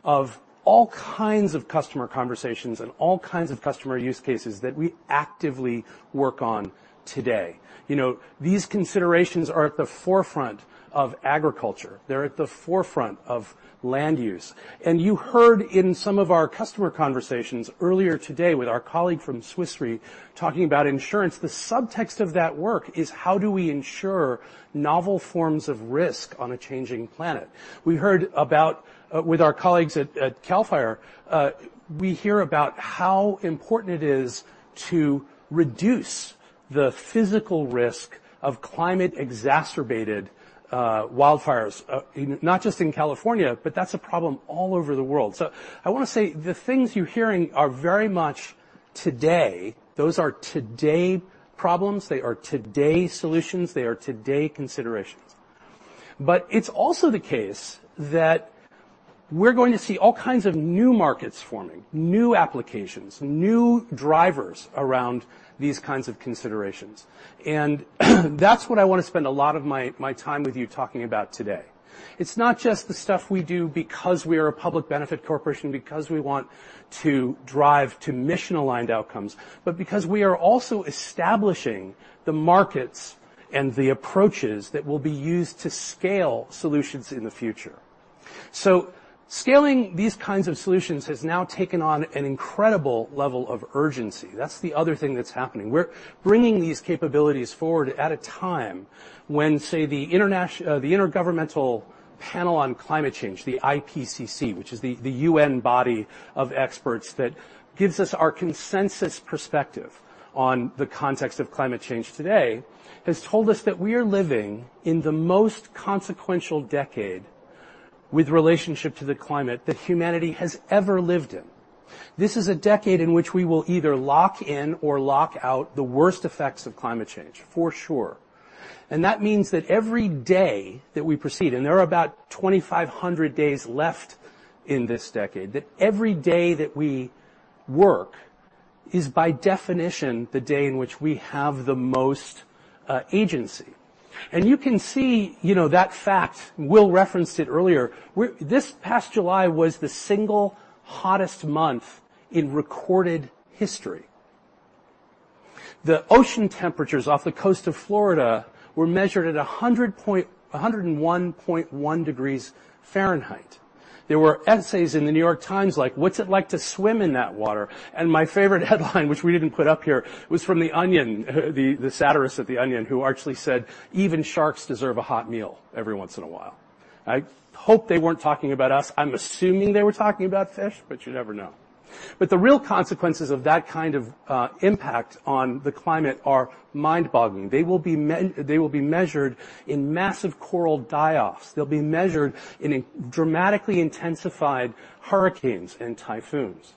of all kinds of customer conversations and all kinds of customer use cases that we actively work on today. You know, these considerations are at the forefront of agriculture. They're at the forefront of land use. You heard in some of our customer conversations earlier today with our colleague from Swiss Re, talking about insurance, the subtext of that work is: how do we ensure novel forms of risk on a changing planet? We heard about, with our colleagues at, at CAL FIRE, we hear about how important it is to reduce the physical risk of climate-exacerbated, wildfires, not just in California, but that's a problem all over the world. So I wanna say the things you're hearing are very much today. Those are today problems, they are today solutions, they are today considerations. But it's also the case that we're going to see all kinds of new markets forming, new applications, new drivers around these kinds of considerations. That's what I wanna spend a lot of my, my time with you talking about today. It's not just the stuff we do because we are a public benefit corporation, because we want to drive to mission-aligned outcomes, but because we are also establishing the markets and the approaches that will be used to scale solutions in the future. Scaling these kinds of solutions has now taken on an incredible level of urgency. That's the other thing that's happening. We're bringing these capabilities forward at a time when, say, the Intergovernmental Panel on Climate Change, the IPCC, which is the, the UN body of experts that gives us our consensus perspective on the context of climate change today, has told us that we are living in the most consequential decade with relationship to the climate that humanity has ever lived in. This is a decade in which we will either lock in or lock out the worst effects of climate change, for sure. And that means that every day that we proceed, and there are about 2,500 days left in this decade, that every day that we work is by definition, the day in which we have the most agency. And you can see, you know, that fact, Will referenced it earlier. We're. This past July was the single hottest month in recorded history. The ocean temperatures off the coast of Florida were measured at 101.1 degrees Fahrenheit. There were essays in the New York Times like: What's it like to swim in that water? And my favorite headline, which we didn't put up here, was from The Onion, the satirist at The Onion, who archly said, "Even sharks deserve a hot meal every once in a while." I hope they weren't talking about us. I'm assuming they were talking about fish, but you never know. But the real consequences of that kind of impact on the climate are mind-boggling. They will be measured in massive coral die-offs. They'll be measured in a dramatically intensified hurricanes and typhoons.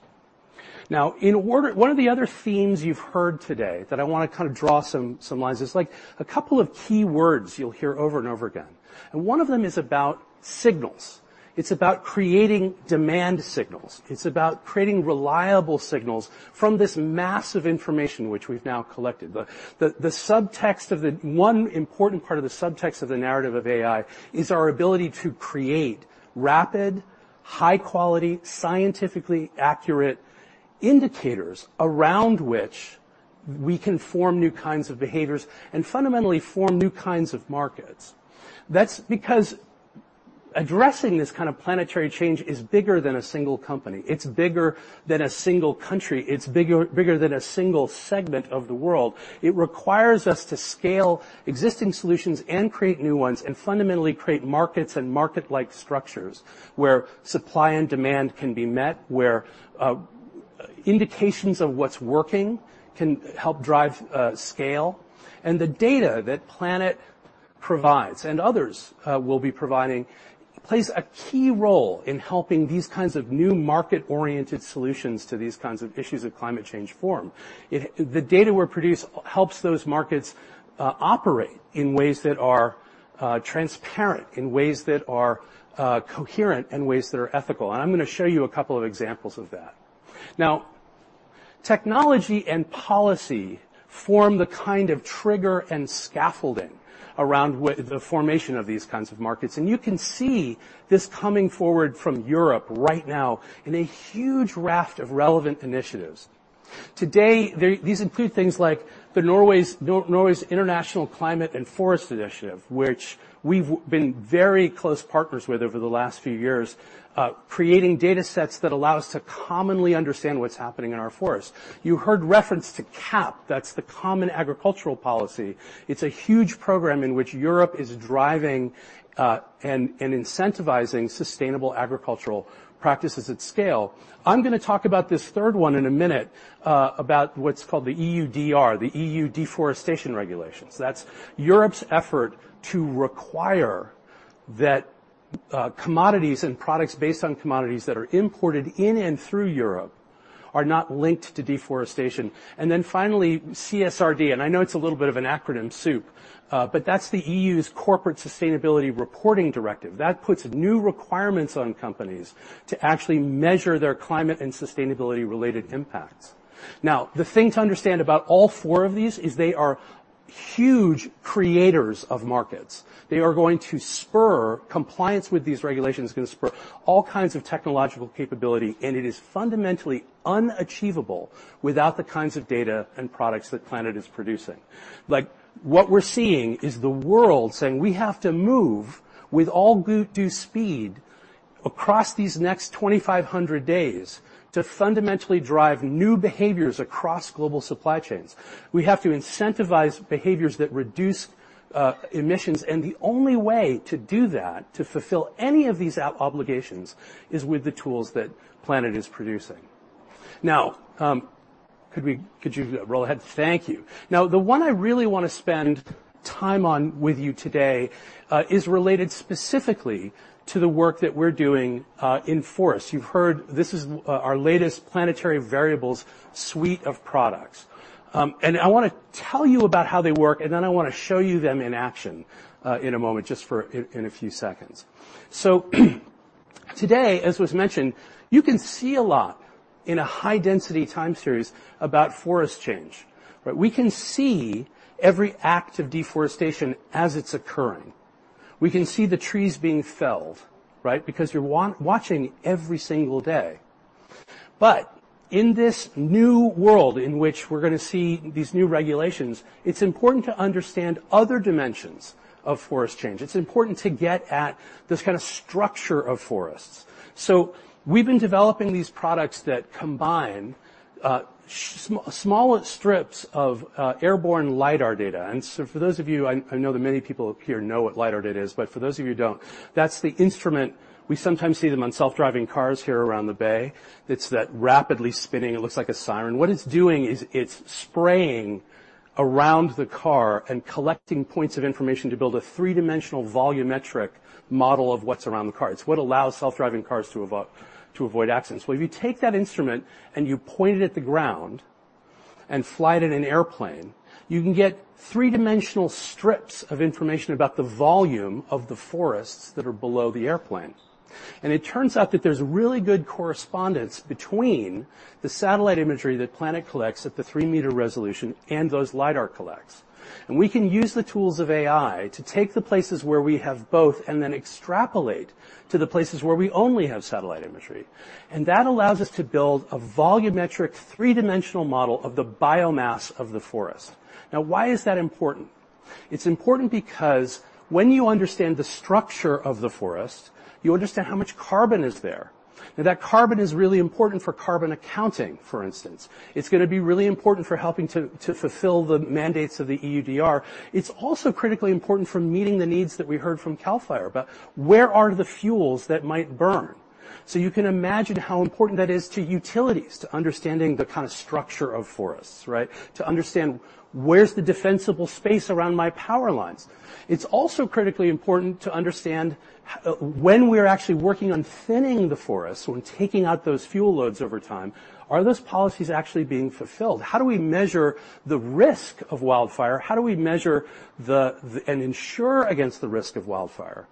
Now, one of the other themes you've heard today that I wanna kind of draw some lines is like a couple of key words you'll hear over and over again, and one of them is about signals. It's about creating demand signals. It's about creating reliable signals from this massive information, which we've now collected. One important part of the subtext of the narrative of AI is our ability to create rapid, high quality, scientifically accurate indicators around which we can form new kinds of behaviors and fundamentally form new kinds of markets. That's because addressing this kind of planetary change is bigger than a single company. It's bigger than a single country. It's bigger, bigger than a single segment of the world. It requires us to scale existing solutions and create new ones, and fundamentally create markets and market-like structures where supply and demand can be met, where indications of what's working can help drive scale. And the data that Planet provides, and others, will be providing, plays a key role in helping these kinds of new market-oriented solutions to these kinds of issues of climate change form. It... The data we produce helps those markets operate in ways that are transparent, in ways that are coherent, in ways that are ethical. And I'm gonna show you a couple of examples of that. Now, technology and policy form the kind of trigger and scaffolding around the formation of these kinds of markets, and you can see this coming forward from Europe right now in a huge raft of relevant initiatives. Today, these include things like Norway's International Climate and Forest Initiative, which we've been very close partners with over the last few years, creating datasets that allow us to commonly understand what's happening in our forest. You heard reference to CAP, that's the Common Agricultural Policy. It's a huge program in which Europe is driving and incentivizing sustainable agricultural practices at scale. I'm gonna talk about this third one in a minute, about what's called the EUDR, the E.U. Deforestation Regulations. That's Europe's effort to require that, commodities and products based on commodities that are imported in and through Europe are not linked to deforestation. And then finally, CSRD, and I know it's a little bit of an acronym soup, but that's the E.U.'s Corporate Sustainability Reporting Directive. That puts new requirements on companies to actually measure their climate and sustainability-related impacts. Now, the thing to understand about all four of these is they are huge creators of markets. They are going to spur. Compliance with these regulations is gonna spur all kinds of technological capability, and it is fundamentally unachievable without the kinds of data and products that Planet is producing. Like, what we're seeing is the world saying: We have to move with all due speed across these next 2,500 days to fundamentally drive new behaviors across global supply chains. We have to incentivize behaviors that reduce emissions, and the only way to do that, to fulfill any of these obligations, is with the tools that Planet is producing. Now, could you roll ahead? Thank you. Now, the one I really wanna spend time on with you today is related specifically to the work that we're doing in forest. You've heard this is our latest Planetary Variables suite of products. And I wanna tell you about how they work, and then I wanna show you them in action in a moment, just for, in, in a few seconds. So today, as was mentioned, you can see a lot in a high-density time series about forest change, but we can see every act of deforestation as it's occurring. We can see the trees being felled, right? Because you're watching every single day. But in this new world in which we're gonna see these new regulations, it's important to understand other dimensions of forest change. It's important to get at this kind of structure of forests. So we've been developing these products that combine smaller strips of airborne LiDAR data. And so for those of you, I know that many people here know what LiDAR data is, but for those of you who don't, that's the instrument. We sometimes see them on self-driving cars here around the Bay. It's that rapidly spinning, it looks like a siren. What it's doing is it's spraying around the car and collecting points of information to build a three-dimensional volumetric model of what's around the car. It's what allows self-driving cars to avoid accidents. Well, if you take that instrument and you point it at the ground and fly it in an airplane, you can get three-dimensional strips of information about the volume of the forests that are below the airplane. And it turns out that there's really good correspondence between the satellite imagery that Planet collects at the 3 m resolution and those LiDAR collects. And we can use the tools of AI to take the places where we have both and then extrapolate to the places where we only have satellite imagery. And that allows us to build a volumetric, three-dimensional model of the biomass of the forest. Now, why is that important? It's important because when you understand the structure of the forest, you understand how much carbon is there, and that carbon is really important for carbon accounting, for instance. It's gonna be really important for helping to fulfill the mandates of the EUDR. It's also critically important for meeting the needs that we heard from CAL FIRE, about where are the fuels that might burn? So you can imagine how important that is to utilities, to understanding the kind of structure of forests, right? To understand where's the defensible space around my power lines. It's also critically important to understand when we're actually working on thinning the forests, when taking out those fuel loads over time, are those policies actually being fulfilled? How do we measure the risk of wildfire? How do we measure and insure against the risk of wildfire?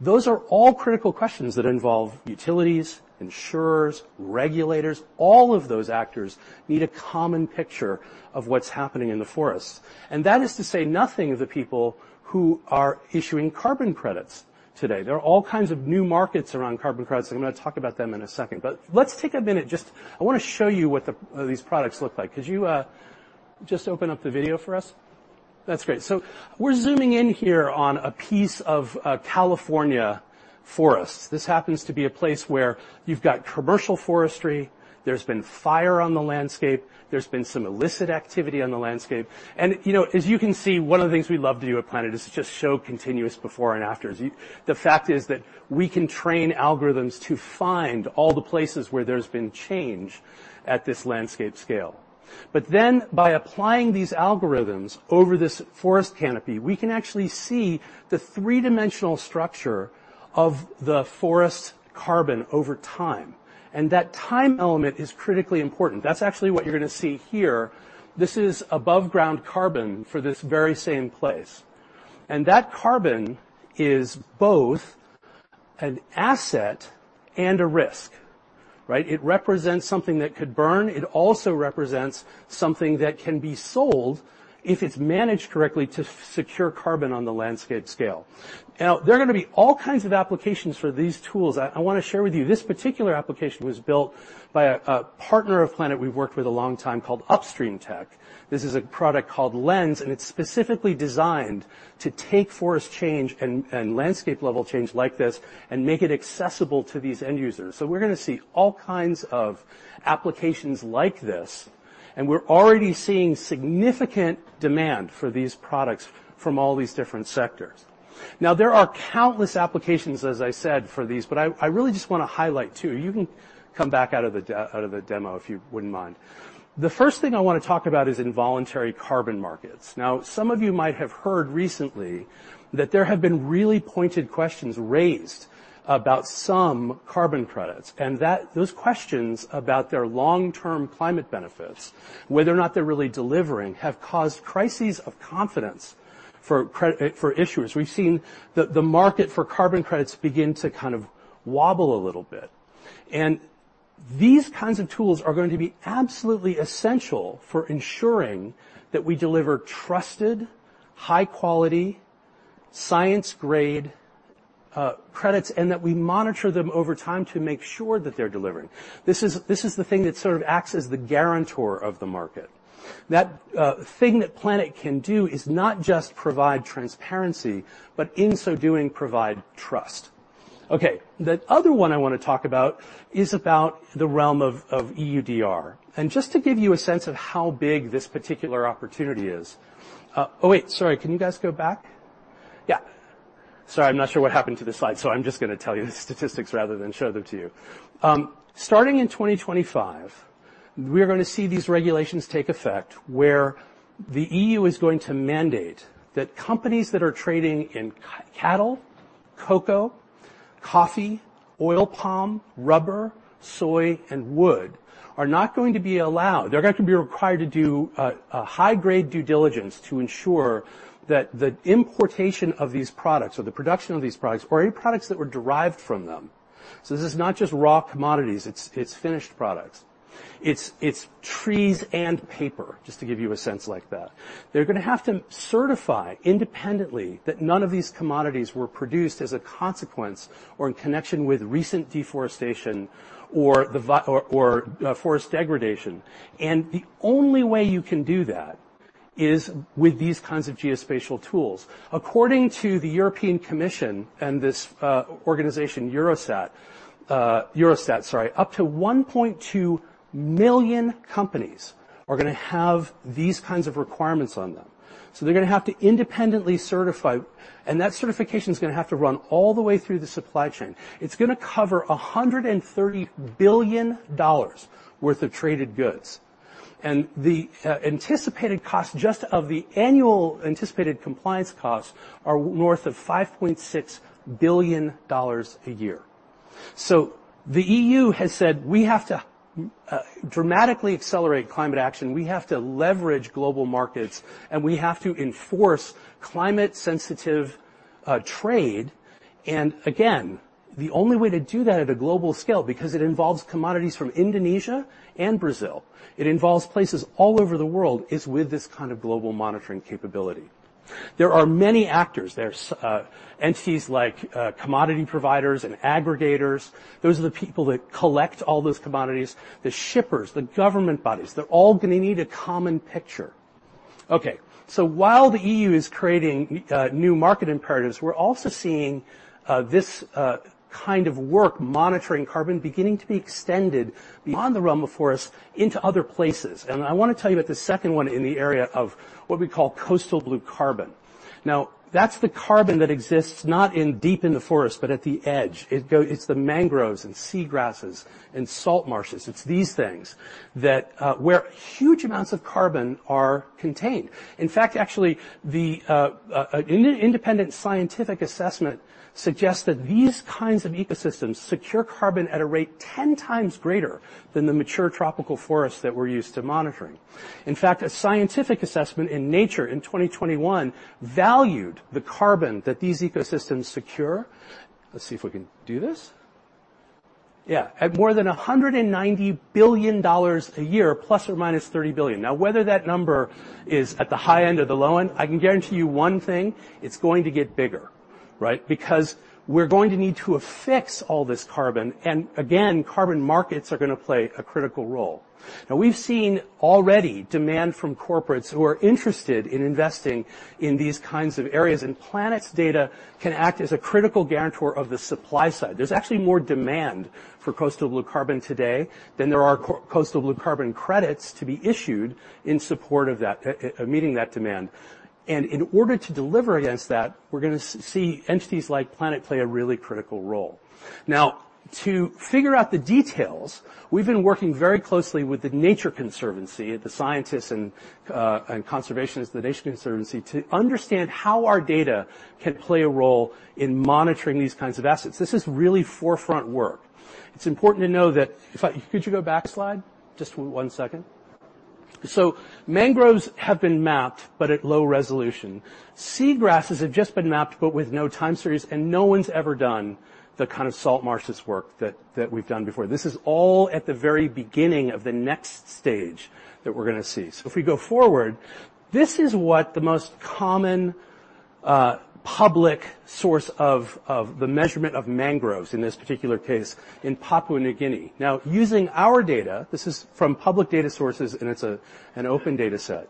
Those are all critical questions that involve utilities, insurers, regulators. All of those actors need a common picture of what's happening in the forests. And that is to say nothing of the people who are issuing carbon credits today. There are all kinds of new markets around carbon credits, and I'm gonna talk about them in a second. But let's take a minute. Just, I wanna show you what these products look like. Could you just open up the video for us? That's great. So we're zooming in here on a piece of California forest. This happens to be a place where you've got commercial forestry, there's been fire on the landscape, there's been some illicit activity on the landscape. And, you know, as you can see, one of the things we love to do at Planet is to just show continuous before and afters. The fact is that we can train algorithms to find all the places where there's been change at this landscape scale. But then, by applying these algorithms over this forest canopy, we can actually see the three-dimensional structure of the forest carbon over time, and that time element is critically important. That's actually what you're gonna see here. This is above-ground carbon for this very same place, and that carbon is both an asset and a risk, right? It represents something that could burn. It also represents something that can be sold if it's managed correctly to secure carbon on the landscape scale. Now, there are gonna be all kinds of applications for these tools. I wanna share with you, this particular application was built by a partner of Planet we've worked with a long time called Upstream Tech. This is a product called Lens, and it's specifically designed to take forest change and landscape-level change like this and make it accessible to these end users. So we're gonna see all kinds of applications like this, and we're already seeing significant demand for these products from all these different sectors. Now, there are countless applications, as I said, for these, but I really just wanna highlight two. You can come back out of the demo if you wouldn't mind. The first thing I wanna talk about is involuntary carbon markets. Now, some of you might have heard recently that there have been really pointed questions raised about some carbon credits, and that those questions about their long-term climate benefits, whether or not they're really delivering, have caused crises of confidence for issuers. We've seen the market for carbon credits begin to kind of wobble a little bit. And these kinds of tools are going to be absolutely essential for ensuring that we deliver trusted, high-quality, science-grade credits, and that we monitor them over time to make sure that they're delivering. This is the thing that sort of acts as the guarantor of the market. That thing that Planet can do is not just provide transparency, but in so doing, provide trust. Okay, the other one I want to talk about is about the realm of EUDR. And just to give you a sense of how big this particular opportunity is... Oh, wait, sorry. Can you guys go back? Yeah. Sorry, I'm not sure what happened to this slide, so I'm just gonna tell you the statistics rather than show them to you. Starting in 2025, we're gonna see these regulations take effect, where the EU is going to mandate that companies that are trading in cattle, cocoa, coffee, oil palm, rubber, soy, and wood are not going to be allowed. They're going to be required to do a high-grade due diligence to ensure that the importation of these products or the production of these products or any products that were derived from them, so this is not just raw commodities, it's trees and paper, just to give you a sense like that. They're gonna have to certify independently that none of these commodities were produced as a consequence or in connection with recent deforestation or forest degradation. And the only way you can do that is with these kinds of geospatial tools. According to the European Commission and this organization, Eurostat, sorry, up to 1.2 million companies are gonna have these kinds of requirements on them. So they're gonna have to independently certify, and that certification is gonna have to run all the way through the supply chain. It's gonna cover $130 billion worth of traded goods, and the anticipated cost, just of the annual anticipated compliance costs, are north of $5.6 billion a year. So the E.U. has said we have to dramatically accelerate climate action, we have to leverage global markets, and we have to enforce climate-sensitive trade. And again, the only way to do that at a global scale, because it involves commodities from Indonesia and Brazil, it involves places all over the world, is with this kind of global monitoring capability. There are many actors. There's entities like commodity providers and aggregators. Those are the people that collect all those commodities, the shippers, the government bodies, they're all gonna need a common picture. Okay, so while the E.U. is creating new market imperatives, we're also seeing this kind of work, monitoring carbon, beginning to be extended beyond the realm of forest into other places. And I wanna tell you about the second one in the area of what we call coastal blue carbon. Now, that's the carbon that exists not in deep in the forest, but at the edge. It's the mangroves and seagrasses and salt marshes. It's these things that, where huge amounts of carbon are contained. In fact, actually, an independent scientific assessment suggests that these kinds of ecosystems secure carbon at a rate 10 times greater than the mature tropical forests that we're used to monitoring. In fact, a scientific assessment in Nature in 2021 valued the carbon that these ecosystems secure. Let's see if we can do this. Yeah, at more than $190 billion a year, ±$30 billion. Now, whether that number is at the high end or the low end, I can guarantee you one thing, it's going to get bigger, right? Because we're going to need to affix all this carbon, and again, carbon markets are gonna play a critical role. Now, we've seen already demand from corporates who are interested in investing in these kinds of areas, and Planet's data can act as a critical guarantor of the supply side. There's actually more demand for coastal blue carbon today than there are coastal blue carbon credits to be issued in support of that, meeting that demand. And in order to deliver against that, we're gonna see entities like Planet play a really critical role. Now, to figure out the details, we've been working very closely with The Nature Conservancy, the scientists and conservationists of The Nature Conservancy, to understand how our data can play a role in monitoring these kinds of assets. This is really forefront work. It's important to know that... If I could, could you go back a slide? Just one second. So mangroves have been mapped, but at low resolution. Seagrasses have just been mapped, but with no time series, and no one's ever done the kind of salt marshes work that we've done before. This is all at the very beginning of the next stage that we're gonna see. So if we go forward, this is what the most common public source of the measurement of mangroves in this particular case in Papua New Guinea. Now, using our data, this is from public data sources, and it's an open data set.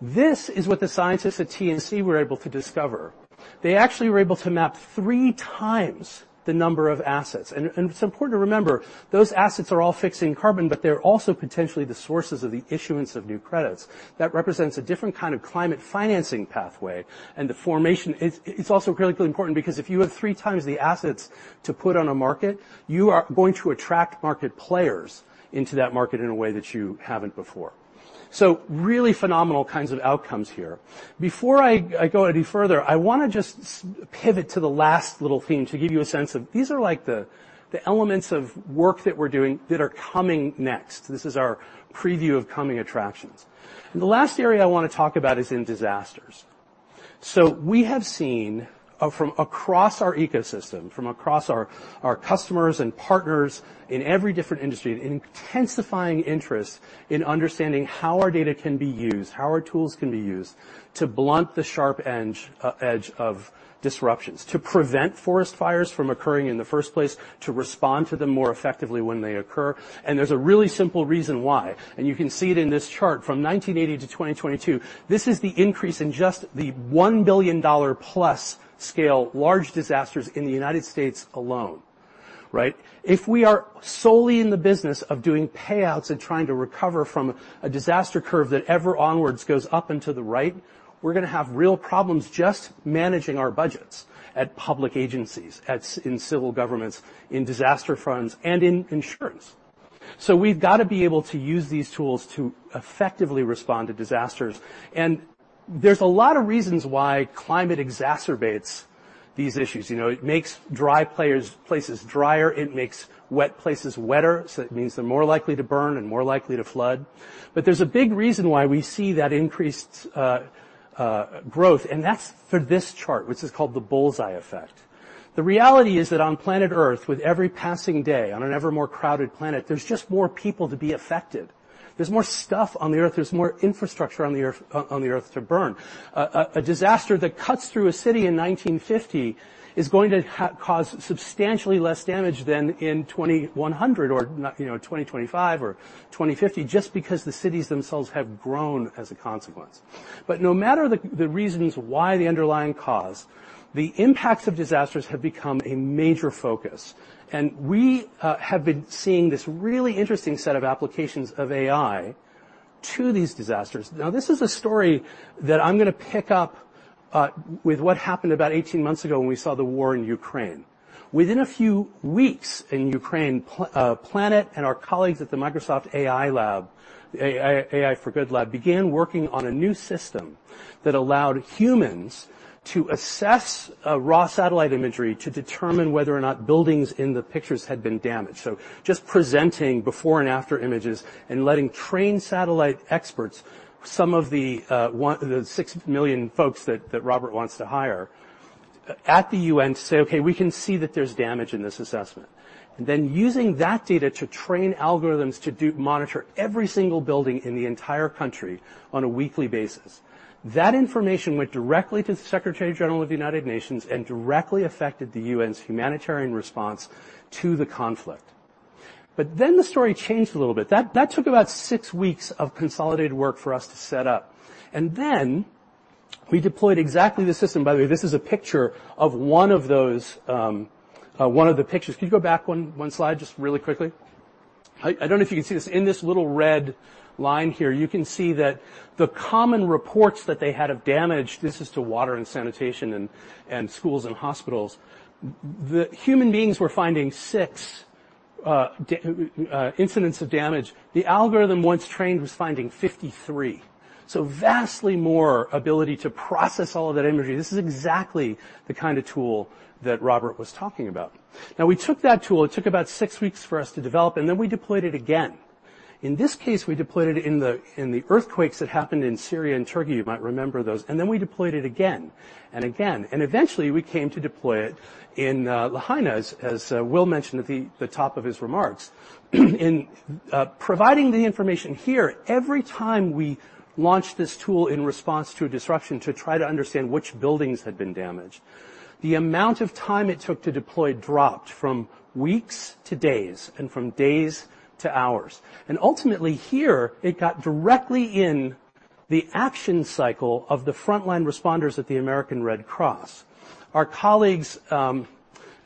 This is what the scientists at TNC were able to discover. They actually were able to map three times the number of assets. And it's important to remember, those assets are all fixing carbon, but they're also potentially the sources of the issuance of new credits. That represents a different kind of climate financing pathway, and the formation, it's also critically important because if you have three times the assets to put on a market, you are going to attract market players into that market in a way that you haven't before. So really phenomenal kinds of outcomes here. Before I go any further, I wanna just pivot to the last little theme to give you a sense of these are like the elements of work that we're doing that are coming next. This is our preview of coming attractions. The last area I want to talk about is in disasters. So we have seen from across our ecosystem, from across our, our customers and partners in every different industry, an intensifying interest in understanding how our data can be used, how our tools can be used, to blunt the sharp edge, edge of disruptions, to prevent forest fires from occurring in the first place, to respond to them more effectively when they occur, and there's a really simple reason why, and you can see it in this chart. From 1980 to 2022, this is the increase in just the $1 billion-plus scale, large disasters in the United States alone, right? If we are solely in the business of doing payouts and trying to recover from a disaster curve that ever onwards goes up and to the right, we're gonna have real problems just managing our budgets at public agencies, at, in civil governments, in disaster funds, and in insurance. So we've got to be able to use these tools to effectively respond to disasters. There's a lot of reasons why climate exacerbates these issues. You know, it makes dry places drier, it makes wet places wetter, so it means they're more likely to burn and more likely to flood. But there's a big reason why we see that increased growth, and that's for this chart, which is called the bullseye effect. The reality is that on planet Earth, with every passing day, on an ever more crowded planet, there's just more people to be affected. There's more stuff on the Earth, there's more infrastructure on the Earth to burn. A disaster that cuts through a city in 1950 is going to cause substantially less damage than in 2100 or not, you know, 2025 or 2050, just because the cities themselves have grown as a consequence. But no matter the reasons why the underlying cause, the impacts of disasters have become a major focus, and we have been seeing this really interesting set of applications of AI to these disasters. Now, this is a story that I'm gonna pick up with what happened about 18 months ago when we saw the war in Ukraine. Within a few weeks in Ukraine, Planet and our colleagues at the Microsoft AI for Good Lab began working on a new system that allowed humans to assess raw satellite imagery to determine whether or not buildings in the pictures had been damaged. So just presenting before and after images and letting trained satellite experts, some of the 6 million folks that Robert wants to hire at the UN to say, "Okay, we can see that there's damage in this assessment." And then using that data to train algorithms to monitor every single building in the entire country on a weekly basis. That information went directly to the Secretary-General of the United Nations and directly affected the UN's humanitarian response to the conflict. But then the story changed a little bit. That, that took about 6 weeks of consolidated work for us to set up, and then we deployed exactly the system. By the way, this is a picture of one of those, one of the pictures. Can you go back one, one slide, just really quickly? I, I don't know if you can see this. In this little red line here, you can see that the common reports that they had of damage, this is to water and sanitation and, and schools and hospitals, the human beings were finding six incidents of damage. The algorithm, once trained, was finding 53, so vastly more ability to process all of that imagery. This is exactly the kind of tool that Robert was talking about. Now, we took that tool, it took about six weeks for us to develop, and then we deployed it again. In this case, we deployed it in the earthquakes that happened in Syria and Turkey. You might remember those, and then we deployed it again and again. Eventually, we came to deploy it in Lahaina, as Will mentioned at the top of his remarks. In providing the information here, every time we launched this tool in response to a disruption to try to understand which buildings had been damaged, the amount of time it took to deploy dropped from weeks to days and from days to hours. Ultimately, here, it got directly in the action cycle of the frontline responders at the American Red Cross. Our colleagues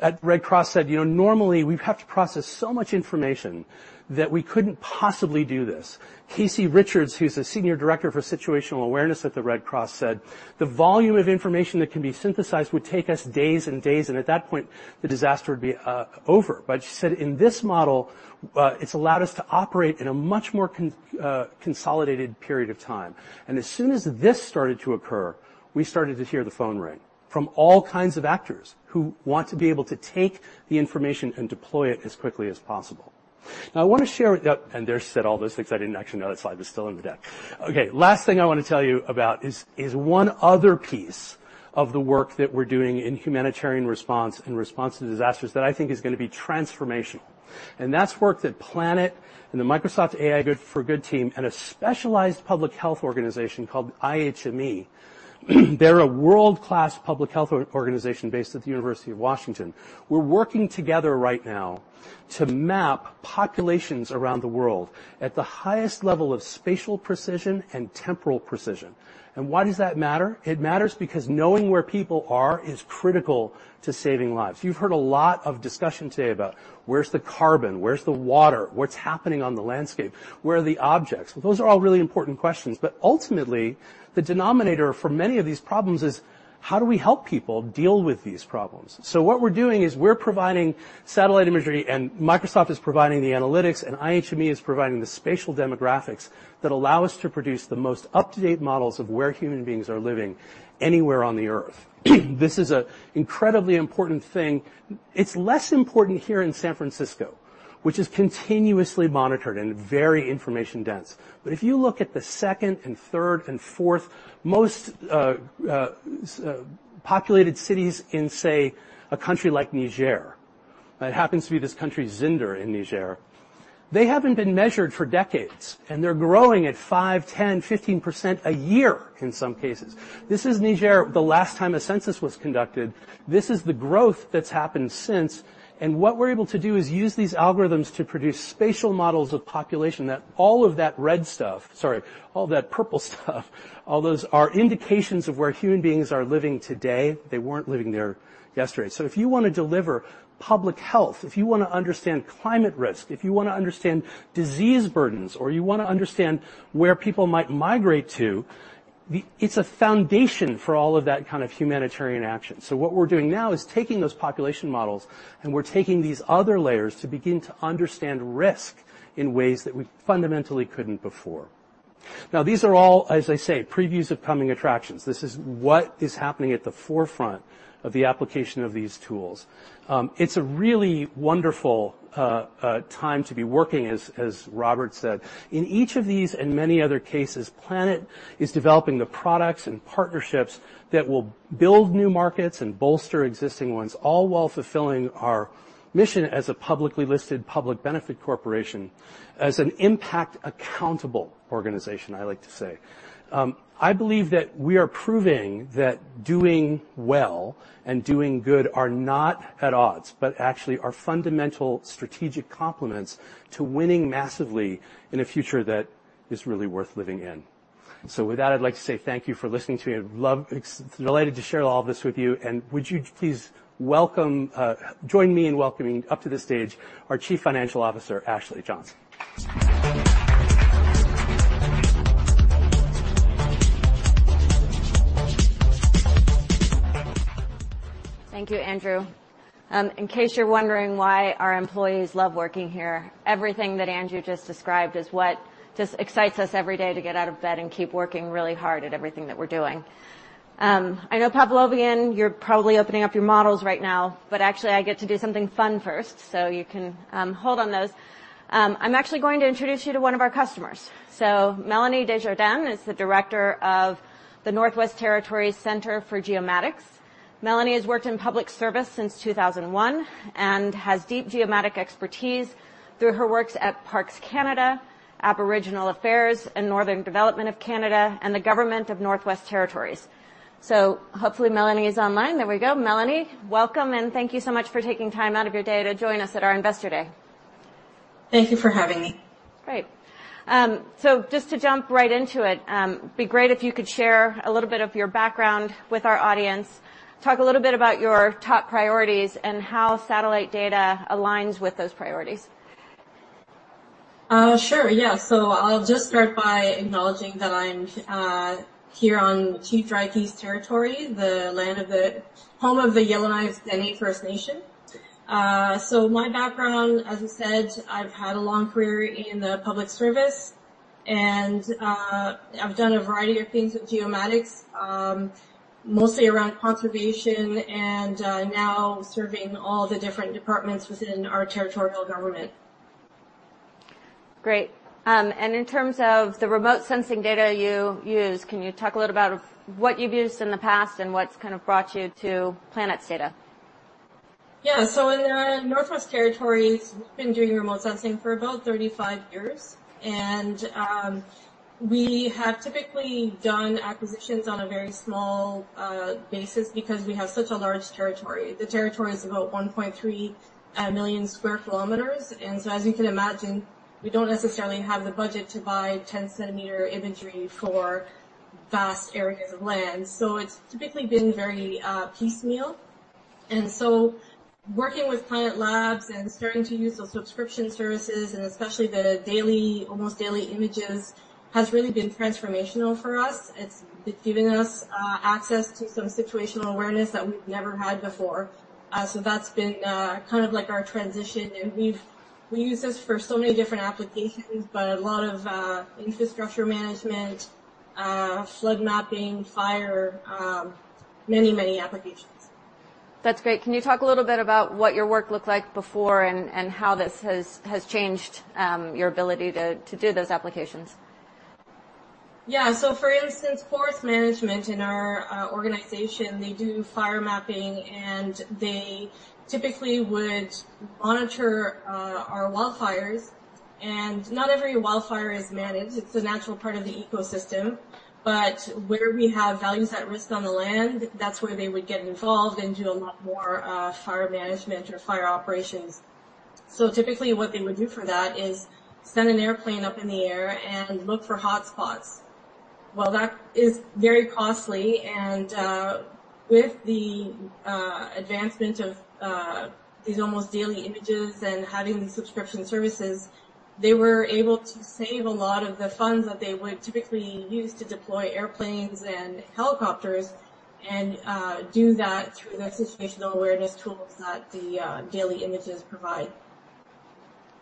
at Red Cross said, "You know, normally, we have to process so much information that we couldn't possibly do this." Kasie Richards, who's the Senior Director for Situational Awareness at the Red Cross, said, "The volume of information that can be synthesized would take us days and days, and at that point, the disaster would be over." But she said, "In this model, it's allowed us to operate in a much more consolidated period of time." And as soon as this started to occur, we started to hear the phone ring from all kinds of actors who want to be able to take the information and deploy it as quickly as possible. Now, I wanna share... and there's said all those things. I didn't actually know that slide was still in the deck. Okay, last thing I want to tell you about is one other piece of the work that we're doing in humanitarian response, in response to disasters, that I think is gonna be transformational. And that's work that Planet and the Microsoft AI Good for Good team and a specialized public health organization called IHME. They're a world-class public health organization based at the University of Washington. We're working together right now to map populations around the world at the highest level of spatial precision and temporal precision. And why does that matter? It matters because knowing where people are is critical to saving lives. You've heard a lot of discussion today about where's the carbon, where's the water, what's happening on the landscape, where are the objects? Those are all really important questions, but ultimately, the denominator for many of these problems is, how do we help people deal with these problems? So what we're doing is we're providing satellite imagery, and Microsoft is providing the analytics, and IHME is providing the spatial demographics that allow us to produce the most up-to-date models of where human beings are living anywhere on the Earth. This is an incredibly important thing. It's less important here in San Francisco, which is continuously monitored and very information-dense. But if you look at the second and third and fourth most populated cities in, say, a country like Niger, it happens to be this country, Zinder, in Niger. They haven't been measured for decades, and they're growing at 5%, 10%, 15% a year in some cases. This is Niger the last time a census was conducted. This is the growth that's happened since, and what we're able to do is use these algorithms to produce spatial models of population that all of that red stuff, sorry, all that purple stuff, all those are indications of where human beings are living today. They weren't living there yesterday. So if you wanna deliver public health, if you wanna understand climate risk, if you wanna understand disease burdens, or you wanna understand where people might migrate to, it's a foundation for all of that kind of humanitarian action. So what we're doing now is taking those population models, and we're taking these other layers to begin to understand risk in ways that we fundamentally couldn't before. Now, these are all, as I say, previews of coming attractions. This is what is happening at the forefront of the application of these tools. It's a really wonderful time to be working as Robert said. In each of these and many other cases, Planet is developing the products and partnerships that will build new markets and bolster existing ones, all while fulfilling our mission as a publicly listed public benefit corporation, as an impact accountable organization, I like to say. I believe that we are proving that doing well and doing good are not at odds, but actually are fundamental strategic complements to winning massively in a future that is really worth living in. So with that, I'd like to say thank you for listening to me. Delighted to share all this with you, and would you please join me in welcoming up to the stage our Chief Financial Officer, Ashley Johnson. Thank you, Andrew. In case you're wondering why our employees love working here, everything that Andrew just described is what just excites us every day to get out of bed and keep working really hard at everything that we're doing. I know, Pavlovian, you're probably opening up your models right now, but actually I get to do something fun first, so you can hold on those. I'm actually going to introduce you to one of our customers. So Melanie Desjardins is the Director of the Northwest Territories Centre for Geomatics. Melanie has worked in public service since 2001, and has deep geomatic expertise through her works at Parks Canada, Aboriginal Affairs, and Northern Development of Canada, and the Government of Northwest Territories. So hopefully, Melanie is online. There we go. Melanie, welcome, and thank you so much for taking time out of your day to join us at our Investor Day. Thank you for having me. Great. So just to jump right into it, it'd be great if you could share a little bit of your background with our audience. Talk a little bit about your top priorities and how satellite data aligns with those priorities. Sure. Yeah. So I'll just start by acknowledging that I'm here on Chief Drygeese's territory, the land of the... Home of the Yellowknives Dene First Nation. So my background, as I said, I've had a long career in the public service, and I've done a variety of things with geomatics, mostly around conservation and now serving all the different departments within our territorial government. Great. In terms of the remote sensing data you use, can you talk a little about what you've used in the past and what's kind of brought you to Planet's data? Yeah. So in the Northwest Territories, we've been doing remote sensing for about 35 years, and we have typically done acquisitions on a very small basis because we have such a large territory. The territory is about 1.3 million sq km, and so, as you can imagine, we don't necessarily have the budget to buy 10-cm imagery for vast areas of land. So it's typically been very piecemeal. And so working with Planet Labs and starting to use those subscription services, and especially the daily, almost daily images, has really been transformational for us. It's given us access to some situational awareness that we've never had before. So that's been kind of like our transition, and we use this for so many different applications, but a lot of infrastructure management, flood mapping, fire, many, many applications. That's great. Can you talk a little bit about what your work looked like before and how this has changed your ability to do those applications? Yeah. So, for instance, forest management in our organization, they do fire mapping, and they typically would monitor our wildfires. And not every wildfire is managed. It's a natural part of the ecosystem, but where we have values at risk on the land, that's where they would get involved and do a lot more fire management or fire operations. So typically, what they would do for that is send an airplane up in the air and look for hotspots. Well, that is very costly, and with the advancement of these almost daily images and having subscription services, they were able to save a lot of the funds that they would typically use to deploy airplanes and helicopters, and do that through the situational awareness tools that the daily images provide.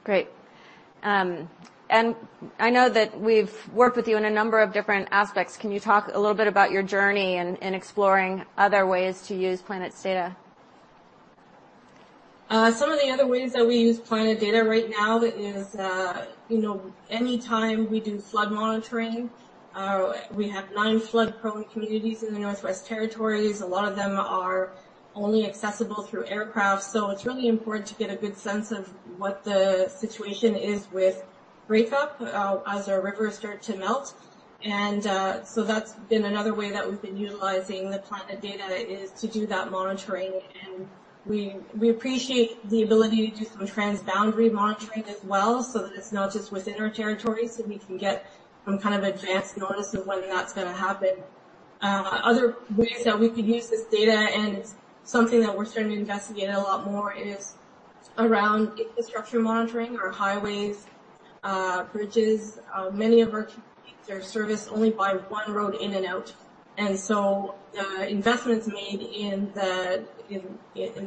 Great. I know that we've worked with you in a number of different aspects. Can you talk a little bit about your journey in exploring other ways to use Planet's data? Some of the other ways that we use Planet data right now is, you know, anytime we do flood monitoring, we have nine flood-prone communities in the Northwest Territories. A lot of them are only accessible through aircraft, so it's really important to get a good sense of what the situation is with break-up, as our rivers start to melt. So that's been another way that we've been utilizing the Planet data, is to do that monitoring, and we appreciate the ability to do some trans-boundary monitoring as well, so that it's not just within our territory, so we can get some kind of advanced notice of when that's gonna happen. Other ways that we could use this data, and it's something that we're starting to investigate a lot more, is around infrastructure monitoring, our highways, bridges. Many of our communities, they're serviced only by one road in and out, and so the investments made in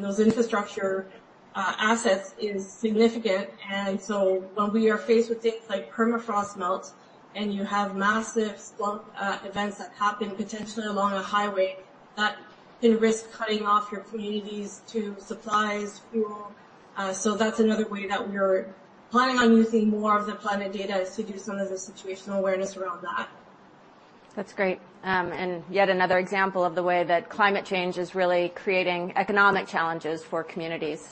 those infrastructure assets is significant. And so when we are faced with things like permafrost melt, and you have massive slump events that happen potentially along a highway, and risk cutting off your communities to supplies, fuel. So that's another way that we're planning on using more of the Planet data, is to do some of the situational awareness around that. That's great. And yet another example of the way that climate change is really creating economic challenges for communities.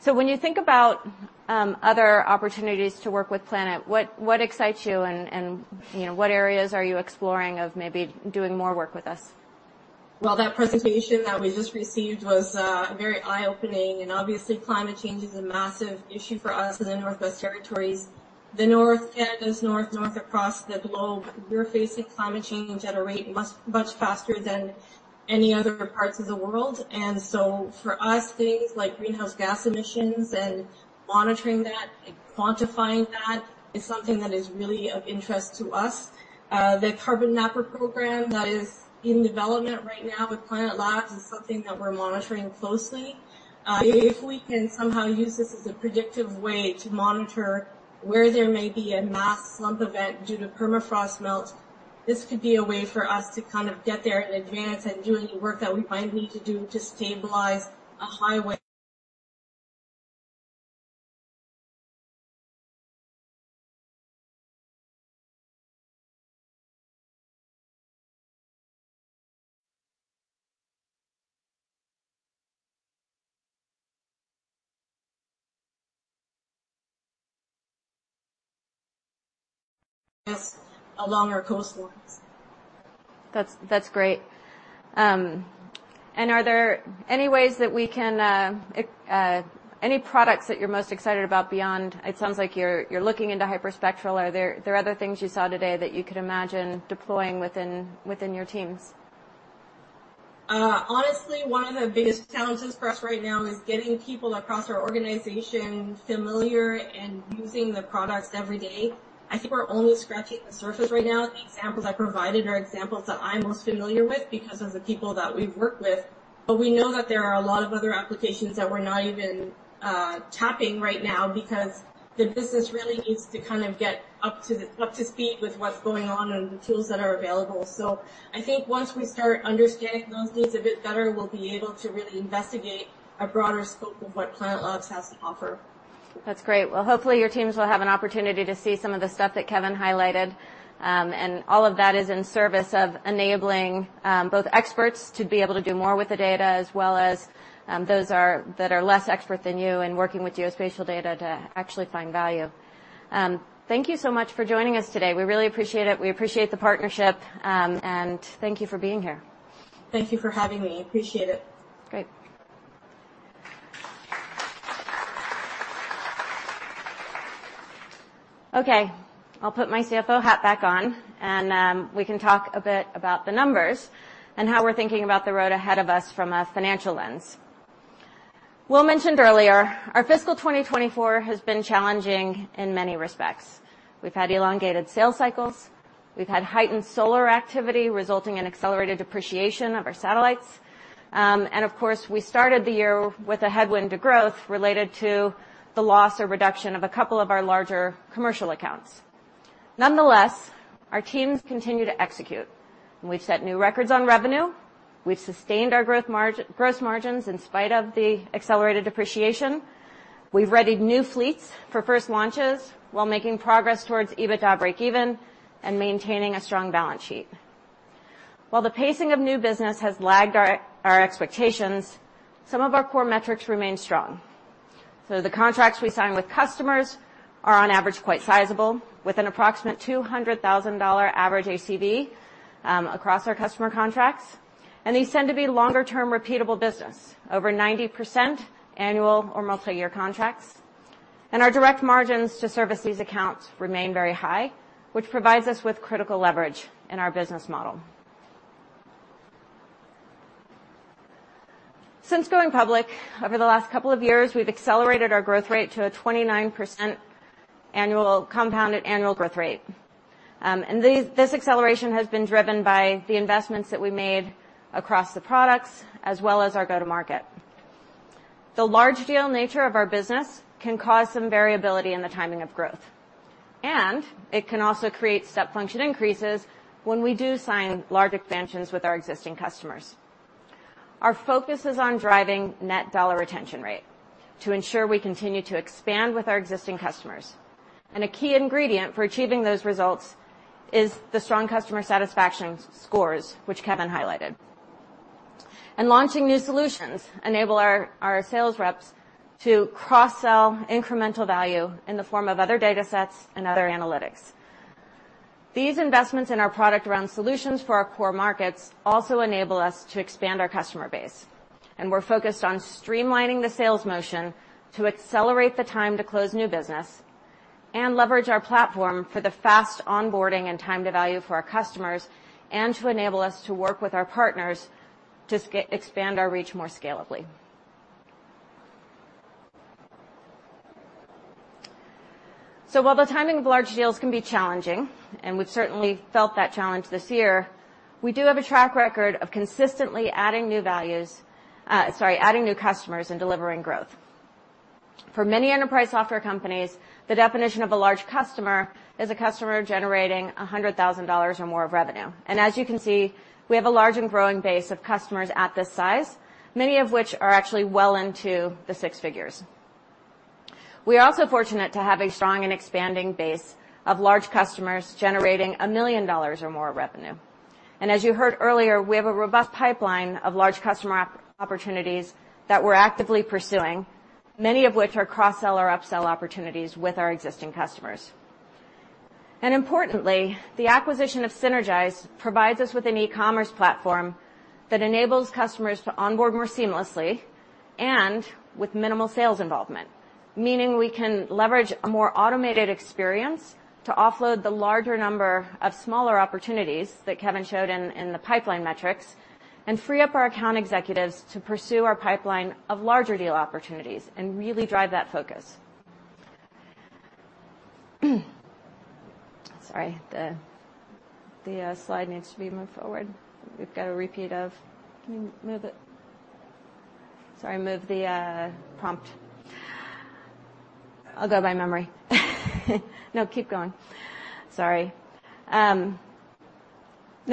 So when you think about other opportunities to work with Planet, what excites you and you know, what areas are you exploring of maybe doing more work with us? Well, that presentation that we just received was very eye-opening, and obviously, climate change is a massive issue for us in the Northwest Territories. The North, Canada's North, North across the globe, we're facing climate change at a rate much, much faster than any other parts of the world. And so for us, things like greenhouse gas emissions and monitoring that and quantifying that is something that is really of interest to us. The Carbon Mapper program that is in development right now with Planet Labs is something that we're monitoring closely. If we can somehow use this as a predictive way to monitor where there may be a mass slump event due to permafrost melt, this could be a way for us to kind of get there in advance and do any work that we might need to do to stabilize a highway along our coastlines. That's great. And are there any products that you're most excited about beyond. It sounds like you're looking into hyperspectral. Are there other things you saw today that you could imagine deploying within your teams? Honestly, one of the biggest challenges for us right now is getting people across our organization familiar and using the products every day. I think we're only scratching the surface right now. The examples I provided are examples that I'm most familiar with because of the people that we've worked with, but we know that there are a lot of other applications that we're not even tapping right now because the business really needs to kind of get up to speed with what's going on and the tools that are available. So I think once we start understanding those needs a bit better, we'll be able to really investigate a broader scope of what Planet Labs has to offer. That's great. Well, hopefully, your teams will have an opportunity to see some of the stuff that Kevin highlighted. And all of that is in service of enabling both experts to be able to do more with the data, as well as those that are less expert than you in working with geospatial data to actually find value. Thank you so much for joining us today. We really appreciate it. We appreciate the partnership. And thank you for being here. Thank you for having me. Appreciate it. Great. Okay, I'll put my CFO hat back on, and we can talk a bit about the numbers and how we're thinking about the road ahead of us from a financial lens. Will mentioned earlier, our fiscal 2024 has been challenging in many respects. We've had elongated sales cycles. We've had heightened solar activity, resulting in accelerated depreciation of our satellites. And of course, we started the year with a headwind to growth related to the loss or reduction of a couple of our larger commercial accounts. Nonetheless, our teams continue to execute, and we've set new records on revenue. We've sustained our gross margins in spite of the accelerated depreciation. We've readied new fleets for first launches while making progress towards EBITDA breakeven and maintaining a strong balance sheet. While the pacing of new business has lagged our, our expectations, some of our core metrics remain strong. So the contracts we sign with customers are, on average, quite sizable, with an approximate $200,000 average ACV across our customer contracts. And these tend to be longer-term, repeatable business, over 90% annual or multi-year contracts. And our direct margins to service these accounts remain very high, which provides us with critical leverage in our business model. Since going public over the last couple of years, we've accelerated our growth rate to a 29% annual compounded annual growth rate. This acceleration has been driven by the investments that we made across the products as well as our go-to-market. The large deal nature of our business can cause some variability in the timing of growth, and it can also create step function increases when we do sign large expansions with our existing customers. Our focus is on driving net dollar retention rate to ensure we continue to expand with our existing customers. A key ingredient for achieving those results is the strong customer satisfaction scores, which Kevin highlighted. Launching new solutions enable our sales reps to cross-sell incremental value in the form of other datasets and other analytics. These investments in our product around solutions for our core markets also enable us to expand our customer base, and we're focused on streamlining the sales motion to accelerate the time to close new business and leverage our platform for the fast onboarding and time to value for our customers, and to enable us to work with our partners to expand our reach more scalably. So while the timing of large deals can be challenging, and we've certainly felt that challenge this year, we do have a track record of consistently adding new customers and delivering growth. For many enterprise software companies, the definition of a large customer is a customer generating $100,000 or more of revenue. As you can see, we have a large and growing base of customers at this size, many of which are actually well into the six figures. We are also fortunate to have a strong and expanding base of large customers generating $1 million or more of revenue. As you heard earlier, we have a robust pipeline of large customer opportunities that we're actively pursuing, many of which are cross-sell or upsell opportunities with our existing customers. Importantly, the acquisition of Sinergise provides us with an e-commerce platform that enables customers to onboard more seamlessly and with minimal sales involvement, meaning we can leverage a more automated experience to offload the larger number of smaller opportunities that Kevin showed in the pipeline metrics and free up our account executives to pursue our pipeline of larger deal opportunities and really drive that focus. Sorry, the slide needs to be moved forward. We've got a repeat of... Can you move it? Sorry, move the prompt. I'll go by memory. No, keep going. Sorry. Net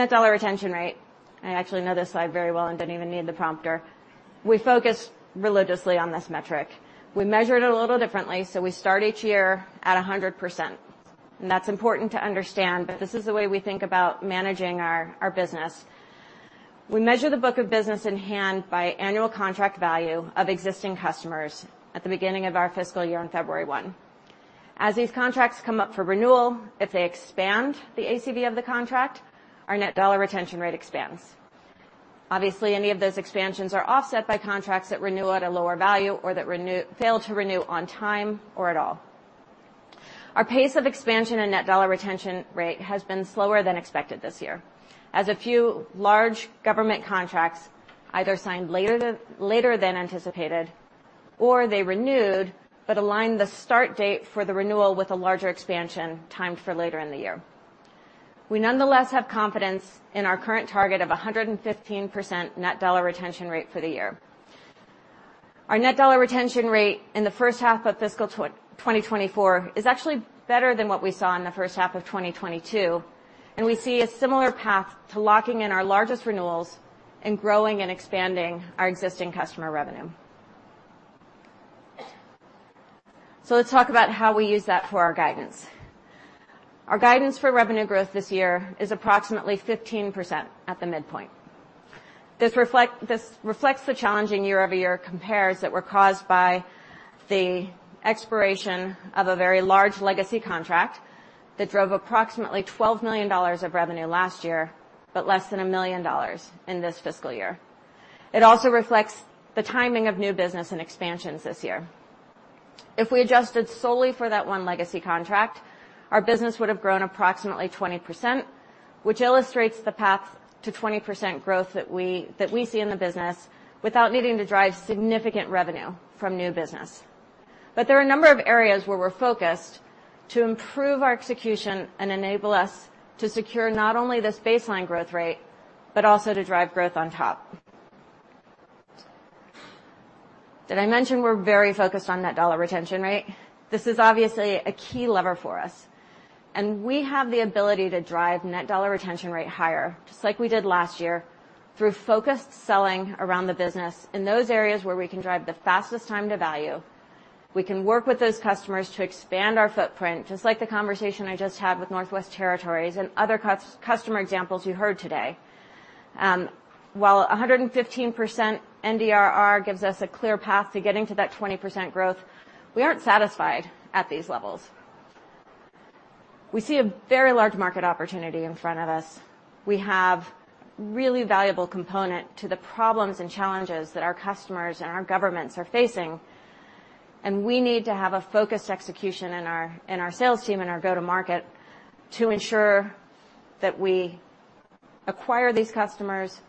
dollar retention rate. I actually know this slide very well and didn't even need the prompter. We focus religiously on this metric. We measure it a little differently, so we start each year at 100%, and that's important to understand, but this is the way we think about managing our business. We measure the book of business in hand by annual contract value of existing customers at the beginning of our fiscal year on February 1. As these contracts come up for renewal, if they expand the ACV of the contract, our net dollar retention rate expands. Obviously, any of those expansions are offset by contracts that renew at a lower value or that renew... fail to renew on time or at all. Our pace of expansion and Net Dollar Retention Rate has been slower than expected this year, as a few large government contracts either signed later than anticipated, or they renewed but aligned the start date for the renewal with a larger expansion timed for later in the year. We nonetheless have confidence in our current target of 115% Net Dollar Retention Rate for the year. Our Net Dollar Retention Rate in the first half of fiscal 2024 is actually better than what we saw in the first half of 2022, and we see a similar path to locking in our largest renewals and growing and expanding our existing customer revenue. So let's talk about how we use that for our guidance. Our guidance for revenue growth this year is approximately 15% at the midpoint. This reflects the challenging year-over-year compares that were caused by the expiration of a very large legacy contract that drove approximately $12 million of revenue last year, but less than $1 million in this fiscal year. It also reflects the timing of new business and expansions this year. If we adjusted solely for that one legacy contract, our business would have grown approximately 20%, which illustrates the path to 20% growth that we see in the business without needing to drive significant revenue from new business. But there are a number of areas where we're focused to improve our execution and enable us to secure not only this baseline growth rate, but also to drive growth on top. Did I mention we're very focused on net dollar retention rate? This is obviously a key lever for us, and we have the ability to drive net dollar retention rate higher, just like we did last year, through focused selling around the business. In those areas where we can drive the fastest time to value, we can work with those customers to expand our footprint, just like the conversation I just had with Northwest Territories and other customers examples you heard today. While 115% NDRR gives us a clear path to getting to that 20% growth, we aren't satisfied at these levels. We see a very large market opportunity in front of us. We have really valuable component to the problems and challenges that our customers and our governments are facing, and we need to have a focused execution in our, in our sales team and our go-to-market to ensure that we acquire these customers,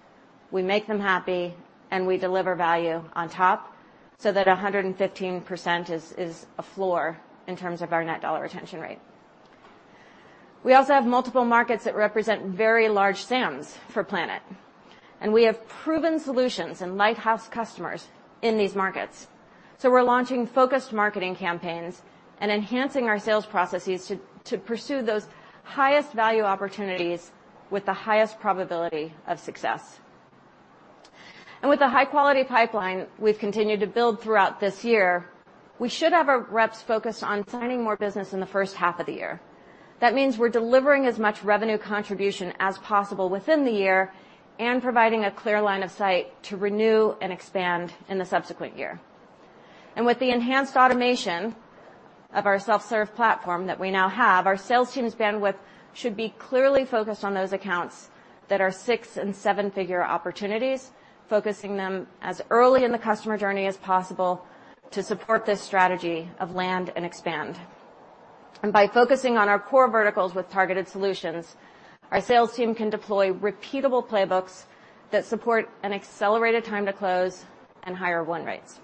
we make them happy, and we deliver value on top so that 115% is, is a floor in terms of our net dollar retention rate. We also have multiple markets that represent very large SAMs for Planet, and we have proven solutions and lighthouse customers in these markets. So we're launching focused marketing campaigns and enhancing our sales processes to, to pursue those highest value opportunities with the highest probability of success. And with the high-quality pipeline we've continued to build throughout this year, we should have our reps focused on signing more business in the first half of the year. That means we're delivering as much revenue contribution as possible within the year and providing a clear line of sight to renew and expand in the subsequent year. And with the enhanced automation of our self-serve platform that we now have, our sales team's bandwidth should be clearly focused on those accounts that are six- and seven-figure opportunities, focusing them as early in the customer journey as possible to support this strategy of land and expand. And by focusing on our core verticals with targeted solutions, our sales team can deploy repeatable playbooks that support an accelerated time to close and higher win rates.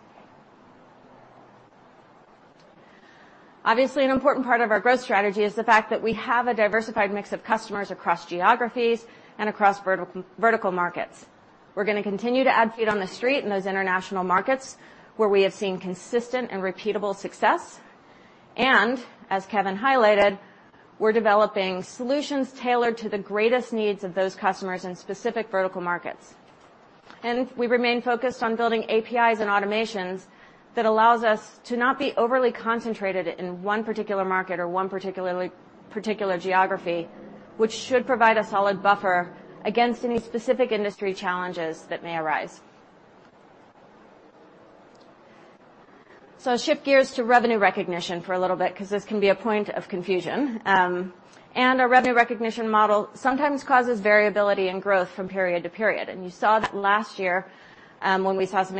Obviously, an important part of our growth strategy is the fact that we have a diversified mix of customers across geographies and across vertical markets. We're gonna continue to add feet on the street in those international markets, where we have seen consistent and repeatable success. As Kevin highlighted, we're developing solutions tailored to the greatest needs of those customers in specific vertical markets. We remain focused on building APIs and automations that allows us to not be overly concentrated in one particular market or one particular, particular geography, which should provide a solid buffer against any specific industry challenges that may arise. I'll shift gears to revenue recognition for a little bit, 'cause this can be a point of confusion. Our revenue recognition model sometimes causes variability in growth from period to period. You saw that last year, when we saw some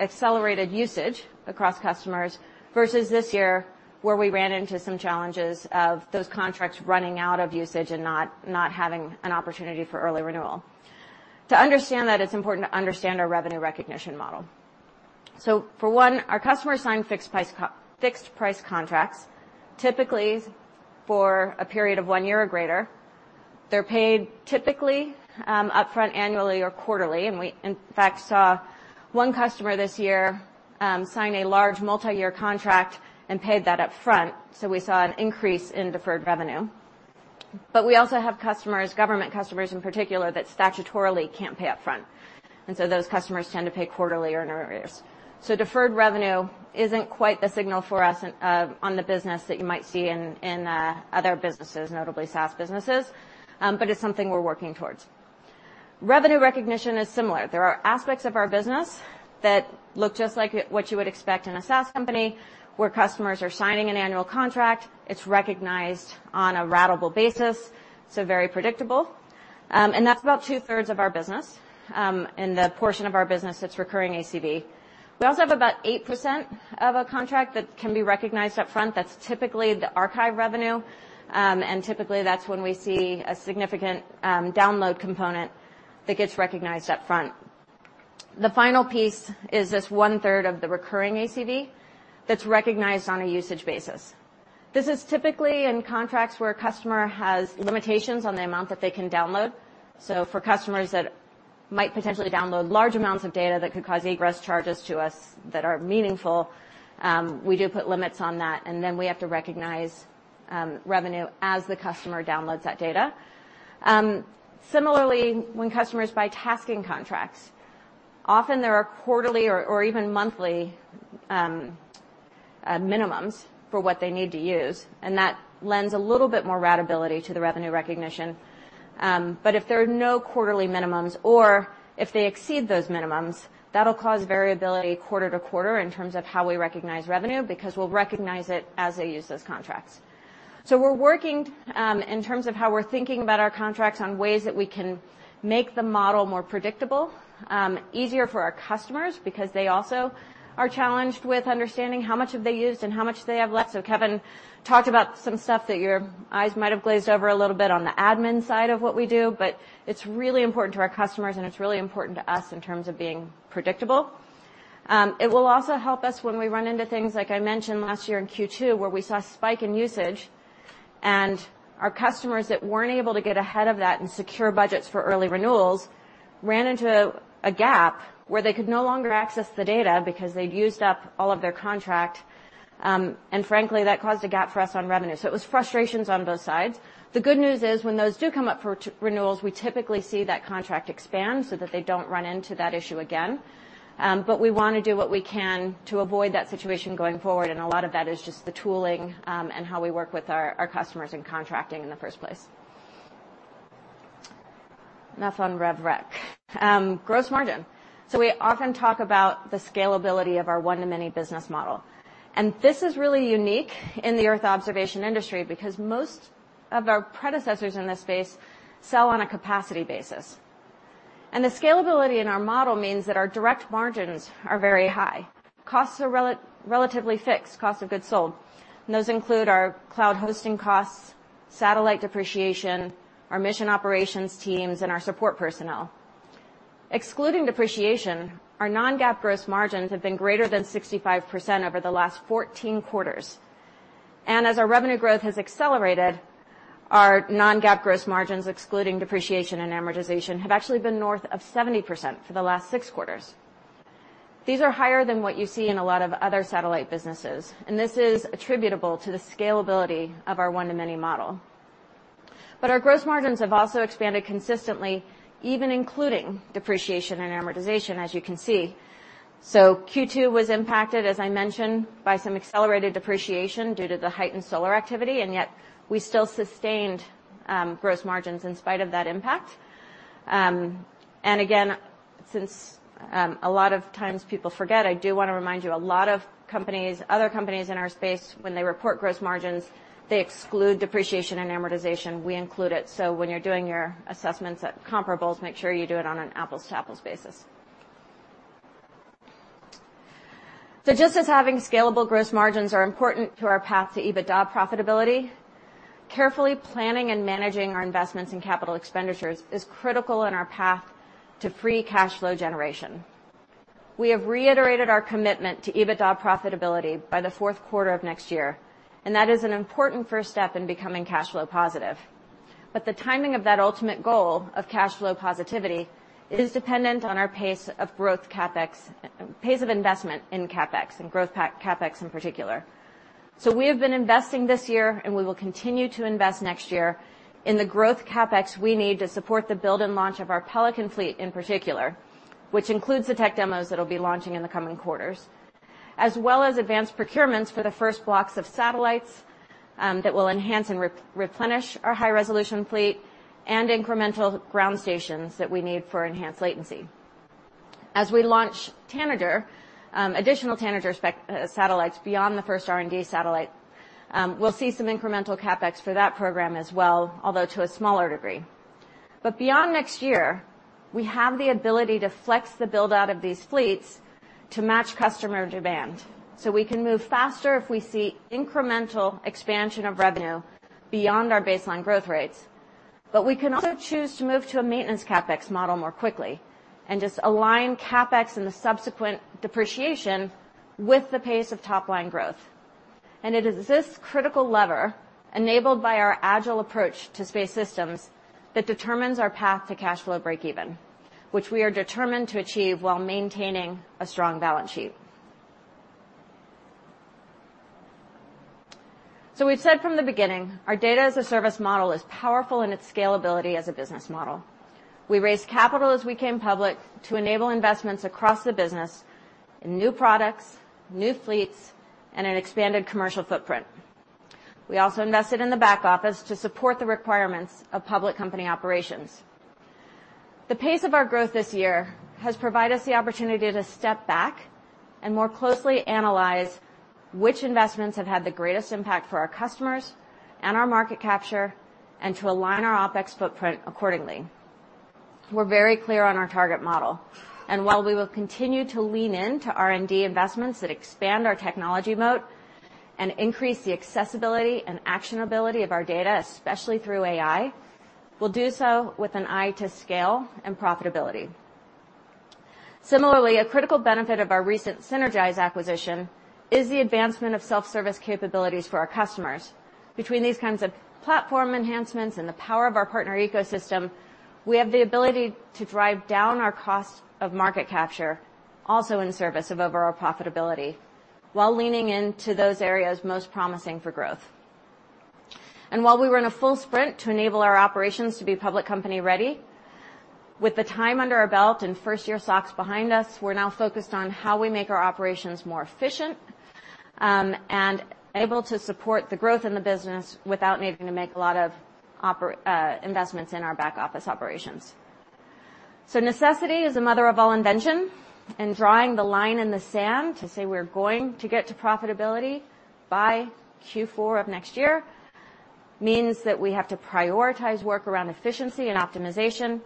accelerated usage across customers, versus this year, where we ran into some challenges of those contracts running out of usage and not having an opportunity for early renewal. To understand that, it's important to understand our revenue recognition model. So for one, our customers sign fixed-price contracts, typically for a period of one year or greater. They're paid typically upfront annually or quarterly, and we, in fact, saw one customer this year sign a large multiyear contract and paid that upfront, so we saw an increase in deferred revenue. But we also have customers, government customers in particular, that statutorily can't pay upfront, and so those customers tend to pay quarterly or in arrears. So deferred revenue isn't quite the signal for us on the business that you might see in other businesses, notably SaaS businesses, but it's something we're working towards. Revenue recognition is similar. There are aspects of our business that look just like it, what you would expect in a SaaS company, where customers are signing an annual contract. It's recognized on a ratable basis, so very predictable. And that's about 2/3 of our business, and the portion of our business that's recurring ACV. We also have about 8% of a contract that can be recognized upfront. That's typically the archive revenue, and typically, that's when we see a significant download component that gets recognized upfront. The final piece is this 1/3 of the recurring ACV that's recognized on a usage basis. This is typically in contracts where a customer has limitations on the amount that they can download. So for customers that might potentially download large amounts of data that could cause egress charges to us that are meaningful, we do put limits on that, and then we have to recognize revenue as the customer downloads that data. Similarly, when customers buy tasking contracts, often there are quarterly or even monthly minimums for what they need to use, and that lends a little bit more ratability to the revenue recognition. But if there are no quarterly minimums or if they exceed those minimums, that'll cause variability quarter to quarter in terms of how we recognize revenue, because we'll recognize it as they use those contracts. So we're working in terms of how we're thinking about our contracts on ways that we can make the model more predictable, easier for our customers, because they also are challenged with understanding how much have they used and how much they have left. So Kevin talked about some stuff that your eyes might have glazed over a little bit on the admin side of what we do, but it's really important to our customers, and it's really important to us in terms of being predictable. It will also help us when we run into things, like I mentioned last year in Q2, where we saw a spike in usage, and our customers that weren't able to get ahead of that and secure budgets for early renewals ran into a gap where they could no longer access the data because they'd used up all of their contract. Frankly, that caused a gap for us on revenue, so it was frustrations on both sides. The good news is, when those do come up for renewals, we typically see that contract expand so that they don't run into that issue again. We wanna do what we can to avoid that situation going forward, and a lot of that is just the tooling, and how we work with our customers in contracting in the first place. Enough on rev rec. Gross margin. We often talk about the scalability of our one-to-many business model, and this is really unique in the earth observation industry because most of our predecessors in this space sell on a capacity basis. The scalability in our model means that our direct margins are very high. Costs are relatively fixed, cost of goods sold, and those include our cloud hosting costs, satellite depreciation, our mission operations teams, and our support personnel. Excluding depreciation, our non-GAAP gross margins have been greater than 65% over the last 14 quarters. As our revenue growth has accelerated, our non-GAAP gross margins, excluding depreciation and amortization, have actually been north of 70% for the last six quarters. These are higher than what you see in a lot of other satellite businesses, and this is attributable to the scalability of our one-to-many model. Our gross margins have also expanded consistently, even including depreciation and amortization, as you can see. Q2 was impacted, as I mentioned, by some accelerated depreciation due to the heightened solar activity, and yet we still sustained gross margins in spite of that impact. And again, since a lot of times people forget, I do wanna remind you, a lot of companies, other companies in our space, when they report gross margins, they exclude depreciation and amortization. We include it. So when you're doing your assessments at comparables, make sure you do it on an apples-to-apples basis. So just as having scalable gross margins are important to our path to EBITDA profitability, carefully planning and managing our investments in capital expenditures is critical in our path to free cash flow generation. We have reiterated our commitment to EBITDA profitability by the fourth quarter of next year, and that is an important first step in becoming cash flow positive. But the timing of that ultimate goal of cash flow positivity is dependent on our pace of growth CapEx, pace of investment in CapEx and growth CapEx in particular. So we have been investing this year, and we will continue to invest next year in the growth CapEx we need to support the build and launch of our Pelican fleet, in particular, which includes the tech demos that'll be launching in the coming quarters, as well as advanced procurements for the first blocks of satellites, that will enhance and replenish our high-resolution fleet and incremental ground stations that we need for enhanced latency. As we launch Tanager, additional Tanager satellites beyond the first R&D satellite, we'll see some incremental CapEx for that program as well, although to a smaller degree. But beyond next year, we have the ability to flex the build-out of these fleets to match customer demand, so we can move faster if we see incremental expansion of revenue beyond our baseline growth rates. We can also choose to move to a maintenance CapEx model more quickly and just align CapEx and the subsequent depreciation with the pace of top-line growth. It is this critical lever, enabled by our agile approach to space systems, that determines our path to cash flow breakeven, which we are determined to achieve while maintaining a strong balance sheet. We've said from the beginning, our data-as-a-service model is powerful in its scalability as a business model. We raised capital as we came public to enable investments across the business in new products, new fleets, and an expanded commercial footprint. We also invested in the back office to support the requirements of public company operations. The pace of our growth this year has provided us the opportunity to step back and more closely analyze which investments have had the greatest impact for our customers and our market capture, and to align our OpEx footprint accordingly. We're very clear on our target model, and while we will continue to lean into R&D investments that expand our technology moat and increase the accessibility and actionability of our data, especially through AI, we'll do so with an eye to scale and profitability. Similarly, a critical benefit of our recent Sinergise acquisition is the advancement of self-service capabilities for our customers. Between these kinds of platform enhancements and the power of our partner ecosystem, we have the ability to drive down our cost of market capture, also in service of overall profitability, while leaning into those areas most promising for growth. While we were in a full sprint to enable our operations to be public company-ready, with the time under our belt and first-year SOX behind us, we're now focused on how we make our operations more efficient, and able to support the growth in the business without needing to make a lot of investments in our back-office operations. Necessity is the mother of all invention, and drawing the line in the sand to say we're going to get to profitability by Q4 of next year means that we have to prioritize work around efficiency and optimization,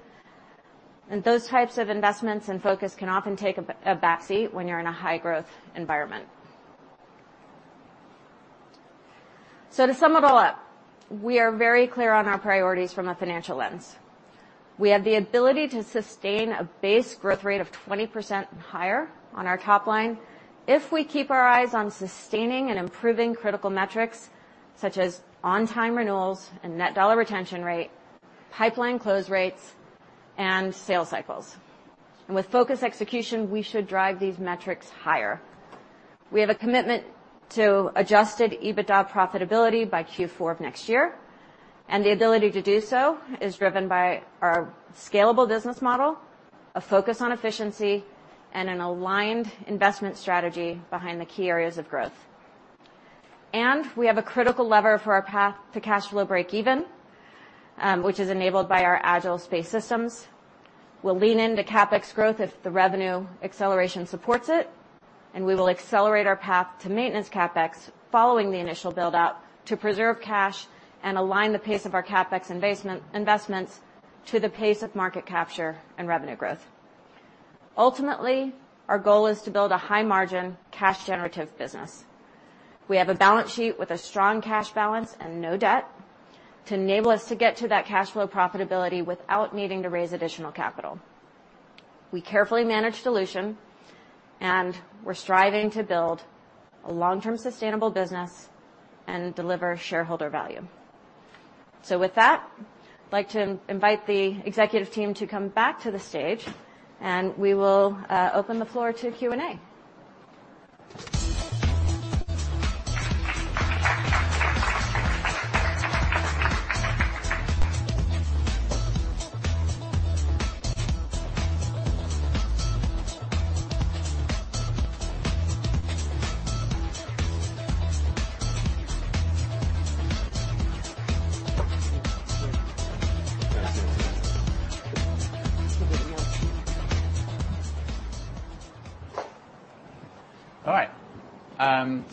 and those types of investments and focus can often take a backseat when you're in a high-growth environment. To sum it all up, we are very clear on our priorities from a financial lens. We have the ability to sustain a base growth rate of 20% and higher on our top line if we keep our eyes on sustaining and improving critical metrics, such as on-time renewals and Net Dollar Retention Rate, pipeline close rates, and sales cycles. With focused execution, we should drive these metrics higher. We have a commitment to Adjusted EBITDA profitability by Q4 of next year, and the ability to do so is driven by our scalable business model, a focus on efficiency, and an aligned investment strategy behind the key areas of growth. We have a critical lever for our path to cash flow breakeven, which is enabled by our agile space systems. We'll lean into CapEx growth if the revenue acceleration supports it, and we will accelerate our path to maintenance CapEx following the initial build-out to preserve cash and align the pace of our CapEx investments to the pace of market capture and revenue growth. Ultimately, our goal is to build a high-margin, cash-generative business. We have a balance sheet with a strong cash balance and no debt to enable us to get to that cash flow profitability without needing to raise additional capital. We carefully manage dilution, and we're striving to build a long-term sustainable business and deliver shareholder value. So with that, I'd like to invite the executive team to come back to the stage, and we will open the floor to Q&A. All right.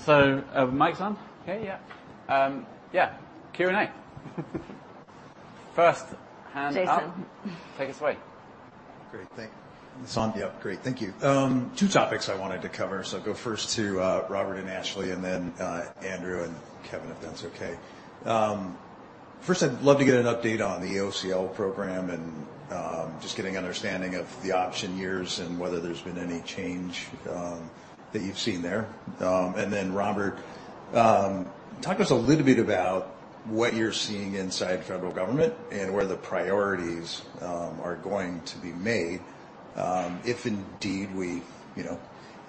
So, mic's on? Okay, yeah. Yeah, Q&A. First, hand up. Jason. Take it away. Great, thank you. It's on? Yep, great. Thank you. Two topics I wanted to cover, so I'll go first to Robert and Ashley, and then Andrew and Kevin, if that's okay. First, I'd love to get an update on the EOCL program and just getting an understanding of the option years and whether there's been any change that you've seen there. And then, Robert, talk to us a little bit about what you're seeing inside federal government and where the priorities are going to be made, if indeed we, you know,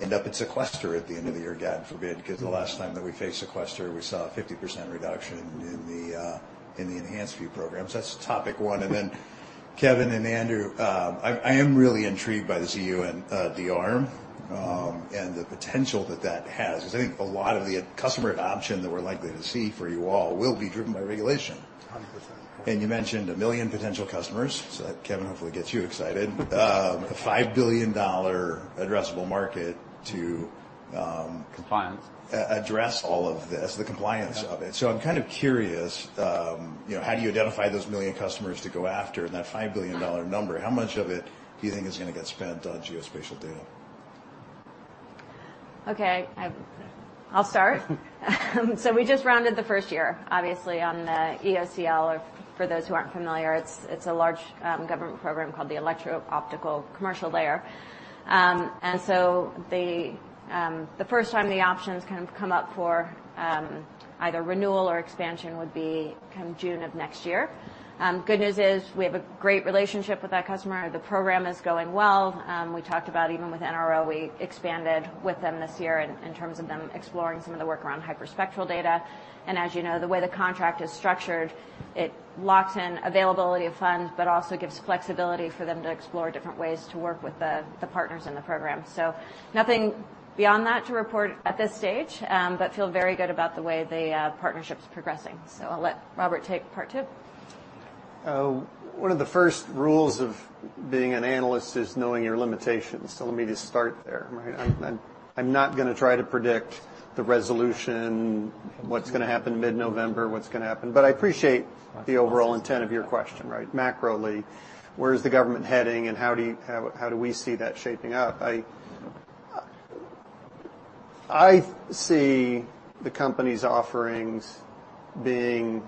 end up in sequester at the end of the year, God forbid, because the last time that we faced sequester, we saw a 50% reduction in the EnhancedView program. So that's topic one. And then Kevin and Andrew, I am really intrigued by the CU and the ARM, and the potential that that has, because I think a lot of the customer adoption that we're likely to see for you all will be driven by regulation. 100%. You mentioned 1 million potential customers, so that, Kevin, hopefully gets you excited. A $5 billion addressable market to, Compliance. Address all of this, the compliance of it. Yeah. I'm kind of curious, you know, how do you identify those 1 million customers to go after? And that $5 billion number, how much of it do you think is gonna get spent on geospatial data? Okay, I, I'll start. So we just rounded the first year, obviously, on the EOCL. For those who aren't familiar, it's a large government program called the Electro-Optical Commercial Layer. And so the first time the options kind of come up for either renewal or expansion would be come June of next year. Good news is we have a great relationship with that customer. The program is going well. We talked about even with NRO, we expanded with them this year in terms of them exploring some of the work around hyperspectral data. And as you know, the way the contract is structured, it locks in availability of funds, but also gives flexibility for them to explore different ways to work with the partners in the program. So nothing beyond that to report at this stage, but feel very good about the way the partnership's progressing. So I'll let Robert take part two. One of the first rules of being an analyst is knowing your limitations. So let me just start there, right? I'm not gonna try to predict the resolution, what's gonna happen mid-November, what's gonna happen. But I appreciate the overall intent of your question, right? Macroly, where is the government heading, and how do you, how, how do we see that shaping up? I see the company's offerings being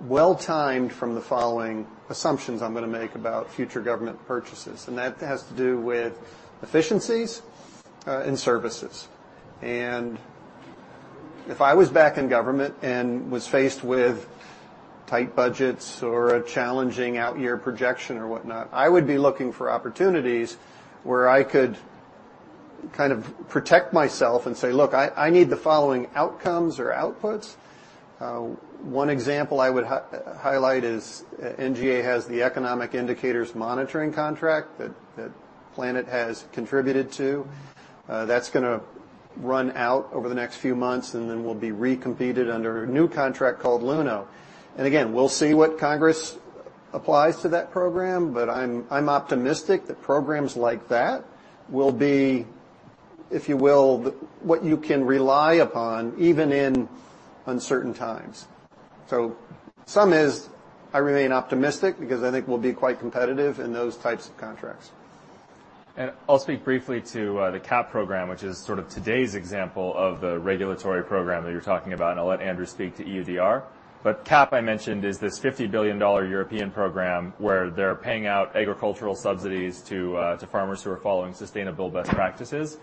well timed from the following assumptions I'm gonna make about future government purchases, and that has to do with efficiencies and services. And if I was back in government and was faced with tight budgets or a challenging out-year projection or whatnot, I would be looking for opportunities where I could kind of protect myself and say, "Look, I need the following outcomes or outputs." One example I would highlight is NGA has the Economic Indicators Monitoring contract that Planet has contributed to. That's gonna run out over the next few months, and then will be recompeted under a new contract called Luno. And again, we'll see what Congress applies to that program, but I'm optimistic that programs like that will be, if you will, what you can rely upon, even in uncertain times. So sum is, I remain optimistic because I think we'll be quite competitive in those types of contracts. And I'll speak briefly to the CAP program, which is sort of today's example of the regulatory program that you're talking about, and I'll let Andrew speak to EUDR. But CAP, I mentioned, is this $50 billion European program where they're paying out agricultural subsidies to farmers who are following sustainable best practices.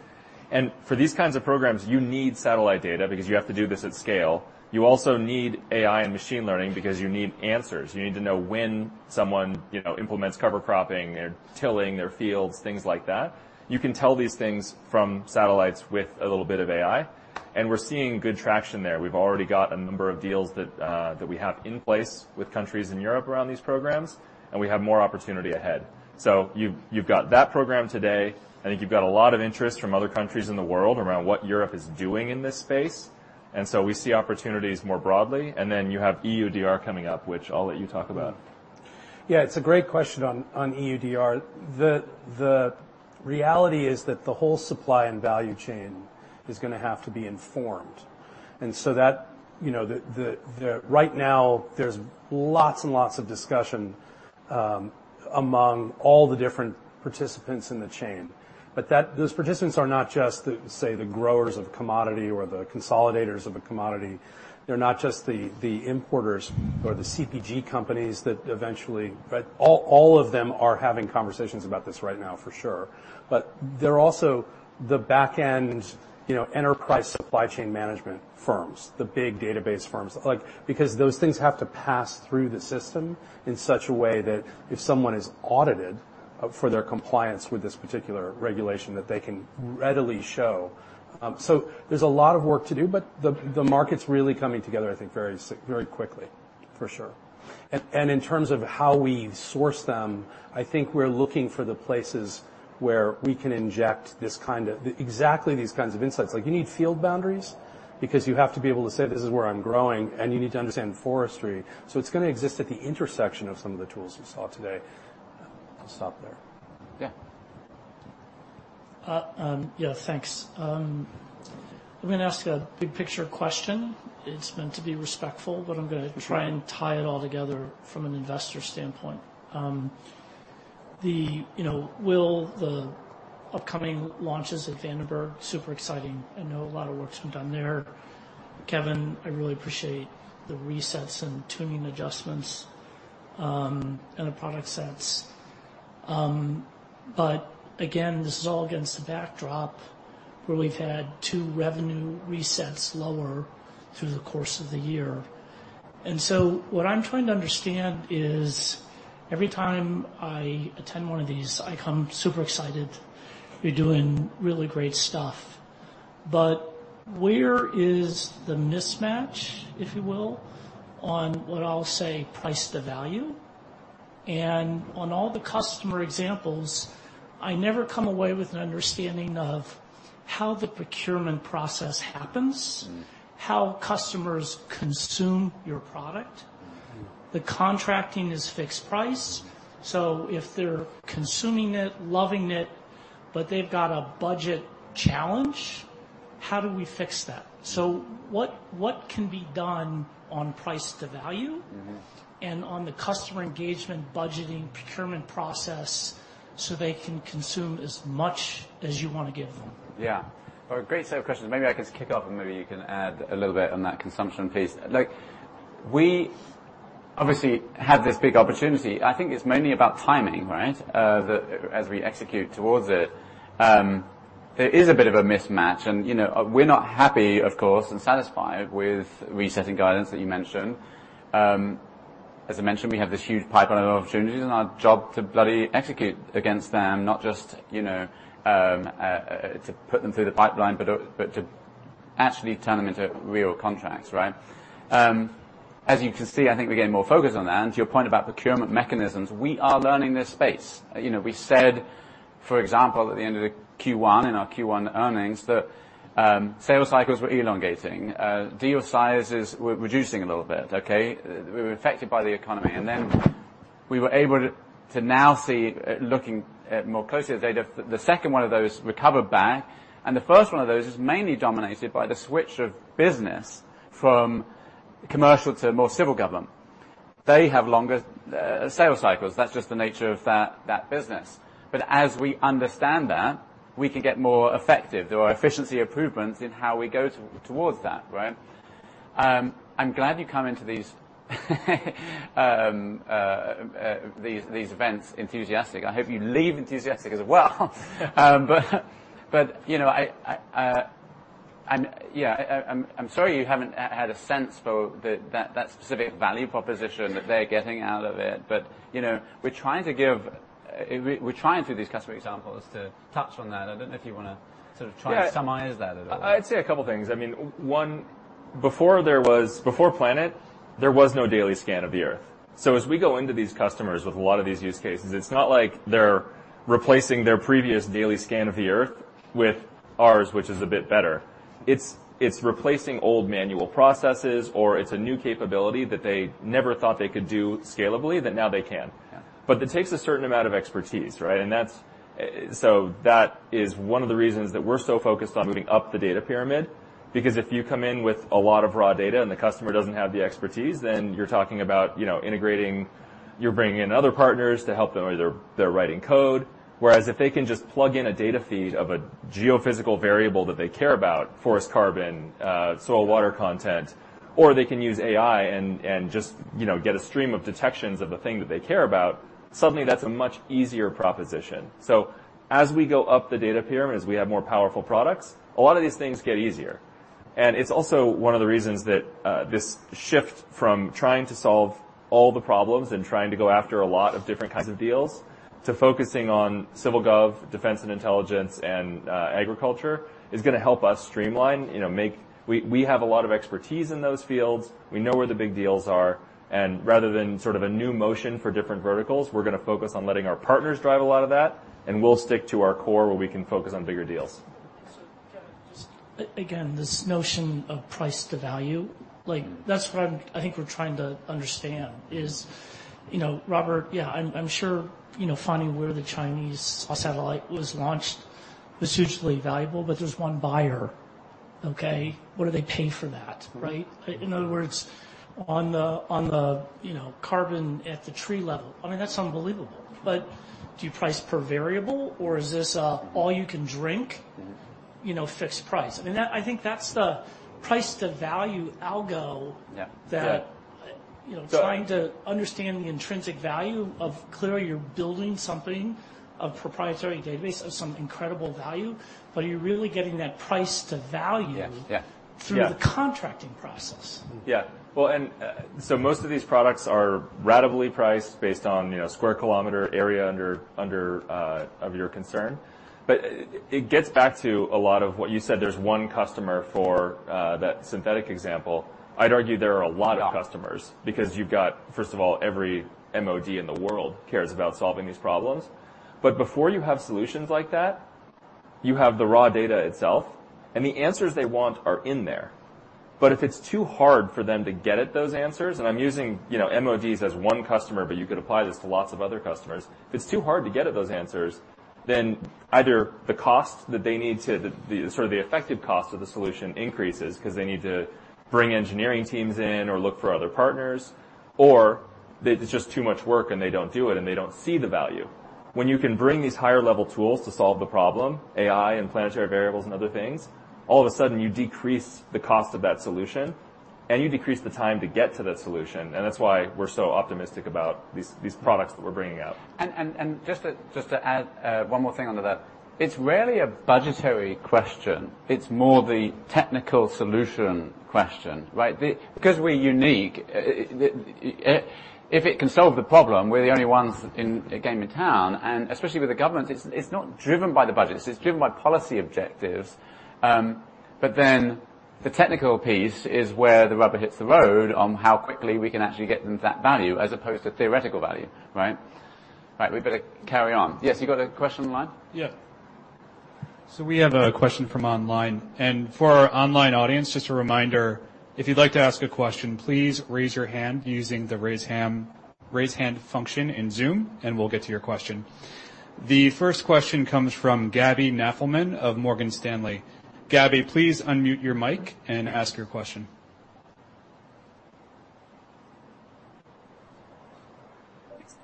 And for these kinds of programs, you need satellite data because you have to do this at scale. You also need AI and machine learning because you need answers. You need to know when someone, you know, implements cover cropping, they're tilling their fields, things like that. You can tell these things from satellites with a little bit of AI, and we're seeing good traction there. We've already got a number of deals that we have in place with countries in Europe around these programs, and we have more opportunity ahead. So you've got that program today. I think you've got a lot of interest from other countries in the world around what Europe is doing in this space, and so we see opportunities more broadly. Then you have EUDR coming up, which I'll let you talk about. Yeah, it's a great question on EUDR. The reality is that the whole supply and value chain is gonna have to be informed. And so that, you know, the—right now there's lots and lots of discussion among all the different participants in the chain, but that—those participants are not just the, say, the growers of commodity or the consolidators of a commodity. They're not just the importers or the CPG companies that eventually... But all, all of them are having conversations about this right now, for sure. But they're also the back-end, you know, enterprise supply chain management firms, the big database firms. Like, because those things have to pass through the system in such a way that if someone is audited for their compliance with this particular regulation, that they can readily show. So there's a lot of work to do, but the market's really coming together, I think, very quickly, for sure. And in terms of how we source them, I think we're looking for the places where we can inject this kind of - exactly these kinds of insights. Like, you need Field Boundaries because you have to be able to say, "This is where I'm growing," and you need to understand forestry. So it's gonna exist at the intersection of some of the tools you saw today. I'll stop there. Yeah. Thanks. I'm gonna ask a big picture question. It's meant to be respectful- For sure. - but I'm gonna try and tie it all together from an investor standpoint.... you know, with the upcoming launches at Vandenberg, super exciting. I know a lot of work's been done there. Kevin, I really appreciate the resets and tuning adjustments in a product sense. But again, this is all against the backdrop where we've had two revenue resets lower through the course of the year. And so what I'm trying to understand is, every time I attend one of these, I come super excited. You're doing really great stuff. But where is the mismatch, if you will, on what I'll say, price to value? And on all the customer examples, I never come away with an understanding of how the procurement process happens- Mm. how customers consume your product. Mm-hmm. The contracting is fixed price. So if they're consuming it, loving it, but they've got a budget challenge, how do we fix that? So what can be done on price to value- Mm-hmm. And on the customer engagement, budgeting, procurement process, so they can consume as much as you want to give them? Yeah. Well, a great set of questions. Maybe I can just kick off, and maybe you can add a little bit on that consumption piece. Like, we obviously have this big opportunity. I think it's mainly about timing, right? As we execute towards it. There is a bit of a mismatch and, you know, we're not happy, of course, and satisfied with resetting guidance that you mentioned. As I mentioned, we have this huge pipeline of opportunities and our job to bloody execute against them, not just, you know, to put them through the pipeline, but to actually turn them into real contracts, right? As you can see, I think we're getting more focused on that. And to your point about procurement mechanisms, we are learning this space. You know, we said, for example, at the end of the Q1, in our Q1 earnings, that sales cycles were elongating. Deal sizes were reducing a little bit, okay? We were affected by the economy, and then we were able to now see, looking more closely at data, the second one of those recovered back, and the first one of those is mainly dominated by the switch of business from commercial to more civil government. They have longer sales cycles. That's just the nature of that business. But as we understand that, we can get more effective. There are efficiency improvements in how we go towards that, right? I'm glad you come into these events enthusiastic. I hope you leave enthusiastic as well. But, you know, I'm sorry you haven't had a sense for that specific value proposition that they're getting out of it. But, you know, we're trying to give... We're trying through these customer examples to touch on that. I don't know if you wanna sort of try and summarize that a little. Yeah. I'd say a couple of things. I mean, one, before Planet, there was no daily scan of the Earth. So as we go into these customers with a lot of these use cases, it's not like they're replacing their previous daily scan of the Earth with ours, which is a bit better. It's replacing old manual processes, or it's a new capability that they never thought they could do scalably, that now they can. Yeah. But it takes a certain amount of expertise, right? And that's. So that is one of the reasons that we're so focused on moving up the data pyramid. Because if you come in with a lot of raw data and the customer doesn't have the expertise, then you're talking about, you know, integrating, you're bringing in other partners to help them, or they're writing code. Whereas if they can just plug in a data feed of a geophysical variable that they care about, forest carbon, soil water content, or they can use AI and just, you know, get a stream of detections of the thing that they care about, suddenly that's a much easier proposition. So as we go up the data pyramid, as we have more powerful products, a lot of these things get easier. It's also one of the reasons that this shift from trying to solve all the problems and trying to go after a lot of different kinds of deals, to focusing on civil gov, defense and intelligence, and agriculture, is gonna help us streamline, you know. We have a lot of expertise in those fields. We know where the big deals are, and rather than sort of a new motion for different verticals, we're gonna focus on letting our partners drive a lot of that, and we'll stick to our core, where we can focus on bigger deals. So, Kevin, just again, this notion of price to value, like, that's what I'm—I think we're trying to understand is, you know, Robert, yeah, I'm sure, you know, finding where the Chinese satellite was launched was hugely valuable, but there's one buyer, okay? What do they pay for that, right? In other words, on the, you know, carbon at the tree level, I mean, that's unbelievable. But do you price per variable, or is this a all you can drink- Mm-hmm. You know, fixed price? I mean, that-- I think that's the price to value algo- Yeah. Yeah. that, you know, trying to understand the intrinsic value of clearly you're building something, a proprietary database of some incredible value, but are you really getting that price to value? Yeah, yeah. Yeah. -through the contracting process? Yeah. Well, most of these products are ratably priced based on, you know, sq km area of your concern. But it gets back to a lot of what you said. There's one customer for that synthetic example. I'd argue there are a lot of customers- Yeah Because you've got, first of all, every MOD in the world cares about solving these problems. But before you have solutions like that, you have the raw data itself, and the answers they want are in there. But if it's too hard for them to get at those answers, and I'm using, you know, MODs as one customer, but you could apply this to lots of other customers. If it's too hard to get at those answers, then either the cost that they need to, the, sort of the effective cost of the solution increases, 'cause they need to bring engineering teams in or look for other partners, or they, it's just too much work, and they don't do it, and they don't see the value. When you can bring these higher level tools to solve the problem, AI and Planetary Variables and other things, all of a sudden, you decrease the cost of that solution, and you decrease the time to get to that solution, and that's why we're so optimistic about these, these products that we're bringing out. Just to add one more thing onto that, it's rarely a budgetary question, it's more the technical solution question, right? Because we're unique, if it can solve the problem, we're the only game in town, and especially with the government, it's not driven by the budgets, it's driven by policy objectives. But then the technical piece is where the rubber hits the road on how quickly we can actually get them to that value as opposed to theoretical value, right? Right, we better carry on. Yes, you got a question online? Yeah. So we have a question from online. And for our online audience, just a reminder, if you'd like to ask a question, please raise your hand using the Raise Hand function in Zoom, and we'll get to your question. The first question comes from Gaby Knafelman of Morgan Stanley. Gaby, please unmute your mic and ask your question.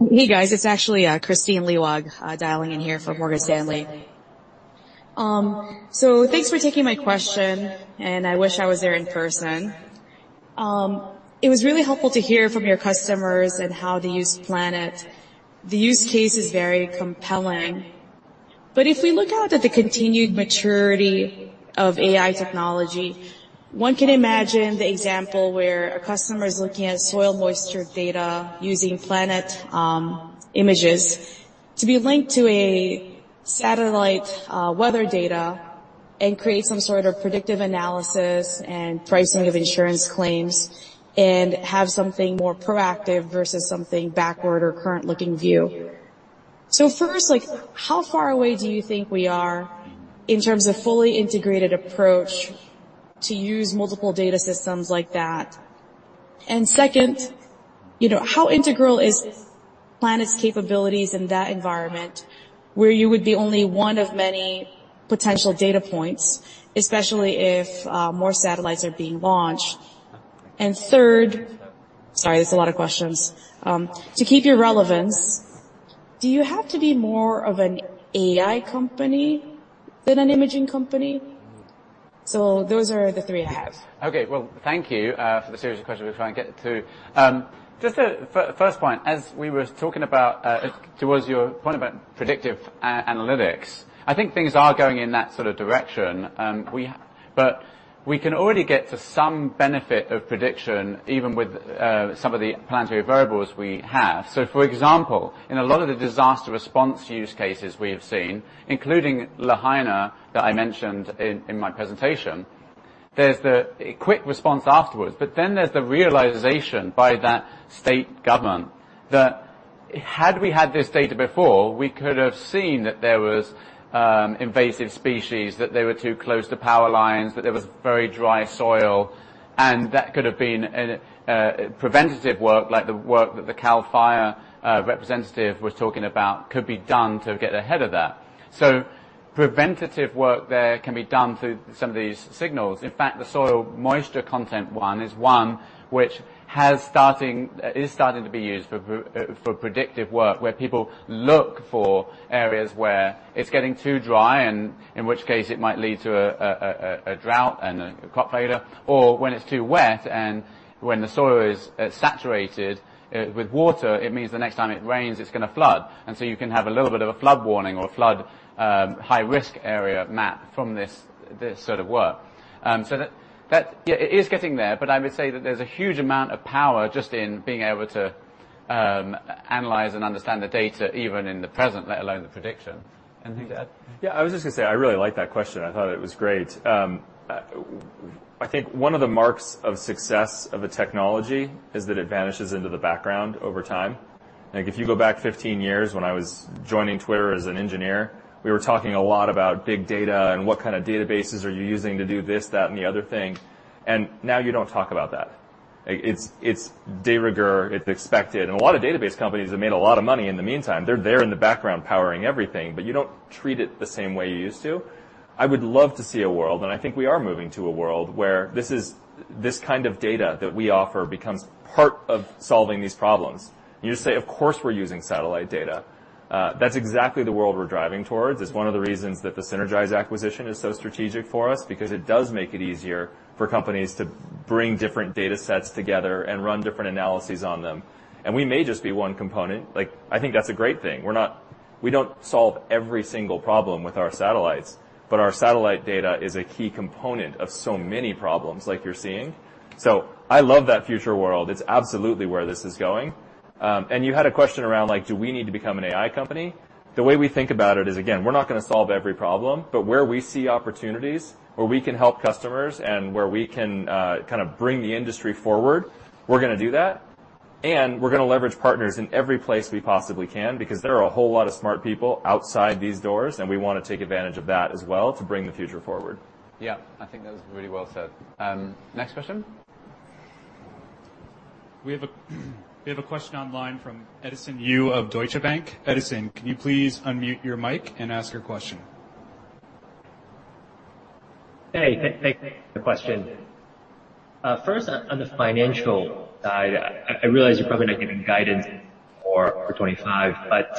Hey, guys, it's actually Kristine Liwag dialing in here from Morgan Stanley. So thanks for taking my question, and I wish I was there in person. It was really helpful to hear from your customers and how they use Planet. The use case is very compelling. But if we look out at the continued maturity of AI technology, one can imagine the example where a customer is looking at soil moisture data using Planet images to be linked to a satellite weather data and create some sort of predictive analysis and pricing of insurance claims, and have something more proactive versus something backward or current-looking view. So first, like, how far away do you think we are in terms of fully integrated approach to use multiple data systems like that? Second, you know, how integral is Planet's capabilities in that environment, where you would be only one of many potential data points, especially if more satellites are being launched? Third. Sorry, there's a lot of questions. To keep your relevance, do you have to be more of an AI company than an imaging company? So those are the three I have. Okay. Well, thank you for the series of questions. We'll try and get to. Just first point, as we were talking about, towards your point about predictive analytics, I think things are going in that sort of direction. But we can already get to some benefit of prediction, even with some of the Planetary Variables we have. So, for example, in a lot of the disaster response use cases we have seen, including Lahaina, that I mentioned in my presentation, there's the quick response afterwards. But then there's the realization by that state government that had we had this data before, we could have seen that there was invasive species, that they were too close to power lines, that there was very dry soil, and that could have been an preventative work, like the work that the CAL FIRE representative was talking about, could be done to get ahead of that. So preventative work there can be done through some of these signals. In fact, the soil moisture content one is one which is starting to be used for predictive work, where people look for areas where it's getting too dry, and in which case, it might lead to a drought and a crop failure, or when it's too wet and when the soil is saturated with water, it means the next time it rains, it's gonna flood. And so you can have a little bit of a flood warning or a flood high-risk area map from this sort of work. So that, yeah, it is getting there, but I would say that there's a huge amount of power just in being able to analyze and understand the data, even in the present, let alone the prediction. Anything to add? Yeah, I was just gonna say, I really like that question. I thought it was great. I think one of the marks of success of a technology is that it vanishes into the background over time. Like, if you go back 15 years, when I was joining Twitter as an engineer, we were talking a lot about big data and what kind of databases are you using to do this, that, and the other thing, and now you don't talk about that. It's, it's de rigueur, it's expected, and a lot of database companies have made a lot of money in the meantime. They're there in the background, powering everything, but you don't treat it the same way you used to. I would love to see a world, and I think we are moving to a world, where this kind of data that we offer becomes part of solving these problems. You just say: Of course, we're using satellite data. That's exactly the world we're driving towards. It's one of the reasons that the Sinergise acquisition is so strategic for us, because it does make it easier for companies to bring different data sets together and run different analyses on them. We may just be one component, like, I think that's a great thing. We don't solve every single problem with our satellites, but our satellite data is a key component of so many problems, like you're seeing. So I love that future world. It's absolutely where this is going. And you had a question around, like: Do we need to become an AI company? The way we think about it is, again, we're not gonna solve every problem, but where we see opportunities, where we can help customers and where we can kind of bring the industry forward, we're gonna do that, and we're gonna leverage partners in every place we possibly can, because there are a whole lot of smart people outside these doors, and we wanna take advantage of that as well to bring the future forward. Yeah, I think that was really well said. Next question?... We have a question online from Edison Yu of Deutsche Bank. Edison, can you please unmute your mic and ask your question? Hey, thank you for the question. First, on the financial side, I realize you're probably not giving guidance for 2025, but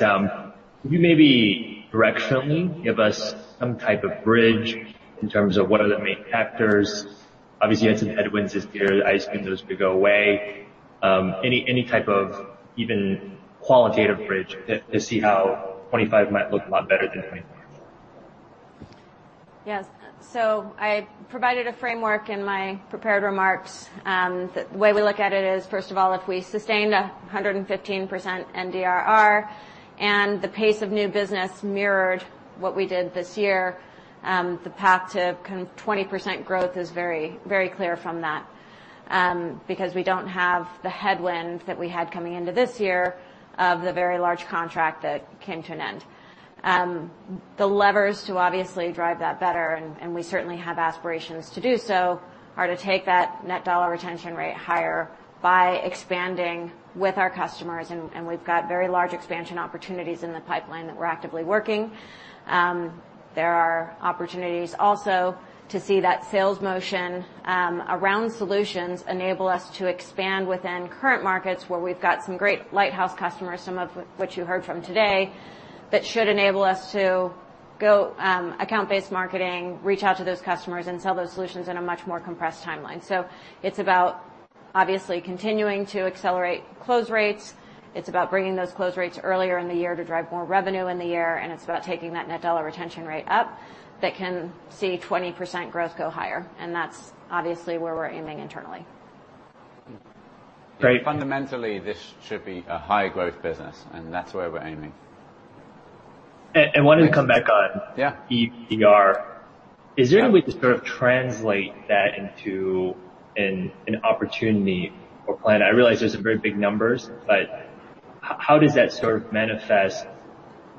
could you maybe directionally give us some type of bridge in terms of what are the main factors? Obviously, you had some headwinds this year, the goes to go away. Any type of even qualitative bridge to see how 2025 might look a lot better than 2024? Yes. So I provided a framework in my prepared remarks. The way we look at it is, first of all, if we sustained 115% NDRR, and the pace of new business mirrored what we did this year, the path to 20% growth is very, very clear from that. Because we don't have the headwind that we had coming into this year, of the very large contract that came to an end. The levers to obviously drive that better, and, and we certainly have aspirations to do so, are to take that net dollar retention rate higher by expanding with our customers, and, and we've got very large expansion opportunities in the pipeline that we're actively working. There are opportunities also to see that sales motion around solutions enable us to expand within current markets, where we've got some great lighthouse customers, some of which you heard from today, that should enable us to go account-based marketing, reach out to those customers, and sell those solutions in a much more compressed timeline. So it's about obviously continuing to accelerate close rates. It's about bringing those close rates earlier in the year to drive more revenue in the year, and it's about taking that Net Dollar Retention Rate up that can see 20% growth go higher, and that's obviously where we're aiming internally. Great. Fundamentally, this should be a high-growth business, and that's where we're aiming. And I wanted to come back on- Yeah. -EUDR. Yeah. Is there a way to sort of translate that into an opportunity for Planet? I realize those are very big numbers, but how does that sort of manifest,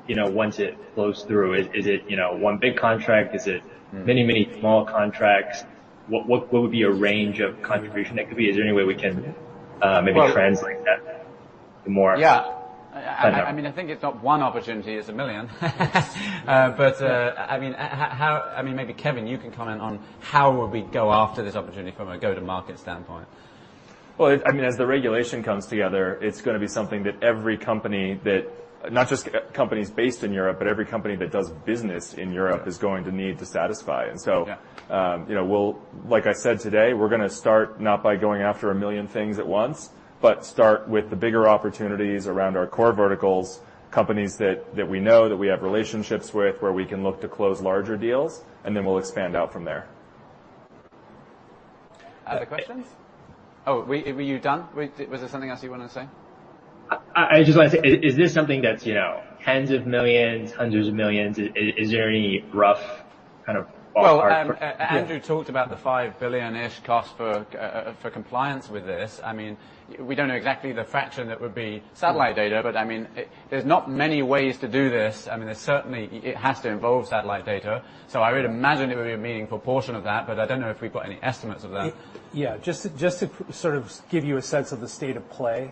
you know, once it flows through? Is it, you know, one big contract? Is it- Mm. Many, many small contracts? What, what, what would be a range of configuration that could be? Is there any way we can maybe translate that more? Yeah. Okay. I mean, I think it's not one opportunity, it's a million. But, I mean, maybe, Kevin, you can comment on how would we go after this opportunity from a go-to-market standpoint. Well, I mean, as the regulation comes together, it's gonna be something that every company that—not just companies based in Europe, but every company that does business in Europe—is going to need to satisfy. Yeah. You know, we'll, like I said today, we're gonna start not by going after a million things at once, but start with the bigger opportunities around our core verticals, companies that we know, that we have relationships with, where we can look to close larger deals, and then we'll expand out from there. Other questions? Oh, were you done? Was there something else you wanted to say? I just wanted to say, is this something that's, you know, tens of millions, hundreds of millions? Is there any rough kind of ballpark? Well, Andrew talked about the $5 billion-ish cost for compliance with this. I mean, we don't know exactly the fraction that would be satellite data, but I mean, there's not many ways to do this. I mean, there's certainly it has to involve satellite data, so I would imagine it would be a meaningful proportion of that, but I don't know if we've got any estimates of that. Yeah, just to sort of give you a sense of the state of play,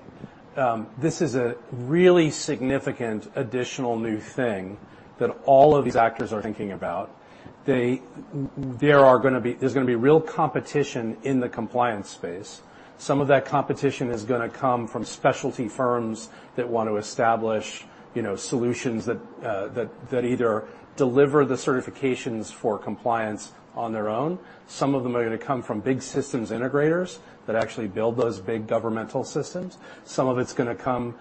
this is a really significant additional new thing that all of these actors are thinking about. There's gonna be real competition in the compliance space. Some of that competition is gonna come from specialty firms that want to establish, you know, solutions that either deliver the certifications for compliance on their own. Some of them are gonna come from big systems integrators that actually build those big governmental systems. Some of it's gonna come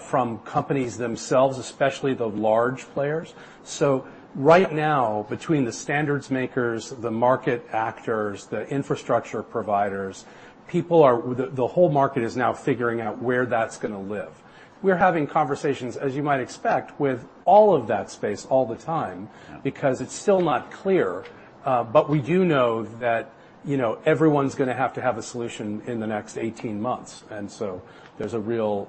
from companies themselves, especially the large players. So right now, between the standards makers, the market actors, the infrastructure providers, the whole market is now figuring out where that's gonna live. We're having conversations, as you might expect, with all of that space all the time. Yeah.... because it's still not clear, but we do know that, you know, everyone's gonna have to have a solution in the next 18 months, and so there's a real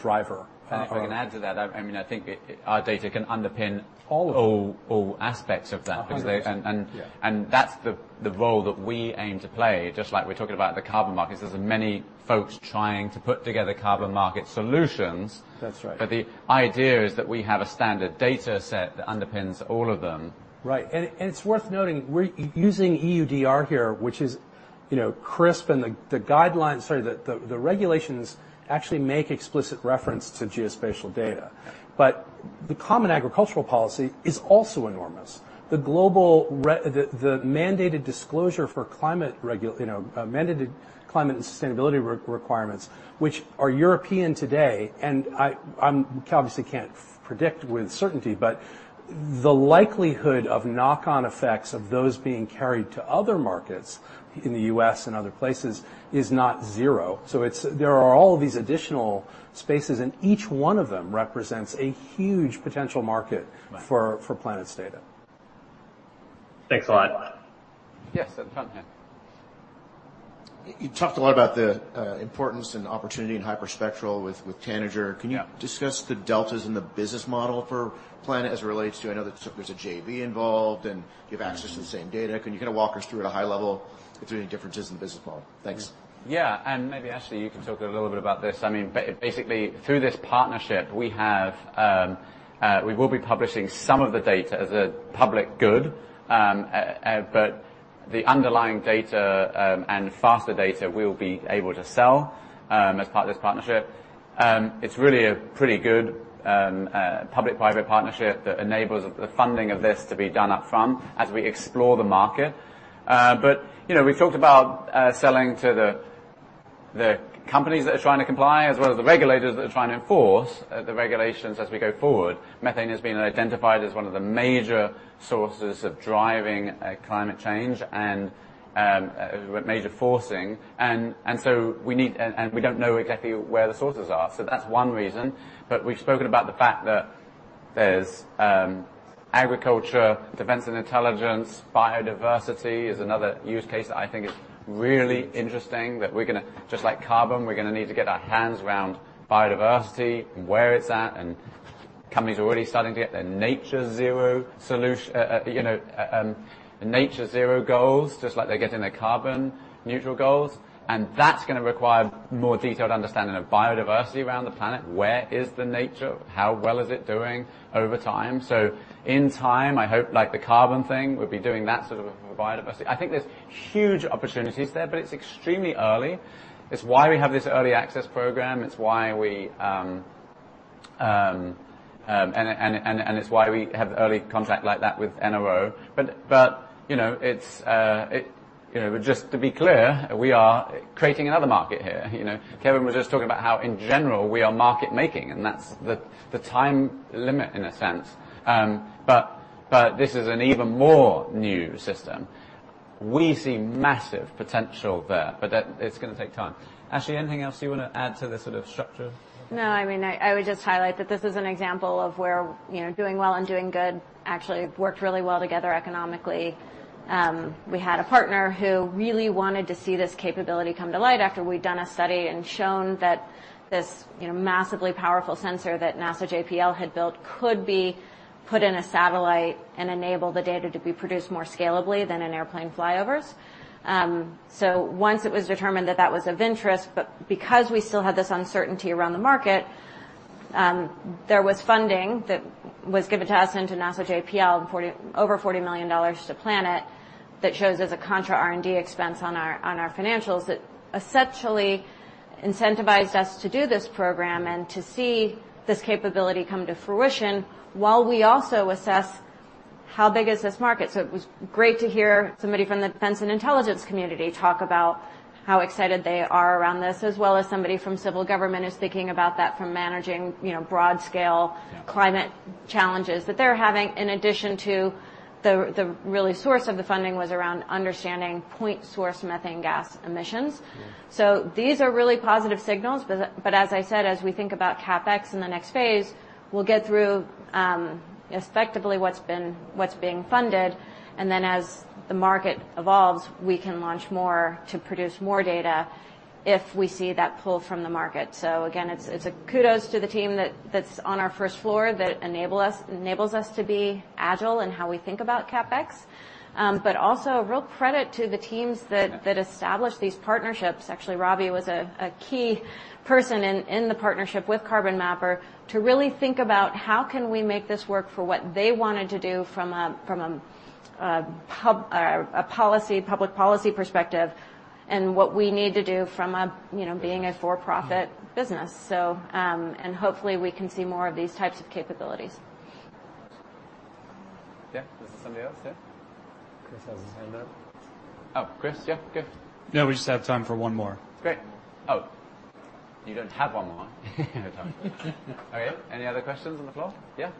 driver. And if I can add to that, I mean, I think our data can underpin- All of it. A.ll aspects of that. 100%. And, and- Yeah. And that's the role that we aim to play, just like we're talking about the carbon markets. There's many folks trying to put together carbon market solutions. That's right.... but the idea is that we have a standard data set that underpins all of them. Right. And it's worth noting, we're using EUDR here, which is, you know, crisp, and the guidelines, sorry, the regulations actually make explicit reference to geospatial data. But the Common Agricultural Policy is also enormous. The mandated disclosure for climate regul... You know, mandated climate and sustainability requirements, which are European today, and I'm obviously can't predict with certainty, but the likelihood of knock-on effects of those being carried to other markets, in the U.S. and other places, is not zero. So it's There are all these additional spaces, and each one of them represents a huge potential market- Right... for Planet's data. Thanks a lot. Yes, at the front here.... You talked a lot about the importance and opportunity in hyperspectral with Tanager. Yeah. Can you discuss the deltas in the business model for Planet as it relates to—I know that there's a JV involved, and you have access to the same data. Can you kind of walk us through at a high level if there are any differences in the business model? Thanks. Yeah, and maybe, Ashley, you can talk a little bit about this. I mean, basically, through this partnership, we will be publishing some of the data as a public good. But the underlying data, and faster data, we will be able to sell, as part of this partnership. It's really a pretty good public-private partnership that enables the funding of this to be done up front as we explore the market. But, you know, we've talked about selling to the companies that are trying to comply, as well as the regulators that are trying to enforce the regulations as we go forward. Methane has been identified as one of the major sources of driving climate change and a major forcing. We don't know exactly where the sources are. So that's one reason. But we've spoken about the fact that there's agriculture, defense, and intelligence. Biodiversity is another use case that I think is really interesting, that we're gonna... Just like carbon, we're gonna need to get our hands around biodiversity, where it's at, and companies are already starting to get their Nature Zero solution, you know, Nature Zero goals, just like they're getting their carbon neutral goals. And that's gonna require more detailed understanding of biodiversity around the planet. Where is the nature? How well is it doing over time? So in time, I hope, like the carbon thing, we'll be doing that sort of for biodiversity. I think there's huge opportunities there, but it's extremely early. It's why we have this early access program. It's why we have early contact like that with NRO. But, you know, just to be clear, we are creating another market here. You know, Kevin was just talking about how, in general, we are market making, and that's the time limit, in a sense. But this is an even more new system. We see massive potential there, but it's gonna take time. Ashley, anything else you want to add to this sort of structure? No, I mean, I would just highlight that this is an example of where, you know, doing well and doing good actually worked really well together economically. We had a partner who really wanted to see this capability come to light after we'd done a study and shown that this, you know, massively powerful sensor that NASA JPL had built could be put in a satellite and enable the data to be produced more scalably than in airplane flyovers. So once it was determined that that was of interest, but because we still had this uncertainty around the market, there was funding that was given to us and to NASA JPL, over $40 million to Planet, that shows as a contra R&D expense on our financials, that essentially incentivized us to do this program and to see this capability come to fruition while we also assess how big is this market. So it was great to hear somebody from the defense and intelligence community talk about how excited they are around this, as well as somebody from civil government is thinking about that from managing, you know, broad-scale. Yeah.... climate challenges that they're having, in addition to the really source of the funding was around understanding point source methane gas emissions. Yeah. So these are really positive signals, but as I said, as we think about CapEx in the next phase, we'll get through effectively what's being funded, and then as the market evolves, we can launch more to produce more data if we see that pull from the market. So again, it's a kudos to the team that's on our first floor that enables us to be agile in how we think about CapEx. But also a real credit to the teams that established these partnerships. Actually, Robbie was a key person in the partnership with Carbon Mapper, to really think about how can we make this work for what they wanted to do from a pub... a policy, public policy perspective, and what we need to do from a, you know, being a for-profit business. Yeah. So, and hopefully, we can see more of these types of capabilities. Yeah. There's somebody else? Yeah. Chris has his hand up. Oh, Chris? Yeah, go. No, we just have time for one more. Great. Oh, you don't have one more. We have time. Okay, any other questions on the floor? Yeah.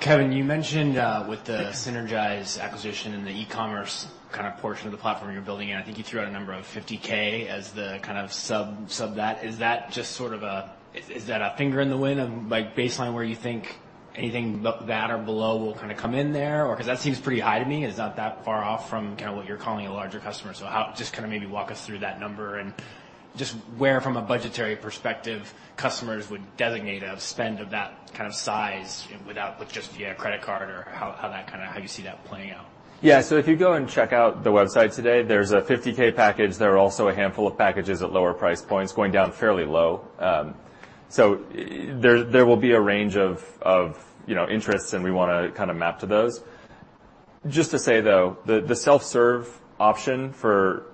Kevin, you mentioned with the Sinergise acquisition and the e-commerce kind of portion of the platform you're building, and I think you threw out a number of $50,000 as the kind of sub that. Is that just sort of a finger in the wind of, like, baseline, where you think anything that or below will kind of come in there, or... 'Cause that seems pretty high to me. It's not that far off from kind of what you're calling a larger customer. So how just kind of maybe walk us through that number and just where, from a budgetary perspective, customers would designate a spend of that kind of size without with just via credit card, or how that kind of how you see that playing out. Yeah. So if you go and check out the website today, there's a $50,000 package. There are also a handful of packages at lower price points, going down fairly low. So there will be a range of, you know, interests, and we wanna kind of map to those. Just to say, though, the self-serve option for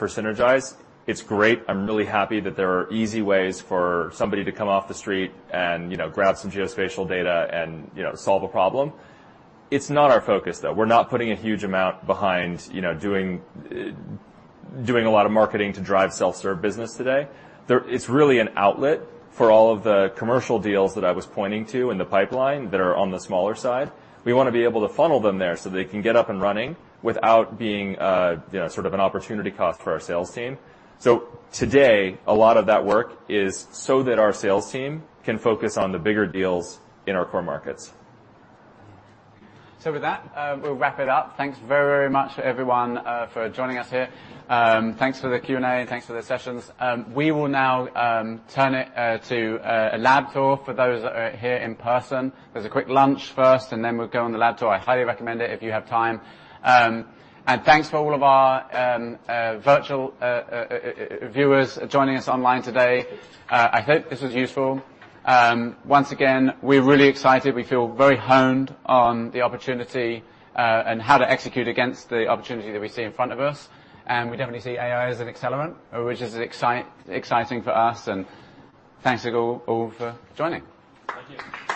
Sinergise, it's great. I'm really happy that there are easy ways for somebody to come off the street and, you know, grab some geospatial data and, you know, solve a problem. It's not our focus, though. We're not putting a huge amount behind, you know, doing a lot of marketing to drive self-serve business today. It's really an outlet for all of the commercial deals that I was pointing to in the pipeline that are on the smaller side. We want to be able to funnel them there, so they can get up and running without being, you know, sort of an opportunity cost for our sales team. So today, a lot of that work is so that our sales team can focus on the bigger deals in our core markets. So with that, we'll wrap it up. Thanks very, very much, everyone, for joining us here. Thanks for the Q&A, and thanks for the sessions. We will now turn it to a lab tour for those that are here in person. There's a quick lunch first, and then we'll go on the lab tour. I highly recommend it if you have time. And thanks for all of our virtual viewers joining us online today. I hope this was useful. Once again, we're really excited. We feel very honed on the opportunity, and how to execute against the opportunity that we see in front of us. And we definitely see AI as an accelerant, which is exciting for us, and thanks to you all for joining. Thank you.